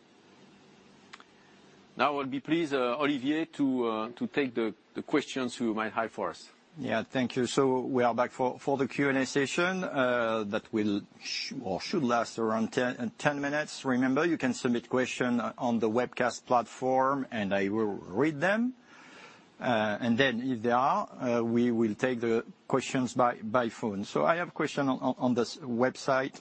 Now I'll be pleased, Olivier, to take the questions you might have for us. Thank you. We are back for the Q&A session that should last around 10 minutes. Remember, you can submit question on the webcast platform, and I will read them. And then if there are, we will take the questions by phone. I have question on this website.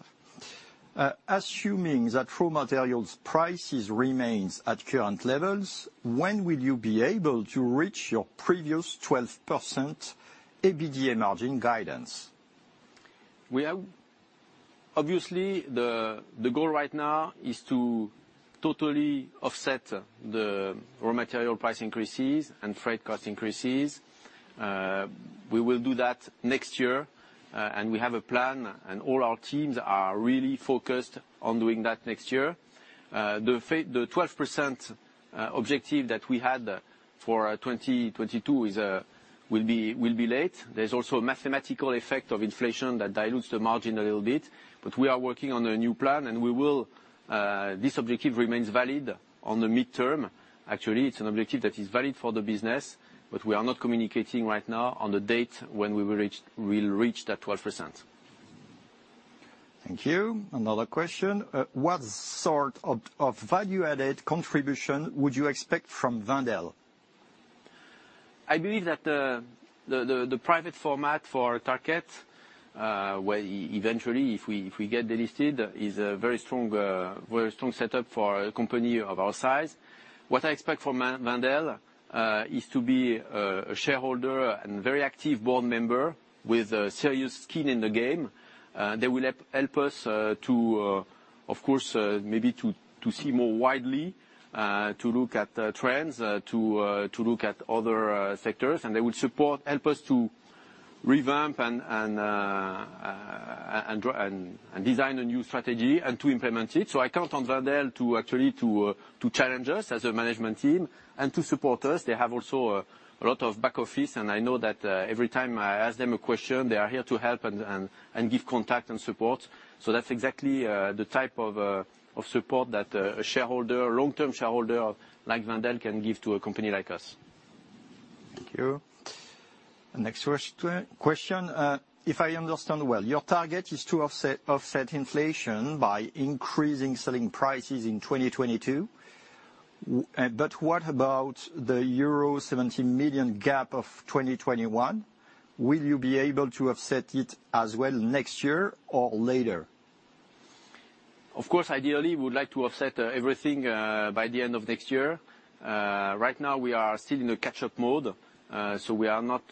Assuming that raw materials prices remains at current levels, when will you be able to reach your previous 12% EBITDA margin guidance? Obviously, the goal right now is to totally offset the raw material price increases and freight cost increases. We will do that next year, and we have a plan, and all our teams are really focused on doing that next year. The freight, the 12% objective that we had for 2022 will be late. There's also a mathematical effect of inflation that dilutes the margin a little bit, but we are working on a new plan, and we will. This objective remains valid on the midterm. Actually, it's an objective that is valid for the business, but we are not communicating right now on the date when we will reach that 12%. Thank you. Another question. What sort of value-added contribution would you expect from Wendel? I believe that the private format for Tarkett, where eventually, if we get delisted, is a very strong setup for a company of our size. What I expect from Wendel is to be a shareholder and very active board member with a serious skin in the game. They will help us, of course, maybe to see more widely, to look at trends, to look at other sectors, and they will help us to revamp and design a new strategy and to implement it. I count on Wendel to actually challenge us as a management team and to support us. They have a lot of back office, and I know that every time I ask them a question, they are here to help and give contact and support. That's exactly the type of support that a long-term shareholder like Wendel can give to a company like us. Thank you. Next question. If I understand well, your target is to offset inflation by increasing selling prices in 2022. But what about the euro 70 million gap of 2021? Will you be able to offset it as well next year or later? Of course, ideally, we would like to offset everything by the end of next year. Right now we are still in the catch-up mode, so we are not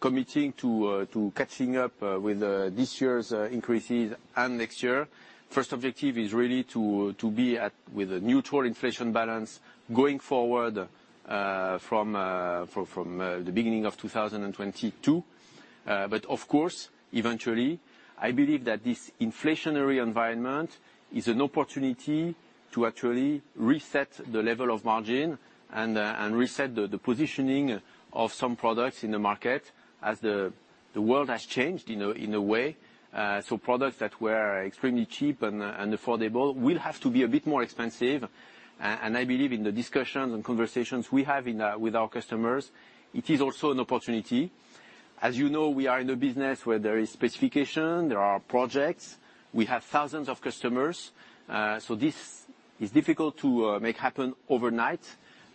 committing to catching up with this year's increases and next year. First objective is really to be at with a neutral inflation balance going forward from the beginning of 2022. Of course, eventually, I believe that this inflationary environment is an opportunity to actually reset the level of margin and reset the positioning of some products in the market as the world has changed in a way. Products that were extremely cheap and affordable will have to be a bit more expensive. I believe in the discussions and conversations we have with our customers, it is also an opportunity. As you know, we are in a business where there is specification, there are projects. We have thousands of customers. This is difficult to make happen overnight.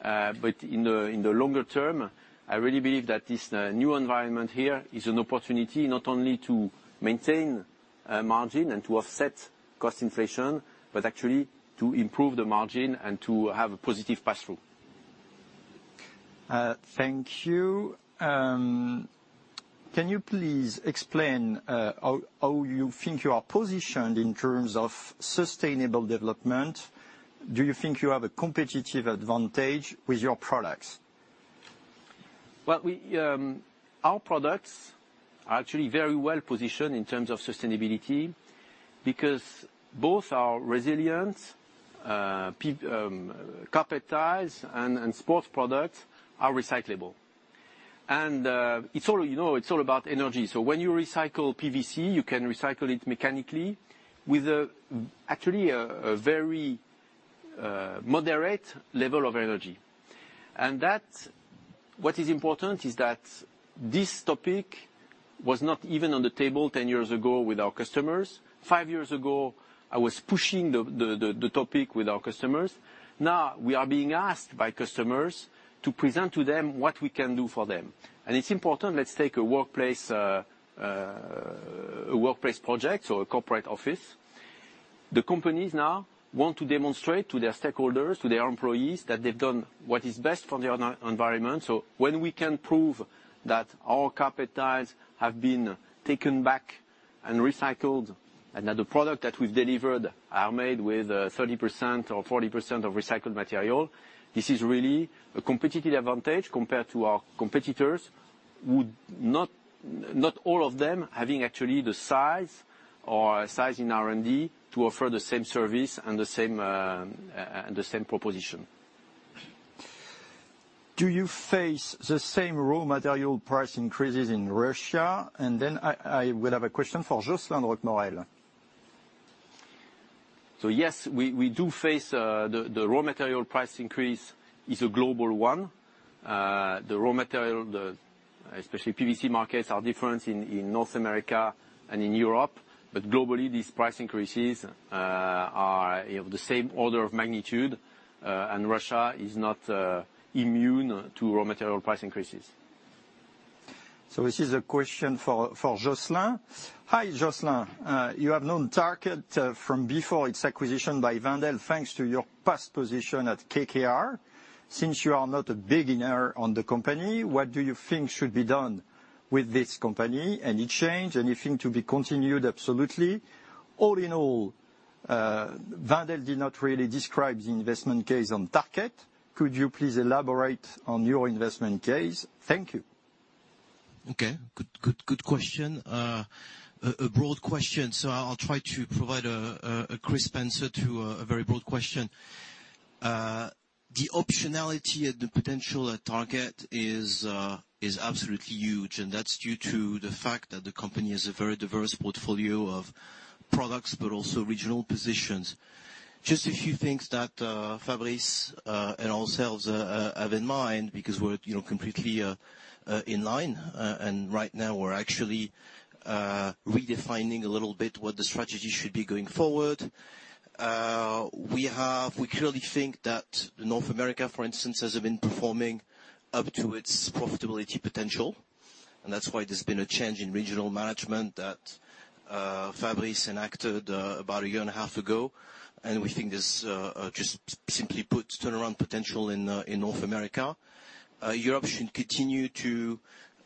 In the longer term, I really believe that this new environment here is an opportunity not only to maintain margin and to offset cost inflation, but actually to improve the margin and to have a positive pass-through. Thank you. Can you please explain how you think you are positioned in terms of sustainable development? Do you think you have a competitive advantage with your products? Well, our products are actually very well-positioned in terms of sustainability because both our Resilient carpet tiles and sports products are recyclable. It's all, you know, it's all about energy. When you recycle PVC, you can recycle it mechanically with actually a very moderate level of energy. What is important is that this topic was not even on the table 10 years ago with our customers. Five years ago, I was pushing the topic with our customers. Now we are being asked by customers to present to them what we can do for them. It's important. Let's take a workplace project or a corporate office. The companies now want to demonstrate to their stakeholders, to their employees that they've done what is best for the environment. When we can prove that our carpet tiles have been taken back and recycled, and that the product that we've delivered are made with 30% or 40% of recycled material, this is really a competitive advantage compared to our competitors, who, not all of them, having actually the size in R&D to offer the same service and the same proposition. Do you face the same raw material price increases in Russia? I would have a question for Josselin de Roquemaurel. Yes, we do face. The raw material price increase is a global one. The raw material, especially PVC markets, are different in North America and in Europe. Globally, these price increases are of the same order of magnitude. Russia is not immune to raw material price increases. This is a question for Josselin. Hi, Josselin. You have known Tarkett from before its acquisition by Wendel, thanks to your past position at KKR. Since you are not a beginner on the company, what do you think should be done with this company? Any change? Anything to be continued absolutely? All in all, Wendel did not really describe the investment case on Tarkett. Could you please elaborate on your investment case? Thank you. Good question. A broad question. I'll try to provide a crisp answer to a very broad question. The optionality and the potential at Tarkett is absolutely huge, and that's due to the fact that the company has a very diverse portfolio of products, but also regional positions. Just a few things that Fabrice and ourselves have in mind because we're, you know, completely in line, and right now we're actually redefining a little bit what the strategy should be going forward. We clearly think that North America, for instance, hasn't been performing up to its profitability potential, and that's why there's been a change in regional management that Fabrice enacted about 1.5 years ago. We think there's just simply put, turnaround potential in North America. Europe should continue to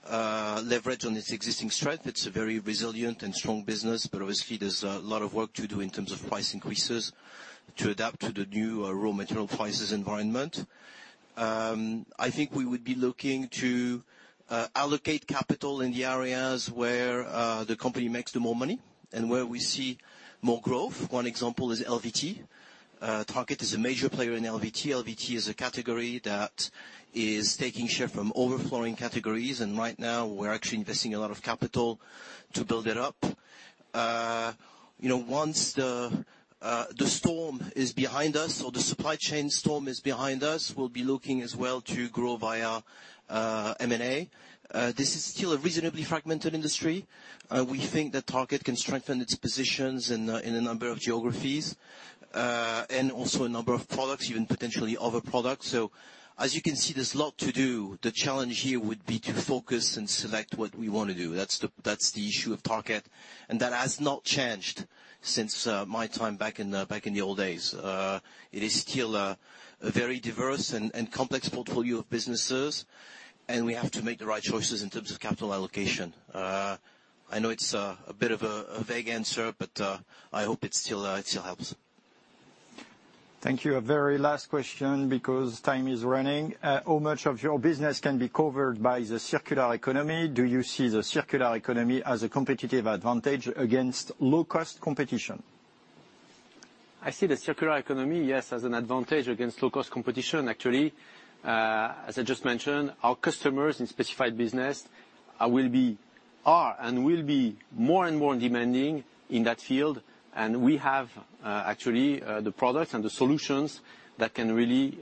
leverage on its existing strength. It's a very resilient and strong business, but obviously there's a lot of work to do in terms of price increases to adapt to the new raw material prices environment. I think we would be looking to allocate capital in the areas where the company makes the more money and where we see more growth. One example is LVT. Tarkett is a major player in LVT. LVT is a category that is taking share from other flooring categories, and right now we're actually investing a lot of capital to build it up. You know, once the storm is behind us or the supply chain storm is behind us, we'll be looking as well to grow via M&A. This is still a reasonably fragmented industry. We think that Tarkett can strengthen its positions in a number of geographies and also a number of products, even potentially other products. As you can see, there's a lot to do. The challenge here would be to focus and select what we wanna do. That's the issue of Tarkett, and that has not changed since my time back in the old days. It is still a very diverse and complex portfolio of businesses, and we have to make the right choices in terms of capital allocation. I know it's a bit of a vague answer, but I hope it still helps. Thank you. A very last question because time is running. How much of your business can be covered by the circular economy? Do you see the circular economy as a competitive advantage against low-cost competition? I see the circular economy, yes, as an advantage against low-cost competition, actually. As I just mentioned, our customers in specialized business will be more and more demanding in that field, and we have actually the products and the solutions that can really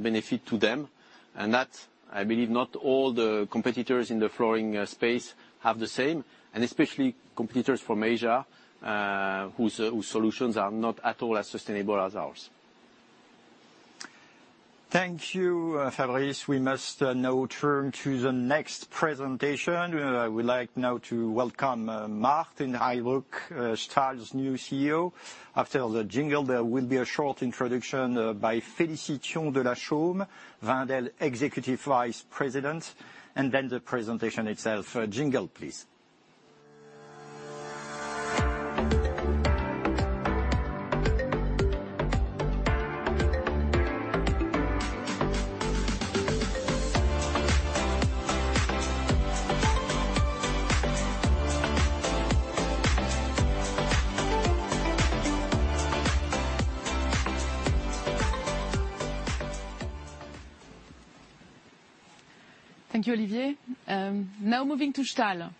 benefit to them. That, I believe, not all the competitors in the flooring space have the same, and especially competitors from Asia, whose solutions are not at all as sustainable as ours. Thank you, Fabrice. We must now turn to the next presentation. I would like now to welcome Maarten Heijbroek, Stahl's new CEO. After the jingle, there will be a short introduction by Félicie Thion de la Chaume, Wendel's Executive Vice-President and Managing Director, and then the presentation itself. Jingle, please. Thank you, Olivier. Now moving to Stahl.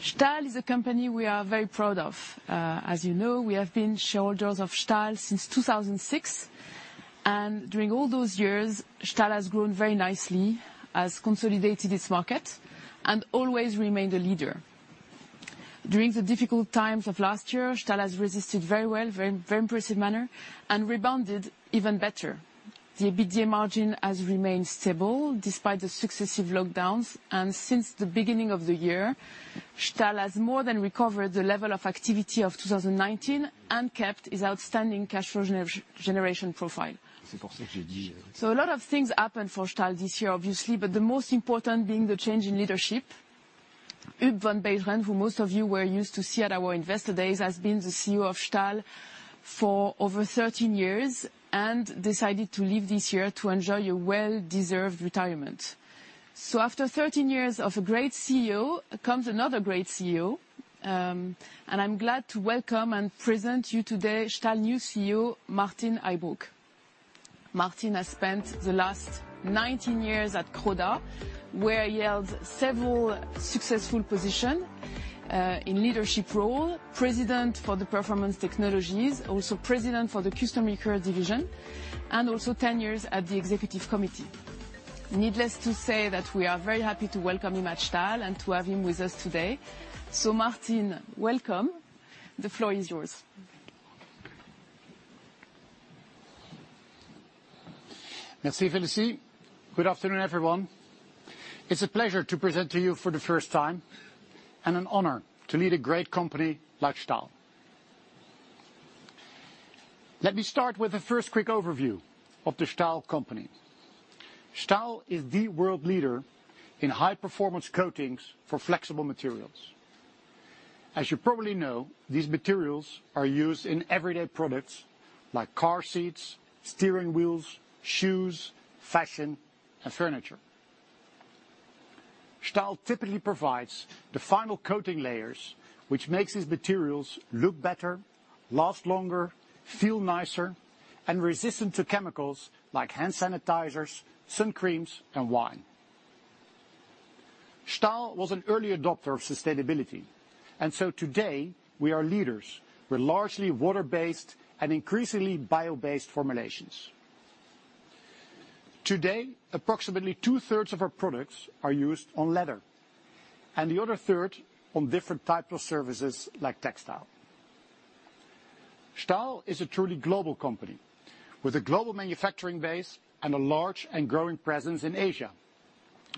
Stahl is a company we are very proud of. As you know, we have been shareholders of Stahl since 2006, and during all those years, Stahl has grown very nicely, has consolidated its market, and always remained a leader. During the difficult times of last year, Stahl has resisted very well in a very impressive manner, and rebounded even better. The EBITDA margin has remained stable despite the successive lockdowns, and since the beginning of the year, Stahl has more than recovered the level of activity of 2019 and kept its outstanding cash flow generation profile. A lot of things happened for Stahl this year, obviously, but the most important being the change in leadership. Huub van Beijeren, who most of you were used to see at our investor days, has been the CEO of Stahl for over 13 years and decided to leave this year to enjoy a well-deserved retirement. After 13 years of a great CEO comes another great CEO, and I'm glad to welcome and present you today Stahl's new CEO, Maarten Heijbroek. Maarten Heijbroek has spent the last 19 years at Croda, where he held several successful position in leadership role, president for the Performance Technologies, also president for the Custom Recoat division, and also 10 years at the executive committee. Needless to say that we are very happy to welcome him at Stahl and to have him with us today. Maarten, welcome. The floor is yours. Merci, Félicie. Good afternoon, everyone. It's a pleasure to present to you for the first time and an honor to lead a great company like Stahl. Let me start with a first quick overview of the Stahl company. Stahl is the world leader in high-performance coatings for flexible materials. As you probably know, these materials are used in everyday products like car seats, steering wheels, shoes, fashion, and furniture. Stahl typically provides the final coating layers, which makes these materials look better, last longer, feel nicer, and resistant to chemicals like hand sanitizers, sun creams, and wine. Stahl was an early adopter of sustainability, and so today we are leaders. We're largely water-based and increasingly bio-based formulations. Today, approximately 2/3 of our products are used on leather, and the other third on different types of surfaces like textile. Stahl is a truly global company with a global manufacturing base and a large and growing presence in Asia,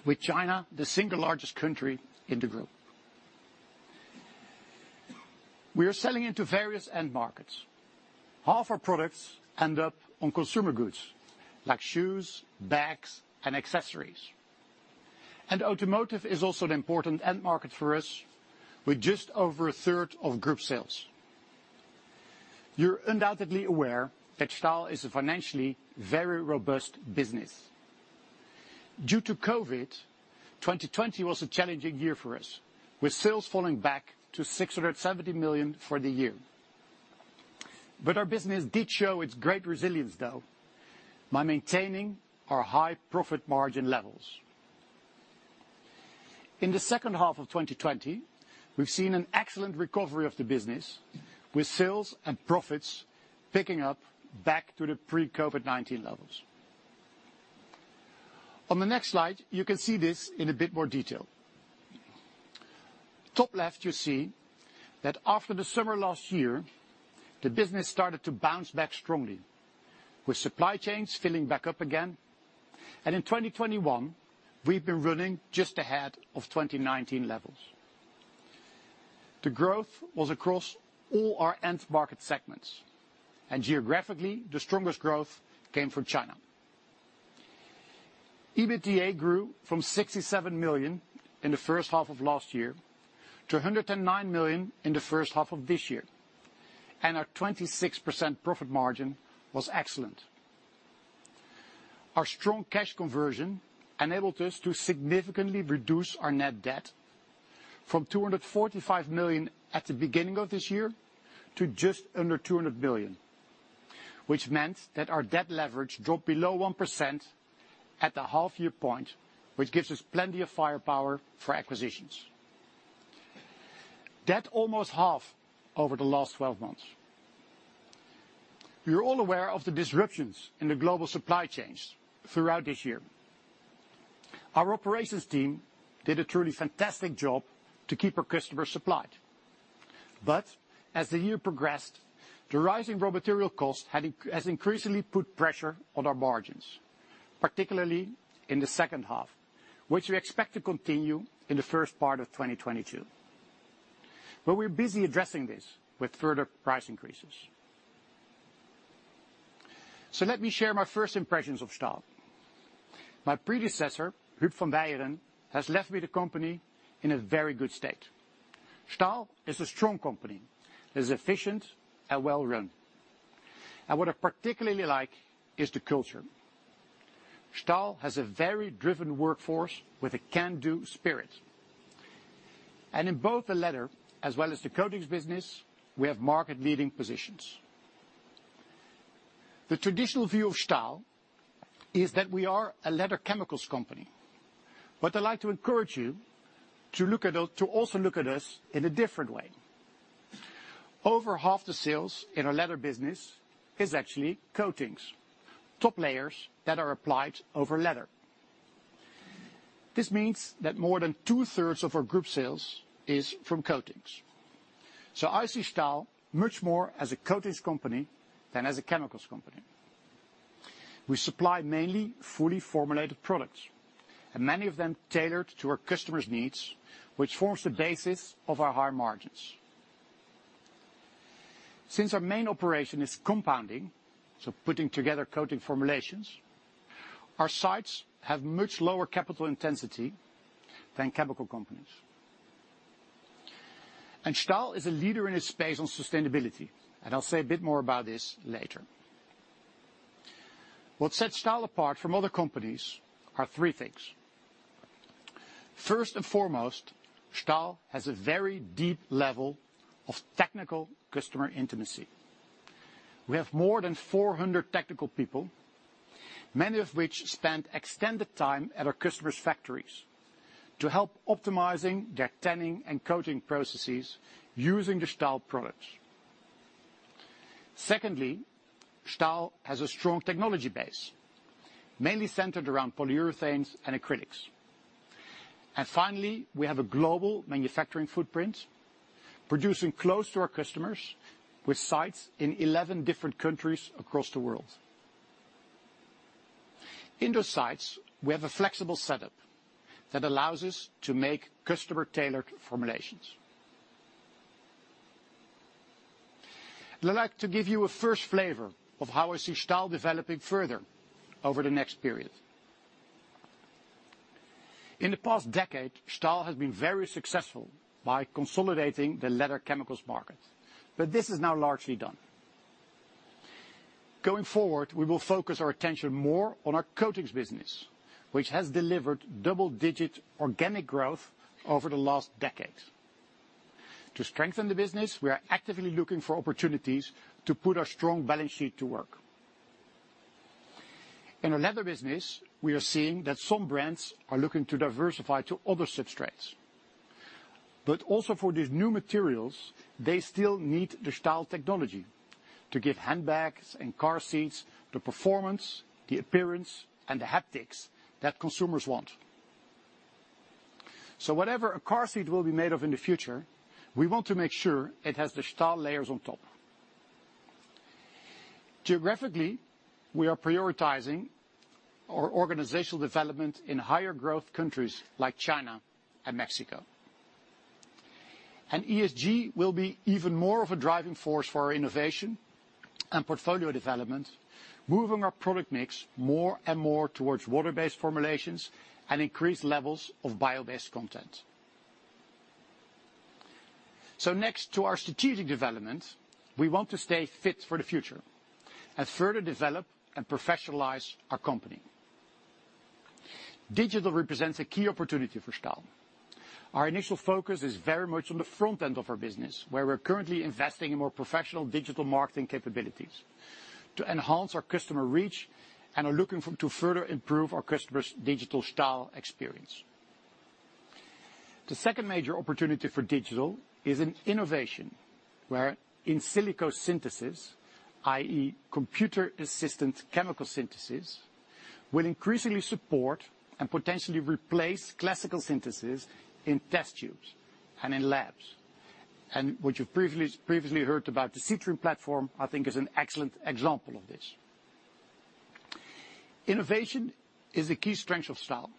with China the single largest country in the group. We are selling into various end markets. Half our products end up on consumer goods like shoes, bags, and accessories. Automotive is also an important end market for us, with just over 1/3 of group sales. You're undoubtedly aware that Stahl is a financially very robust business. Due to COVID, 2020 was a challenging year for us, with sales falling back to 670 million for the year. Our business did show its great resilience, though, by maintaining our high profit margin levels. In the second half of 2020, we've seen an excellent recovery of the business, with sales and profits picking up back to the pre-COVID-19 levels. On the next slide, you can see this in a bit more detail. Top left you see that after the summer last year, the business started to bounce back strongly, with supply chains filling back up again. In 2021, we've been running just ahead of 2019 levels. The growth was across all our end market segments, and geographically, the strongest growth came from China. EBITDA grew from 67 million in the first half of last year to 109 million in the first half of this year, and our 26% profit margin was excellent. Our strong cash conversion enabled us to significantly reduce our net debt from 245 million at the beginning of this year to just under 200 million, which meant that our debt leverage dropped below 1% at the half-year point, which gives us plenty of firepower for acquisitions. Debt almost half over the last 12 months. We are all aware of the disruptions in the global supply chains throughout this year. Our operations team did a truly fantastic job to keep our customers supplied. As the year progressed, the rising raw material cost has increasingly put pressure on our margins, particularly in the second half, which we expect to continue in the first part of 2022. We're busy addressing this with further price increases. Let me share my first impressions of Stahl. My predecessor, Huub van Beijeren, has left me the company in a very good state. Stahl is a strong company, that is efficient and well run. What I particularly like is the culture. Stahl has a very driven workforce with a can-do spirit. In both the leather as well as the coatings business, we have market-leading positions. The traditional view of Stahl is that we are a leather chemicals company, but I'd like to encourage you to look at us in a different way. Over half the sales in our leather business is actually coatings, top layers that are applied over leather. This means that more than 2/3 of our group sales is from coatings. I see Stahl much more as a coatings company than as a chemicals company. We supply mainly fully formulated products, and many of them tailored to our customers' needs, which forms the basis of our high margins. Since our main operation is compounding, so putting together coating formulations, our sites have much lower capital intensity than chemical companies. Stahl is a leader in its space on sustainability, and I'll say a bit more about this later. What sets Stahl apart from other companies are three things. First and foremost, Stahl has a very deep level of technical customer intimacy. We have more than 400 technical people, many of which spend extended time at our customers' factories to help optimizing their tanning and coating processes using the Stahl products. Secondly, Stahl has a strong technology base, mainly centered around polyurethanes and acrylics. Finally, we have a global manufacturing footprint producing close to our customers with sites in 11 different countries across the world. In those sites, we have a flexible setup that allows us to make customer-tailored formulations. I'd like to give you a first flavor of how I see Stahl developing further over the next period. In the past decade, Stahl has been very successful by consolidating the leather chemicals market, but this is now largely done. Going forward, we will focus our attention more on our coatings business, which has delivered double-digit organic growth over the last decade. To strengthen the business, we are actively looking for opportunities to put our strong balance sheet to work. In the leather business, we are seeing that some brands are looking to diversify to other substrates. Also for these new materials, they still need the Stahl technology to give handbags and car seats the performance, the appearance, and the haptics that consumers want. Whatever a car seat will be made of in the future, we want to make sure it has the Stahl layers on top. Geographically, we are prioritizing our organizational development in higher growth countries like China and Mexico. ESG will be even more of a driving force for our innovation and portfolio development, moving our product mix more and more towards water-based formulations and increased levels of bio-based content. Next to our strategic development, we want to stay fit for the future and further develop and professionalize our company. Digital represents a key opportunity for Stahl. Our initial focus is very much on the front end of our business, where we're currently investing in more professional digital marketing capabilities to enhance our customer reach and are looking to further improve our customers' digital Stahl experience. The second major opportunity for digital is in innovation, where in silico synthesis, i.e. computer-assisted chemical synthesis, will increasingly support and potentially replace classical synthesis in test tubes and in labs. What you've previously heard about the Citrine platform, I think is an excellent example of this. Innovation is a key strength of Stahl,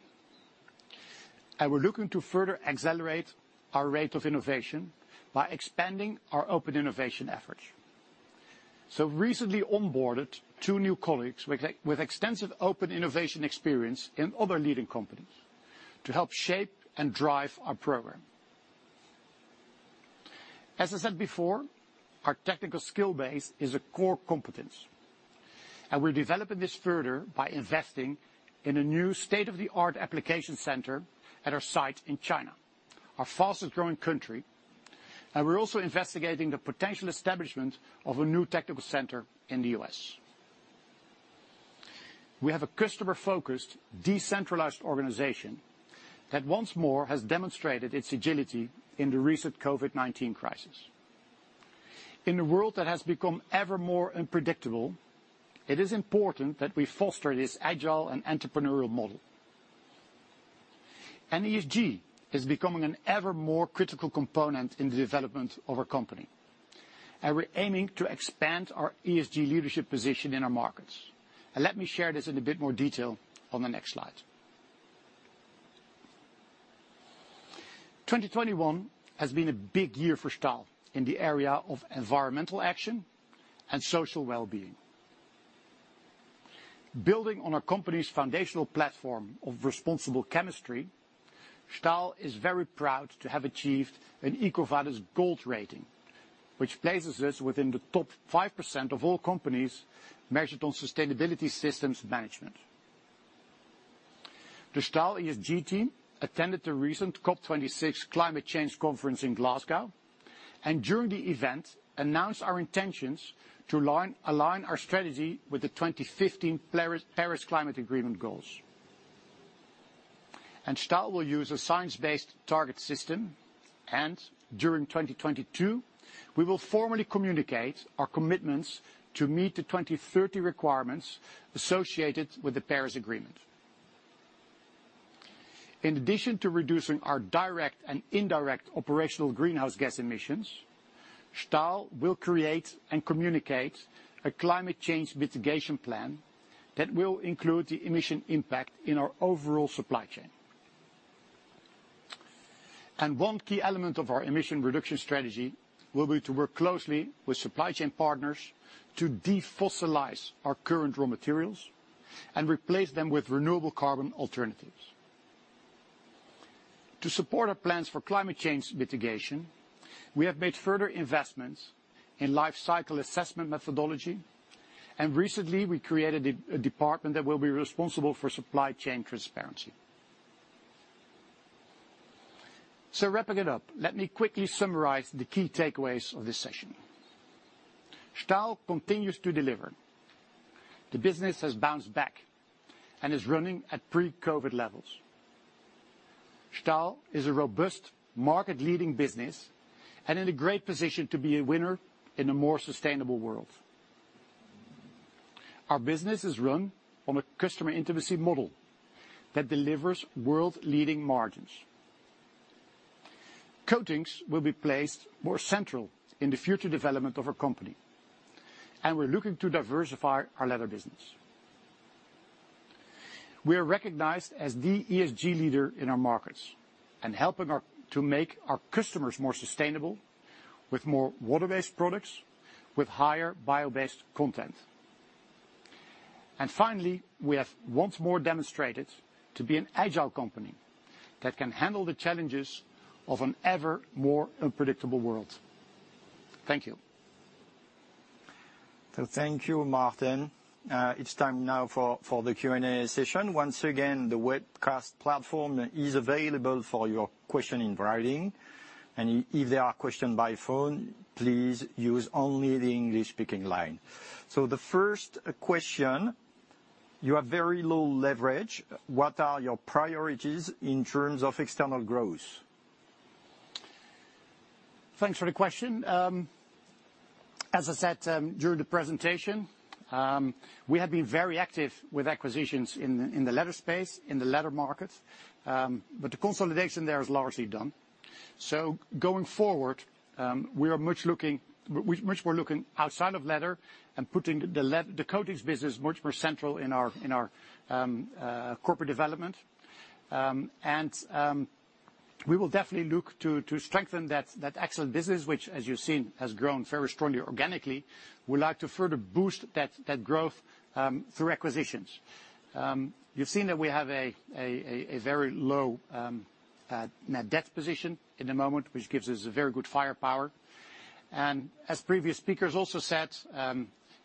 and we're looking to further accelerate our rate of innovation by expanding our open innovation efforts. Recently onboarded two new colleagues with with extensive open innovation experience in other leading companies to help shape and drive our program. As I said before, our technical skill base is a core competence, and we're developing this further by investing in a new state-of-the-art application center at our site in China, our fastest growing country. We're also investigating the potential establishment of a new technical center in the U.S. We have a customer-focused decentralized organization that once more has demonstrated its agility in the recent COVID-19 crisis. In a world that has become evermore unpredictable, it is important that we foster this agile and entrepreneurial model. ESG is becoming an evermore critical component in the development of our company, and we're aiming to expand our ESG leadership position in our markets. Let me share this in a bit more detail on the next slide. 2021 has been a big year for Stahl in the area of environmental action and social well-being. Building on our company's foundational platform of responsible chemistry, Stahl is very proud to have achieved an EcoVadis gold rating, which places us within the top 5% of all companies measured on sustainability systems management. The Stahl ESG team attended the recent COP26 Climate Change Conference in Glasgow, and during the event announced our intentions to align our strategy with the 2015 Paris Agreement goals. Stahl will use a science-based target system, and during 2022, we will formally communicate our commitments to meet the 2030 requirements associated with the Paris Agreement. In addition to reducing our direct and indirect operational greenhouse gas emissions, Stahl will create and communicate a climate change mitigation plan that will include the emission impact in our overall supply chain. One key element of our emission reduction strategy will be to work closely with supply chain partners to defossilize our current raw materials and replace them with renewable carbon alternatives. To support our plans for climate change mitigation, we have made further investments in life cycle assessment methodology, and recently we created a department that will be responsible for supply chain transparency. Wrapping it up, let me quickly summarize the key takeaways of this session. Stahl continues to deliver. The business has bounced back and is running at pre-COVID levels. Stahl is a robust market-leading business and in a great position to be a winner in a more sustainable world. Our business is run on a customer intimacy model that delivers world-leading margins. Coatings will be placed more central in the future development of our company, and we're looking to diversify our leather business. We are recognized as the ESG leader in our markets and helping our customers to make our customers more sustainable with more water-based products with higher bio-based content. Finally, we have once more demonstrated to be an agile company that can handle the challenges of an ever more unpredictable world. Thank you. Thank you, Maarten. It's time now for the Q&A session. Once again, the webcast platform is available for your questions in writing. If there are questions by phone, please use only the English-speaking line. The first question: You have very low leverage. What are your priorities in terms of external growth? Thanks for the question. As I said, during the presentation, we have been very active with acquisitions in the leather space, in the leather market, but the consolidation there is largely done. Going forward, we are much more looking outside of leather and putting the coatings business much more central in our corporate development. We will definitely look to strengthen that excellent business which, as you've seen, has grown very strongly organically. We'd like to further boost that growth through acquisitions. You've seen that we have a very low net debt position at the moment, which gives us a very good firepower. As previous speakers also said,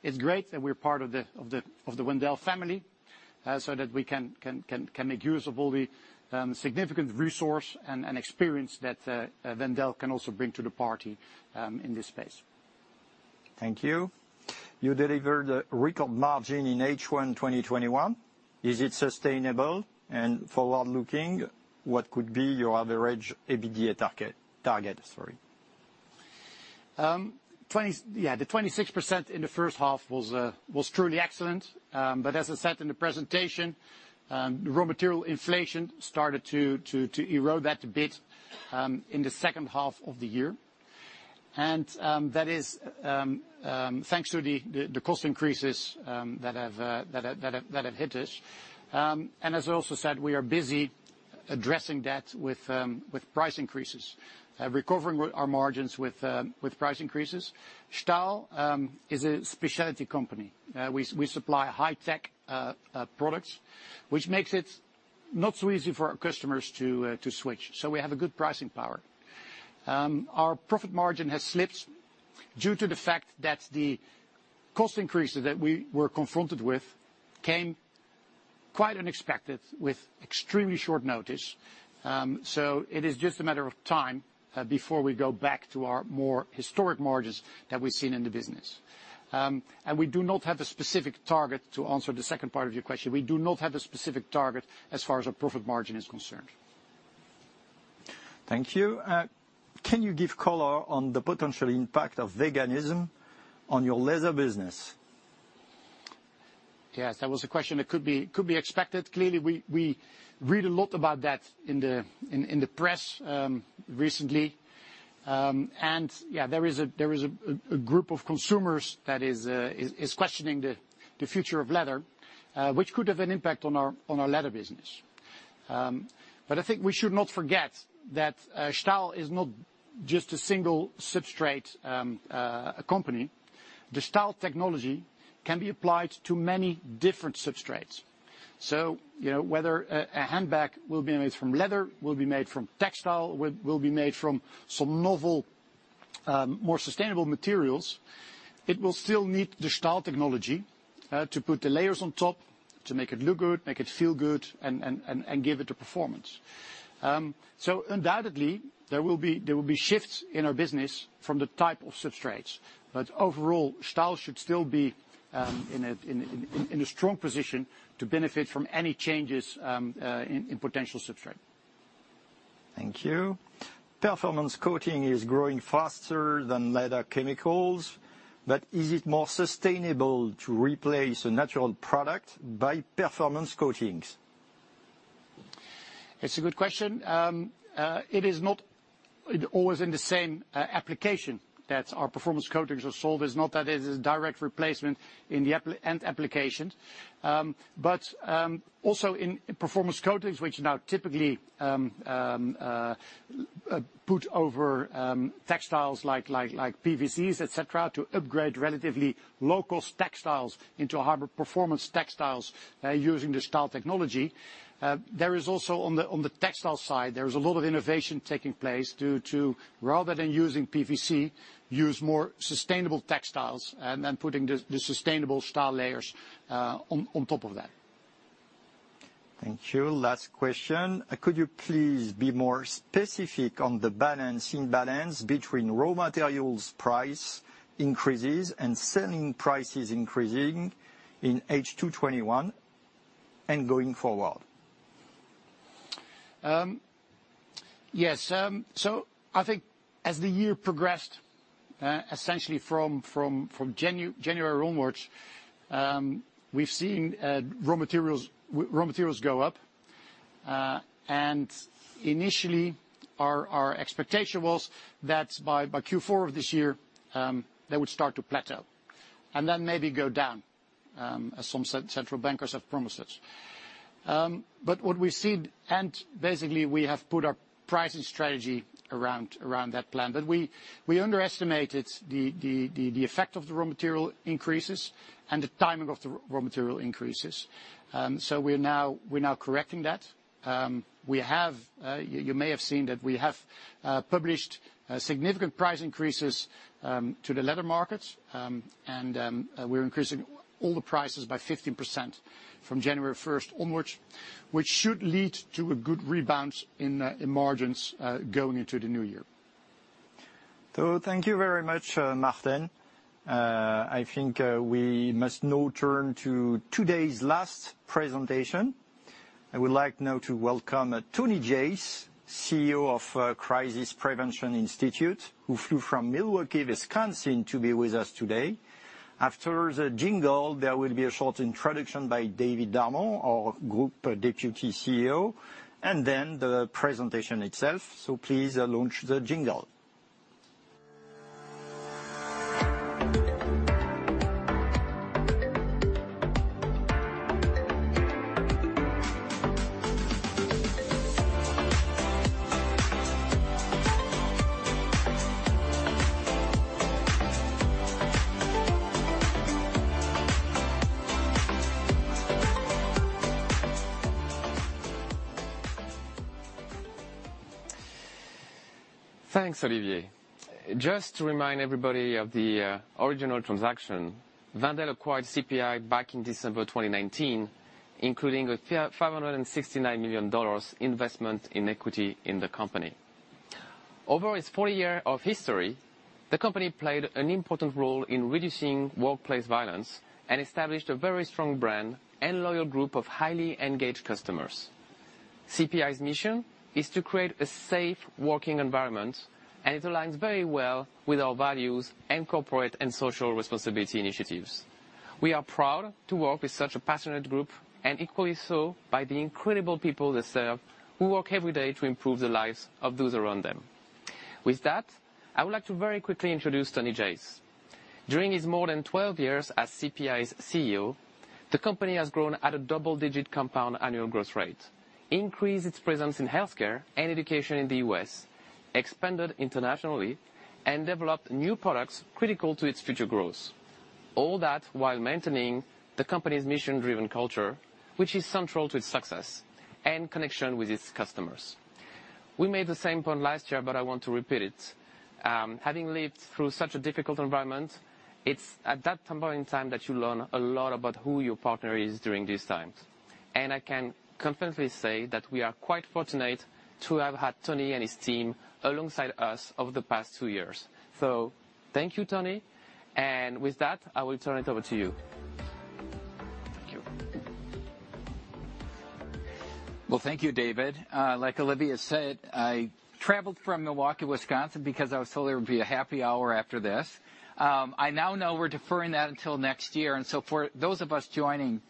it's great that we're part of the Wendel family, so that we can make use of all the significant resource and experience that Wendel can also bring to the party in this space. Thank you. You delivered a record margin in H1 2021. Is it sustainable? Forward-looking, what could be your average EBITDA target? Target, sorry. Yeah, the 26% in the first half was truly excellent. As I said in the presentation, raw material inflation started to erode that a bit in the second half of the year. That is thanks to the cost increases that have hit us. As I also said, we are busy addressing that with price increases, recovering our margins with price increases. Stahl is a specialty company. We supply high-tech products, which makes it not so easy for our customers to switch. We have a good pricing power. Our profit margin has slipped due to the fact that the cost increases that we were confronted with came quite unexpected with extremely short notice. It is just a matter of time before we go back to our more historic margins that we've seen in the business. We do not have a specific target to answer the second part of your question. We do not have a specific target as far as our profit margin is concerned. Thank you. Can you give color on the potential impact of veganism on your leather business? Yes, that was a question that could be expected. Clearly we read a lot about that in the press recently. Yeah, there is a group of consumers that is questioning the future of leather, which could have an impact on our leather business. I think we should not forget that Stahl is not just a single substrate company. The Stahl technology can be applied to many different substrates. You know, whether a handbag will be made from leather, from textile, from some novel more sustainable materials, it will still need the Stahl technology to put the layers on top, to make it look good, make it feel good, and give it the performance. Undoubtedly, there will be shifts in our business from the type of substrates. Overall, Stahl should still be in a strong position to benefit from any changes in potential substrate. Thank you. Performance coating is growing faster than leather chemicals, but is it more sustainable to replace a natural product by performance coatings? It's a good question. It is not always in the same application that our performance coatings are sold. It's not that it is a direct replacement in the end application. Also in performance coatings, which now typically put over textiles like PVCs, et cetera, to upgrade relatively low-cost textiles into higher performance textiles, using the Stahl technology. There is also on the textile side a lot of innovation taking place due to rather than using PVC, use more sustainable textiles and then putting the sustainable Stahl layers on top of that. Thank you. Last question. Could you please be more specific on the balance, imbalance between raw materials price increases and selling prices increasing in H2 2021 and going forward? Yes. I think as the year progressed, essentially from January onwards, we've seen raw materials go up. Initially our expectation was that by Q4 of this year, they would start to plateau, and then maybe go down, as some central bankers have promised us. What we see, and basically we have put our pricing strategy around that plan. We underestimated the effect of the raw material increases and the timing of the raw material increases. We're now correcting that. We have, you may have seen that we have published significant price increases to the leather markets, and we're increasing all the prices by 15% from January 1st onwards, which should lead to a good rebound in margins going into the new year. Thank you very much, Maarten. I think we must now turn to today's last presentation. I would like now to welcome Tony Jace, CEO of Crisis Prevention Institute, who flew from Milwaukee, Wisconsin, to be with us today. After the jingle, there will be a short introduction by David Darmon, our Group Deputy CEO, and then the presentation itself. Please launch the jingle. Thanks, Olivier. Just to remind everybody of the original transaction, Wendel acquired CPI back in December 2019, including a $569 million investment in equity in the company. Over its 40-year history, the company played an important role in reducing workplace violence and established a very strong brand and loyal group of highly engaged customers. CPI's mission is to create a safe working environment, and it aligns very well with our values and corporate and social responsibility initiatives. We are proud to work with such a passionate group and equally so by the incredible people they serve who work every day to improve the lives of those around them. With that, I would like to very quickly introduce Tony Jace. During his more than 12 years as CPI's CEO, the company has grown at a double-digit compound annual growth rate, increased its presence in healthcare and education in the U.S., expanded internationally, and developed new products critical to its future growth. All that while maintaining the company's mission-driven culture, which is central to its success and connection with its customers. We made the same point last year, but I want to repeat it. Having lived through such a difficult environment, it's at that troubling time that you learn a lot about who your partner is during these times. I can confidently say that we are quite fortunate to have had Tony and his team alongside us over the past two years. Thank you, Tony. With that, I will turn it over to you. Thank you. Well, thank you, David. Like Olivia said, I traveled from Milwaukee, Wisconsin, because I was told there would be a happy hour after this. I now know we're deferring that until next year, and so for those of us joining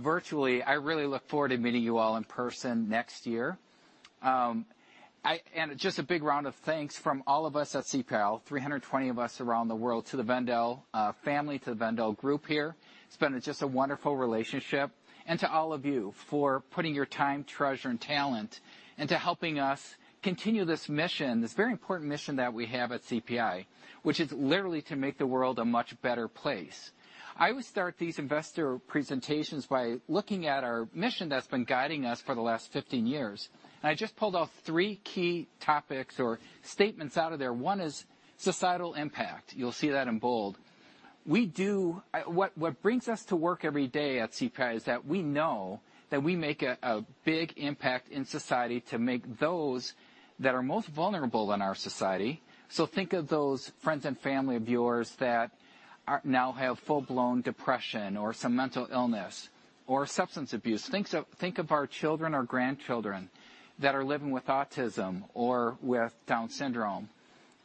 virtually, I really look forward to meeting you all in person next year. Just a big round of thanks from all of us at CPI, 320 of us around the world, to the Wendel family, to the Wendel group here. It's been just a wonderful relationship. To all of you for putting your time, treasure, and talent, and to helping us continue this mission, this very important mission that we have at CPI, which is literally to make the world a much better place. I always start these investor presentations by looking at our mission that's been guiding us for the last 15 years. I just pulled out three key topics or statements out of there. One is societal impact. You'll see that in bold. What brings us to work every day at CPI is that we know that we make a big impact in society to make those that are most vulnerable in our society. Think of those friends and family of yours that now have full-blown depression or some mental illness or substance abuse. Think of our children or grandchildren that are living with autism or with Down syndrome.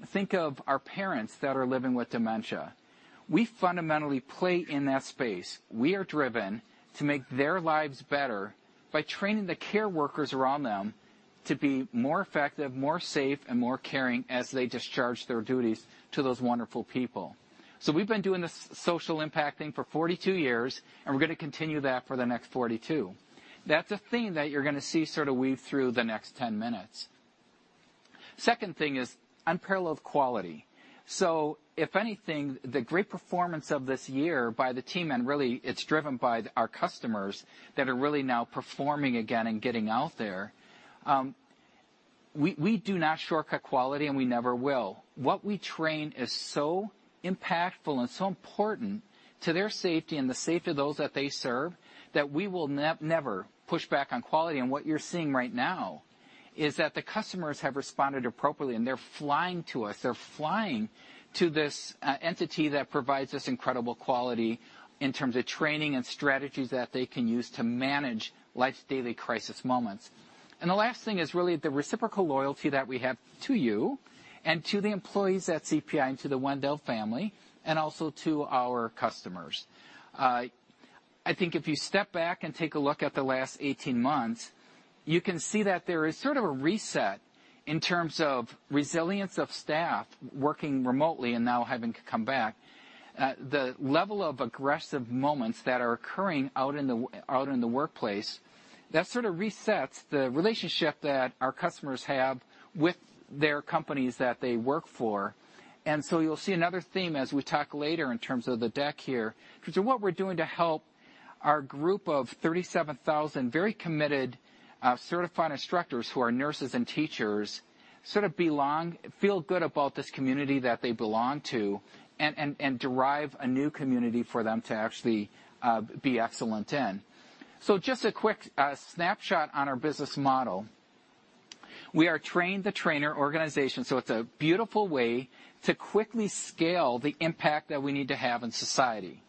Think of our parents that are living with dementia. We fundamentally play in that space. We are driven to make their lives better by training the care workers around them to be more effective, more safe, and more caring as they discharge their duties to those wonderful people. We've been doing this social impact thing for 42 years, and we're gonna continue that for the next 42 years. That's a theme that you're gonna see sort of weave through the next 10 minutes. Second thing is unparalleled quality. If anything, the great performance of this year by the team, and really it's driven by our customers that are really now performing again and getting out there, we do not shortcut quality, and we never will. What we train is so impactful and so important to their safety and the safety of those that they serve that we will never push back on quality. What you're seeing right now is that the customers have responded appropriately, and they're flying to us. They're flying to this entity that provides this incredible quality in terms of training and strategies that they can use to manage life's daily crisis moments. The last thing is really the reciprocal loyalty that we have to you and to the employees at CPI and to the Wendel family and also to our customers. I think if you step back and take a look at the last 18 months, you can see that there is sort of a reset in terms of resilience of staff working remotely and now having to come back. The level of aggressive moments that are occurring out in the workplace, that sort of resets the relationship that our customers have with their companies that they work for. You'll see another theme as we talk later in terms of the deck here. What we're doing to help our group of 37,000 very committed certified instructors who are nurses and teachers sort of belong, feel good about this community that they belong to and derive a new community for them to actually be excellent in. Just a quick snapshot on our business model. We are train the trainer organization, so it's a beautiful way to quickly scale the impact that we need to have in society.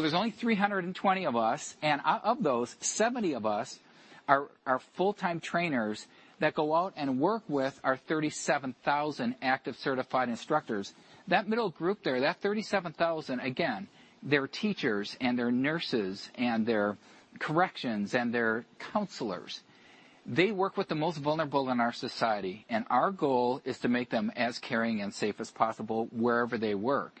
There's only 320 of us, and of those, 70 of us are full-time trainers that go out and work with our 37,000 active certified instructors. That middle group there, that 37,000, again, they're teachers and they're nurses and they're corrections and they're counselors. They work with the most vulnerable in our society, and our goal is to make them as caring and safe as possible wherever they work.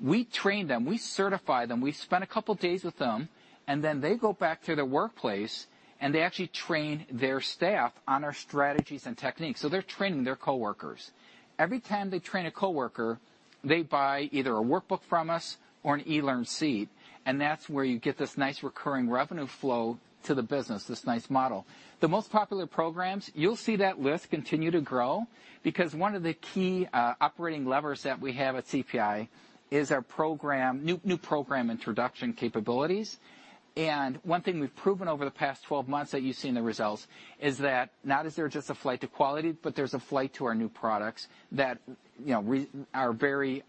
We train them. We certify them. We spend a couple days with them, and then they go back to their workplace, and they actually train their staff on our strategies and techniques. So they're training their coworkers. Every time they train a coworker, they buy either a workbook from us or an eLearn seat, and that's where you get this nice recurring revenue flow to the business, this nice model. The most popular programs, you'll see that list continue to grow because one of the key operating levers that we have at CPI is our new program introduction capabilities. One thing we've proven over the past 12 months that you've seen the results is that not is there just a flight to quality, but there's a flight to our new products that, you know, are very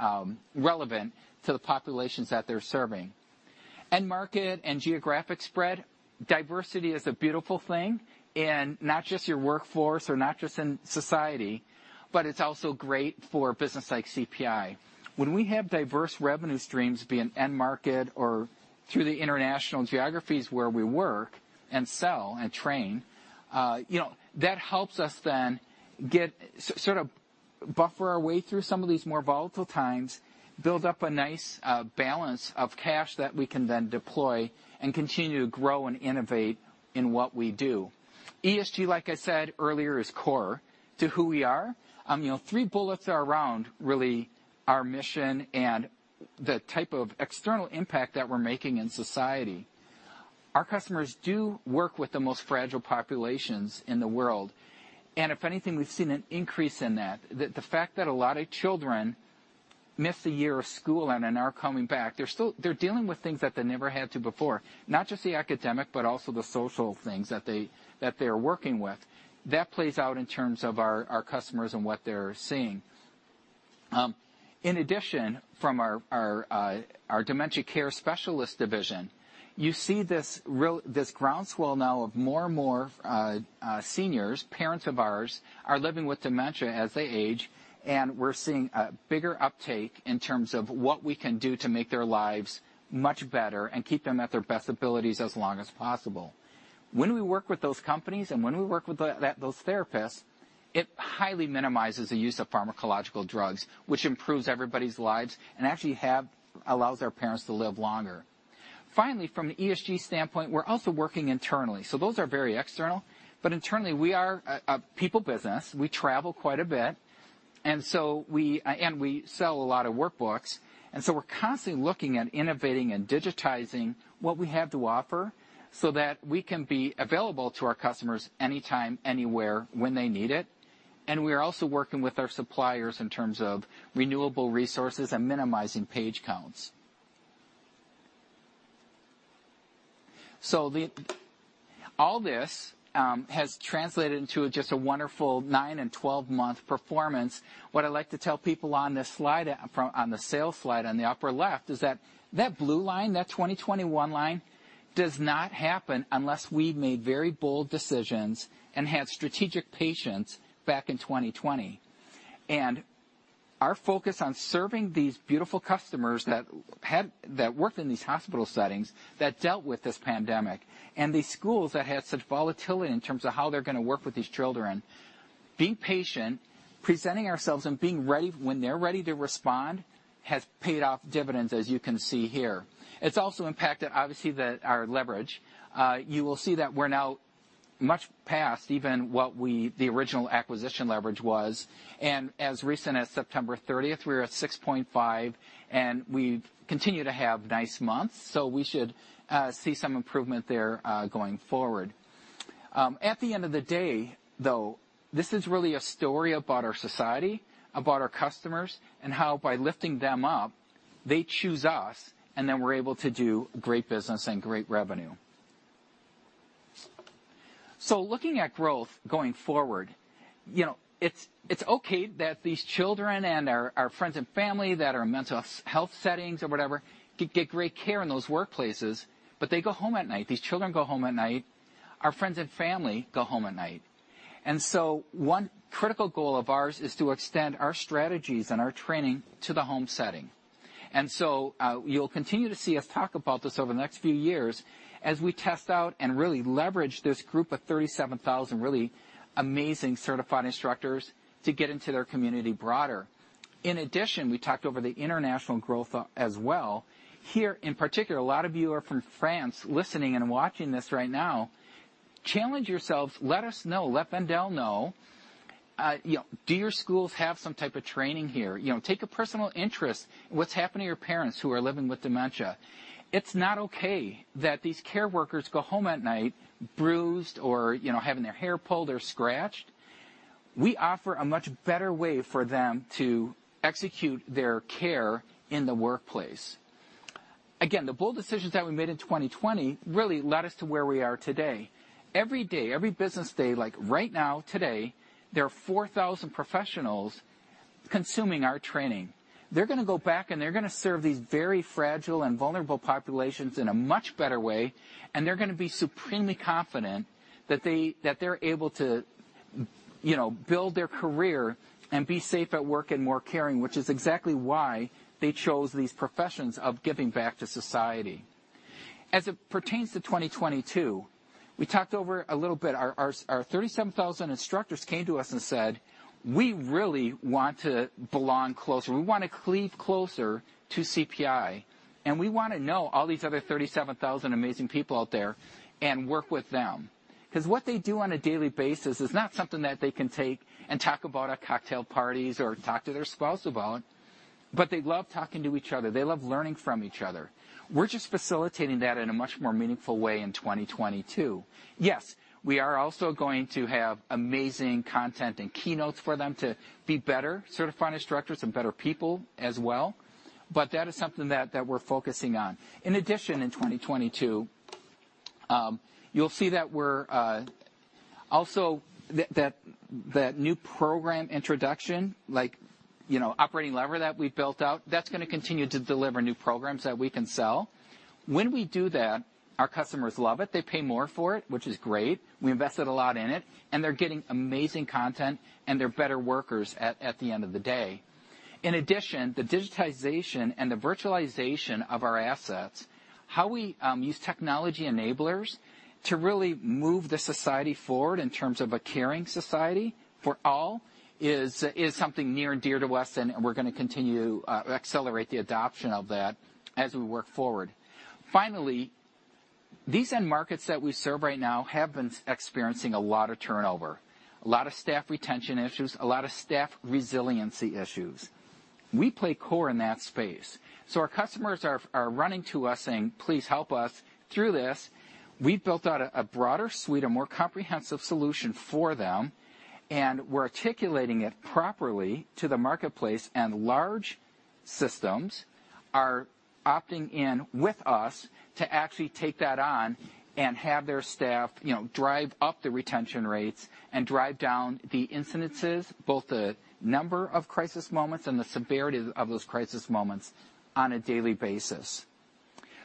relevant to the populations that they're serving. End market and geographic spread, diversity is a beautiful thing, and not just your workforce or not just in society, but it's also great for a business like CPI. When we have diverse revenue streams, be it end market or through the international geographies where we work and sell and train, you know, that helps us then get sort of buffer our way through some of these more volatile times, build up a nice balance of cash that we can then deploy and continue to grow and innovate in what we do. ESG, like I said earlier, is core to who we are. You know, three bullets are around really our mission and the type of external impact that we're making in society. Our customers do work with the most fragile populations in the world, and if anything, we've seen an increase in that. The fact that a lot of children missed a year of school and then are coming back, they're still dealing with things that they never had to before, not just the academic, but also the social things that they are working with. That plays out in terms of our customers and what they're seeing. In addition, from our Dementia Care Specialists division, you see this groundswell now of more and more seniors, parents of ours are living with dementia as they age, and we're seeing a bigger uptake in terms of what we can do to make their lives much better and keep them at their best abilities as long as possible. When we work with those companies and when we work with the those therapists, it highly minimizes the use of pharmacological drugs, which improves everybody's lives and actually allows our parents to live longer. Finally, from the ESG standpoint, we're also working internally. Those are very external, but internally we are a people business. We travel quite a bit, and so we... We sell a lot of workbooks, and so we're constantly looking at innovating and digitizing what we have to offer so that we can be available to our customers anytime, anywhere when they need it. We're also working with our suppliers in terms of renewable resources and minimizing page counts. All this has translated into just a wonderful nine and 12 month performance. What I'd like to tell people on this slide, on the sales slide on the upper left is that that blue line, that 2021 line, does not happen unless we've made very bold decisions and had strategic patience back in 2020. Our focus on serving these beautiful customers that worked in these hospital settings, that dealt with this pandemic, and these schools that had such volatility in terms of how they're gonna work with these children, being patient, presenting ourselves and being ready when they're ready to respond has paid off dividends, as you can see here. It's also impacted, obviously, our leverage. You will see that we're now much past even what the original acquisition leverage was. As recent as September 30th, we were at 6.5, and we've continued to have nice months, so we should see some improvement there going forward. At the end of the day, though, this is really a story about our society, about our customers, and how by lifting them up, they choose us, and then we're able to do great business and great revenue. Looking at growth going forward, you know, it's okay that these children and our friends and family that are in mental health settings or whatever can get great care in those workplaces, but they go home at night. These children go home at night, our friends and family go home at night. One critical goal of ours is to extend our strategies and our training to the home setting. You'll continue to see us talk about this over the next few years as we test out and really leverage this group of 37,000 really amazing certified instructors to get into their broader community. In addition, we talked over the international growth as well. Here, in particular, a lot of you are from France listening and watching this right now. Challenge yourselves. Let us know. Let Wendel know. You know, do your schools have some type of training here? You know, take a personal interest in what's happening to your parents who are living with dementia. It's not okay that these care workers go home at night bruised or, you know, having their hair pulled or scratched. We offer a much better way for them to execute their care in the workplace. Again, the bold decisions that we made in 2020 really led us to where we are today. Every day, every business day, like right now, today, there are 4,000 professionals consuming our training. They're gonna go back, and they're gonna serve these very fragile and vulnerable populations in a much better way, and they're gonna be supremely confident that they, that they're able to, you know, build their career and be safe at work and more caring, which is exactly why they chose these professions of giving back to society. As it pertains to 2022, we talked over a little bit, our 37,000 instructors came to us and said, "We really want to belong closer. We wanna cleave closer to CPI, and we wanna know all these other 37,000 amazing people out there and work with them." 'Cause what they do on a daily basis is not something that they can take and talk about at cocktail parties or talk to their spouse about, but they love talking to each other. They love learning from each other. We're just facilitating that in a much more meaningful way in 2022. Yes, we are also going to have amazing content and keynotes for them to be better certified instructors and better people as well, but that is something that we're focusing on. In addition, in 2022, you'll see that we're also that new program introduction, like, you know, operating lever that we've built out, that's gonna continue to deliver new programs that we can sell. When we do that, our customers love it. They pay more for it, which is great. We invested a lot in it. They're getting amazing content, and they're better workers at the end of the day. In addition, the digitization and the virtualization of our assets, how we use technology enablers to really move the society forward in terms of a caring society for all is something near and dear to us, and we're gonna continue to accelerate the adoption of that as we work forward. Finally, these end markets that we serve right now have been experiencing a lot of turnover, a lot of staff retention issues, a lot of staff resiliency issues. We play core in that space. Our customers are running to us saying, "Please help us through this." We've built out a broader suite, a more comprehensive solution for them, and we're articulating it properly to the marketplace, and large systems are opting in with us to actually take that on and have their staff, you know, drive up the retention rates and drive down the incidences, both the number of crisis moments and the severity of those crisis moments on a daily basis.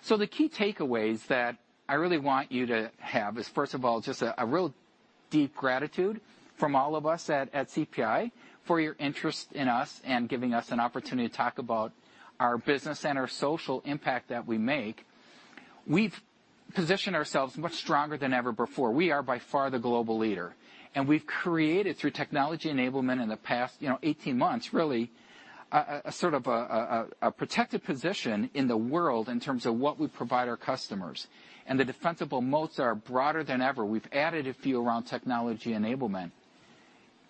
The key takeaways that I really want you to have is, first of all, just a real deep gratitude from all of us at CPI for your interest in us and giving us an opportunity to talk about our business and our social impact that we make. We've positioned ourselves much stronger than ever before. We are by far the global leader, and we've created, through technology enablement in the past, you know, 18 months really, a protected position in the world in terms of what we provide our customers. The defensible moats are broader than ever. We've added a few around technology enablement.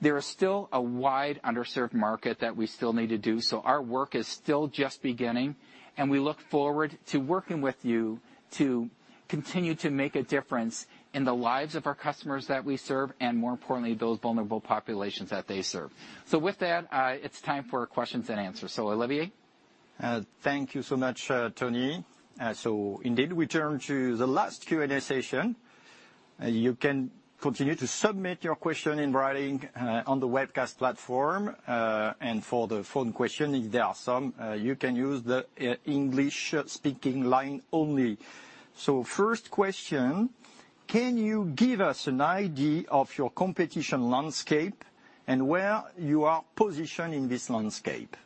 There is still a wide underserved market that we still need to do, so our work is still just beginning, and we look forward to working with you to continue to make a difference in the lives of our customers that we serve and, more importantly, those vulnerable populations that they serve. With that, it's time for questions and answers. Olivier? Thank you so much, Tony. Indeed, we turn to the last Q&A session. You can continue to submit your question in writing, on the webcast platform. For the phone question, if there are some, you can use the English speaking line only. First question, can you give us an idea of your competition landscape and where you are positioned in this landscape?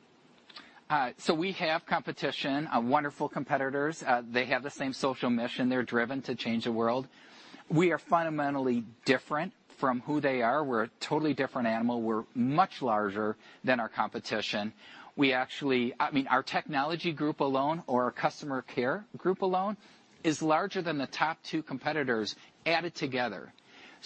We have competition, wonderful competitors. They have the same social mission. They're driven to change the world. We are fundamentally different from who they are. We're a totally different animal. We're much larger than our competition. I mean, our technology group alone, or our customer care group alone is larger than the top two competitors added together.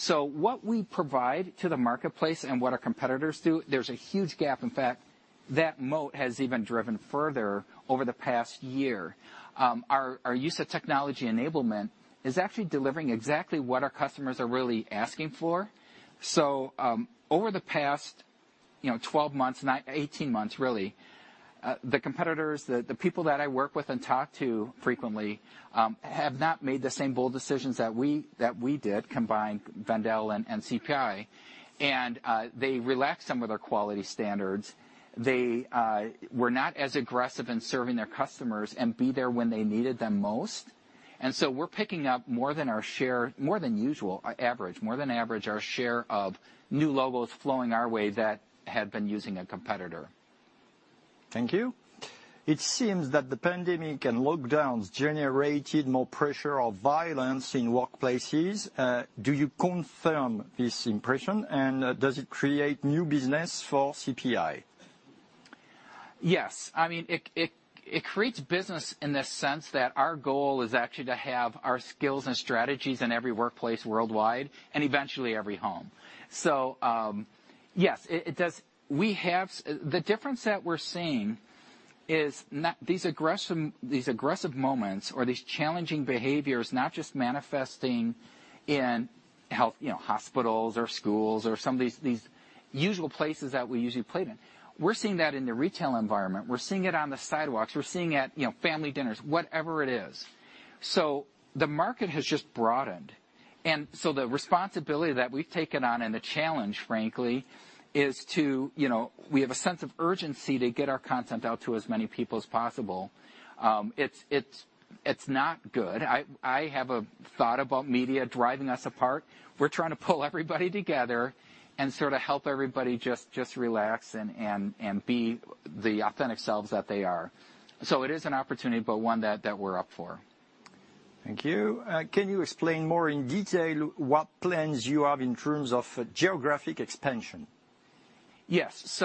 What we provide to the marketplace and what our competitors do, there's a huge gap. In fact, that moat has even driven further over the past year. Our use of technology enablement is actually delivering exactly what our customers are really asking for. Over the past, you know, 12 months, 18 months, really, the competitors, the people that I work with and talk to frequently, have not made the same bold decisions that we did, combining Wendel and CPI. They relaxed some of their quality standards. They were not as aggressive in serving their customers and be there when they needed them most. We're picking up more than our share, more than usual, more than average, our share of new logos flowing our way that had been using a competitor. Thank you. It seems that the pandemic and lockdowns generated more pressure of violence in workplaces. Do you confirm this impression, and does it create new business for CPI? Yes. I mean, it creates business in the sense that our goal is actually to have our skills and strategies in every workplace worldwide and eventually every home. So, yes, it does. The difference that we're seeing is not these aggressive moments or these challenging behaviors manifesting just in health, you know, hospitals or schools or some of these usual places that we usually play in. We're seeing that in the retail environment. We're seeing it on the sidewalks. We're seeing it at, you know, family dinners, whatever it is. So the market has just broadened. The responsibility that we've taken on, and the challenge, frankly, is to, you know, we have a sense of urgency to get our content out to as many people as possible. It's not good. I have a thought about media driving us apart. We're trying to pull everybody together and sort of help everybody just relax and be the authentic selves that they are. It is an opportunity, but one that we're up for. Thank you. Can you explain more in detail what plans you have in terms of geographic expansion? Yes.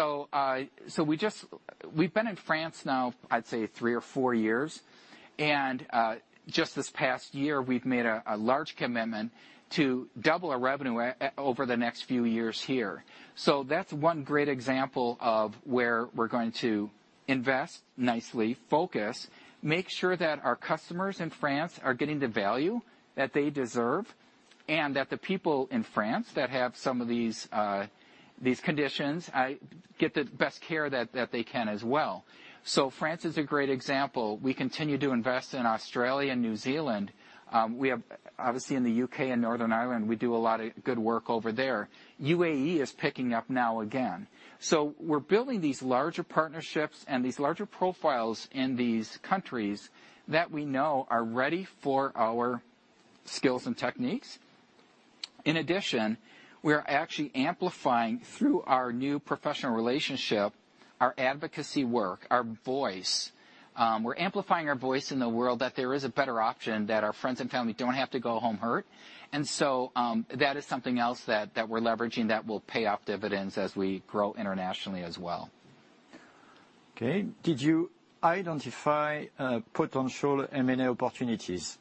We've been in France now, I'd say three or four years. Just this past year, we've made a large commitment to double our revenue over the next few years here. That's one great example of where we're going to invest nicely, focus, make sure that our customers in France are getting the value that they deserve and that the people in France that have some of these conditions get the best care that they can as well. France is a great example. We continue to invest in Australia and New Zealand. We have, obviously in the U.K. and Northern Ireland, we do a lot of good work over there. U.A.E. is picking up now again. We're building these larger partnerships and these larger profiles in these countries that we know are ready for our skills and techniques. In addition, we are actually amplifying through our new professional relationship, our advocacy work, our voice. We're amplifying our voice in the world that there is a better option, that our friends and family don't have to go home hurt. That is something else that we're leveraging that will pay off dividends as we grow internationally as well. Okay. Did you identify potential M&A opportunities?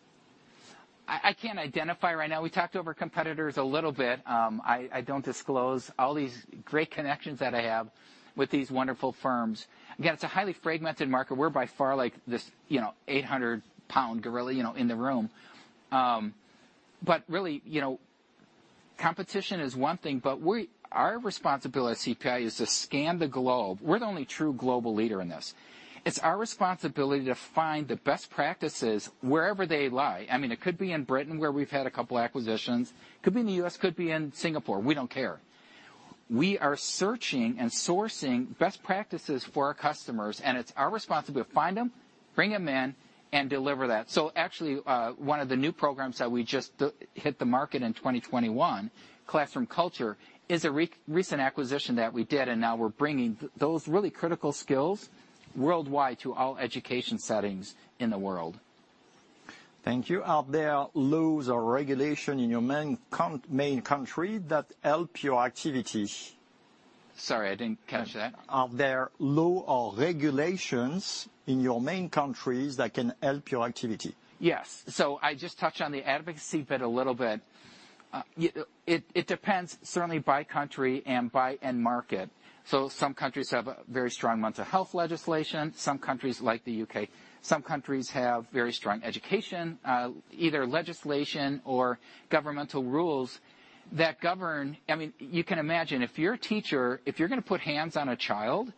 I can't identify right now. We talked over competitors a little bit. I don't disclose all these great connections that I have with these wonderful firms. Again, it's a highly fragmented market. We're by far like this, you know, 800 lbs gorilla, you know, in the room. But really, you know, competition is one thing, but our responsibility at CPI is to scan the globe. We're the only true global leader in this. It's our responsibility to find the best practices wherever they lie. I mean, it could be in Britain, where we've had a couple acquisitions. Could be in the U.S., could be in Singapore. We don't care. We are searching and sourcing best practices for our customers, and it's our responsibility to find them, bring them in, and deliver that. Actually, one of the new programs that we just hit the market in 2021, Classroom Culture, is a recent acquisition that we did, and now we're bringing those really critical skills worldwide to all education settings in the world. Thank you. Are there laws or regulation in your main country that help your activities? Sorry, I didn't catch that. Are there laws or regulations in your main countries that can help your activity? Yes. I just touched on the advocacy bit a little bit. It depends certainly by country and by end market. Some countries have very strong mental health legislation. Some countries, like the U.K., have very strong education, either legislation or governmental rules that govern. I mean, you can imagine, if you're a teacher, if you're gonna put hands on a child,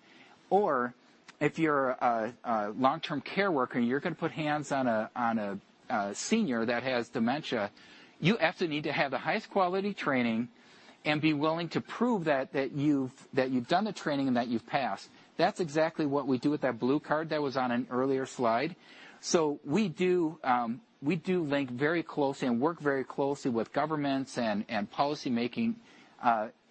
or if you're a long-term care worker and you're gonna put hands on a senior that has dementia, you absolutely need to have the highest quality training and be willing to prove that you've done the training and that you've passed. That's exactly what we do with that blue card that was on an earlier slide. We do link very closely and work very closely with governments and policymaking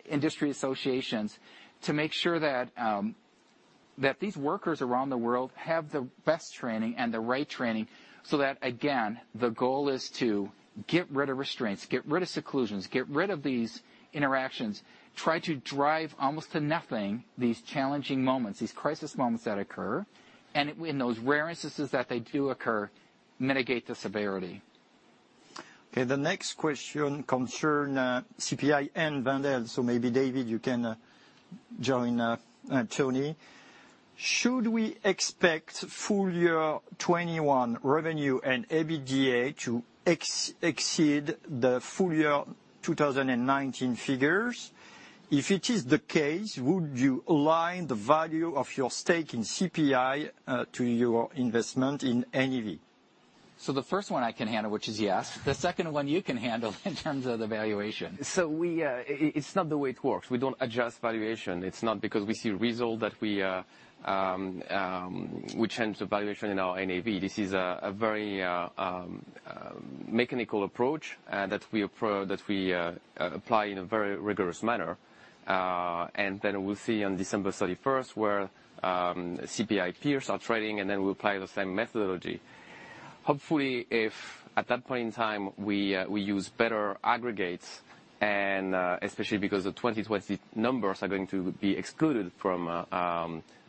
industry associations to make sure that these workers around the world have the best training and the right training so that, again, the goal is to get rid of restraints, get rid of seclusions, get rid of these interactions, try to drive almost to nothing these challenging moments, these crisis moments that occur, and in those rare instances that they do occur, mitigate the severity. Okay. The next question concerns CPI and Wendel, so maybe David, you can join Tony. Should we expect full-year 2021 revenue and EBITDA to exceed the full-year 2019 figures? If it is the case, would you align the value of your stake in CPI to your investment in NAV? The first one I can handle, which is yes. The second one you can handle in terms of the valuation. It's not the way it works. We don't adjust valuation. It's not because we see result that we change the valuation in our NAV. This is a very mechanical approach that we apply in a very rigorous manner. We'll see on December 31st where CPI peers are trading, and then we'll apply the same methodology. Hopefully, if at that point in time we use better aggregates and especially because the 2020 numbers are going to be excluded from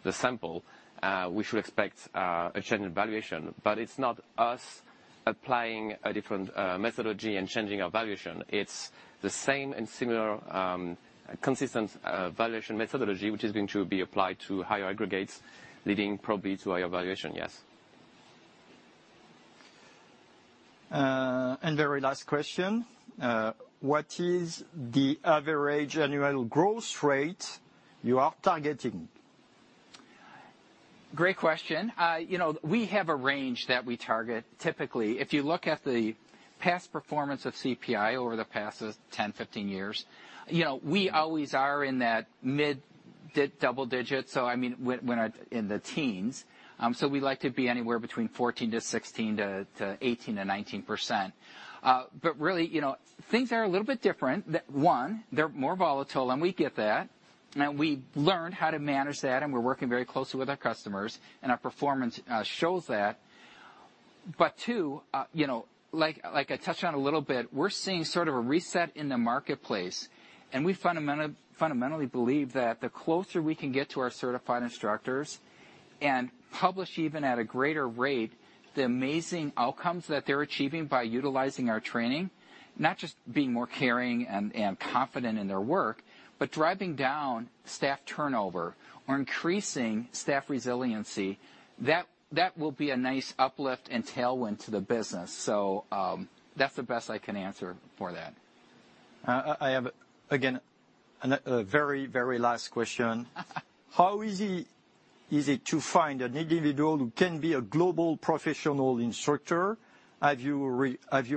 the sample, we should expect a change in valuation. It's not us applying a different methodology and changing our valuation. It's the same and similar, consistent, valuation methodology which is going to be applied to higher aggregates, leading probably to higher valuation, yes. Very last question. What is the average annual growth rate you are targeting? Great question. You know, we have a range that we target typically. If you look at the past performance of CPI over the past 10, 15 years, you know, we always are in that mid-digit double digits, so I mean, in the teens. So we like to be anywhere between 14% to 16% to 18% and 19%. But really, you know, things are a little bit different. They're more volatile, and we get that, and we learn how to manage that, and we're working very closely with our customers, and our performance shows that. Two, you know, like I touched on a little bit, we're seeing sort of a reset in the marketplace, and we fundamentally believe that the closer we can get to our certified instructors and publish even at a greater rate the amazing outcomes that they're achieving by utilizing our training, not just being more caring and confident in their work, but driving down staff turnover or increasing staff resiliency, that will be a nice uplift and tailwind to the business. That's the best I can answer for that. I have again a very last question. How easy is it to find an individual who can be a Global Professional Instructor? Have you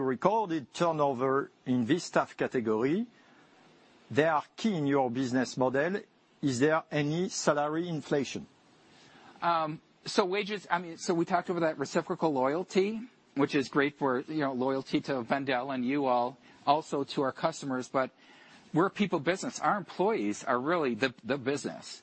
recorded turnover in this staff category? They are key in your business model. Is there any salary inflation? Wages, I mean, we talked about that reciprocal loyalty, which is great for, you know, loyalty to Wendel and you all, also to our customers. We're a people business. Our employees are really the business.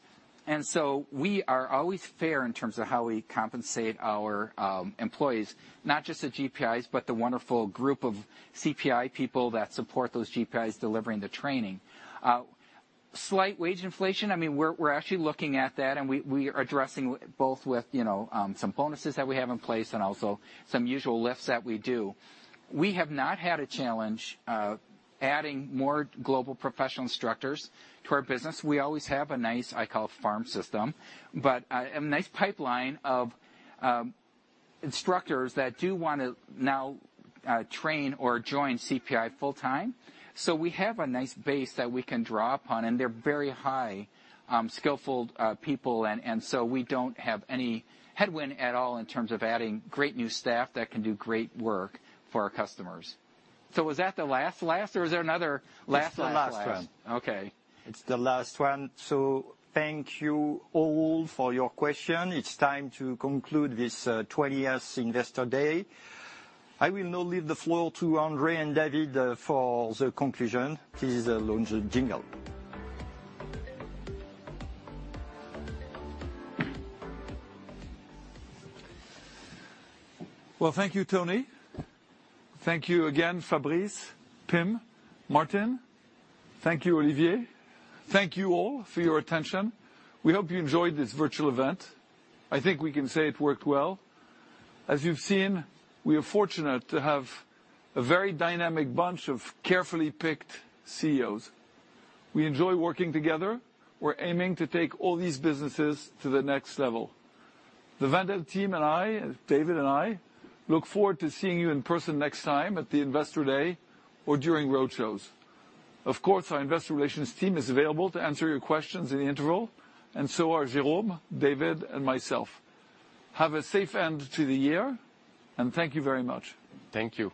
We are always fair in terms of how we compensate our employees, not just the GPIs, but the wonderful group of CPI people that support those GPIs delivering the training. Slight wage inflation. I mean, we're actually looking at that, and we are addressing both with, you know, some bonuses that we have in place and also some usual lifts that we do. We have not had a challenge adding more global professional instructors to our business. We always have a nice, I call it farm system, but a nice pipeline of instructors that do wanna now train or join CPI full-time. We have a nice base that we can draw upon, and they're very high skillful people and so we don't have any headwind at all in terms of adding great new staff that can do great work for our customers. Was that the last or is there another last? It's the last one. Okay. It's the last one. Thank you all for your question. It's time to conclude this 20 Years Investor Day. I will now leave the floor to André and David for the conclusion. Please launch the jingle. Well, thank you, Tony. Thank you again, Fabrice, Pim, Maarten. Thank you, Olivier. Thank you all for your attention. We hope you enjoyed this virtual event. I think we can say it worked well. As you've seen, we are fortunate to have a very dynamic bunch of carefully picked CEOs. We enjoy working together. We're aiming to take all these businesses to the next level. The Wendel team and I, David and I, look forward to seeing you in person next time at the Investor Day or during roadshows. Of course, our investor relations team is available to answer your questions in the interval, and so are Jérôme, David, and myself. Have a safe end to the year, and thank you very much. Thank you.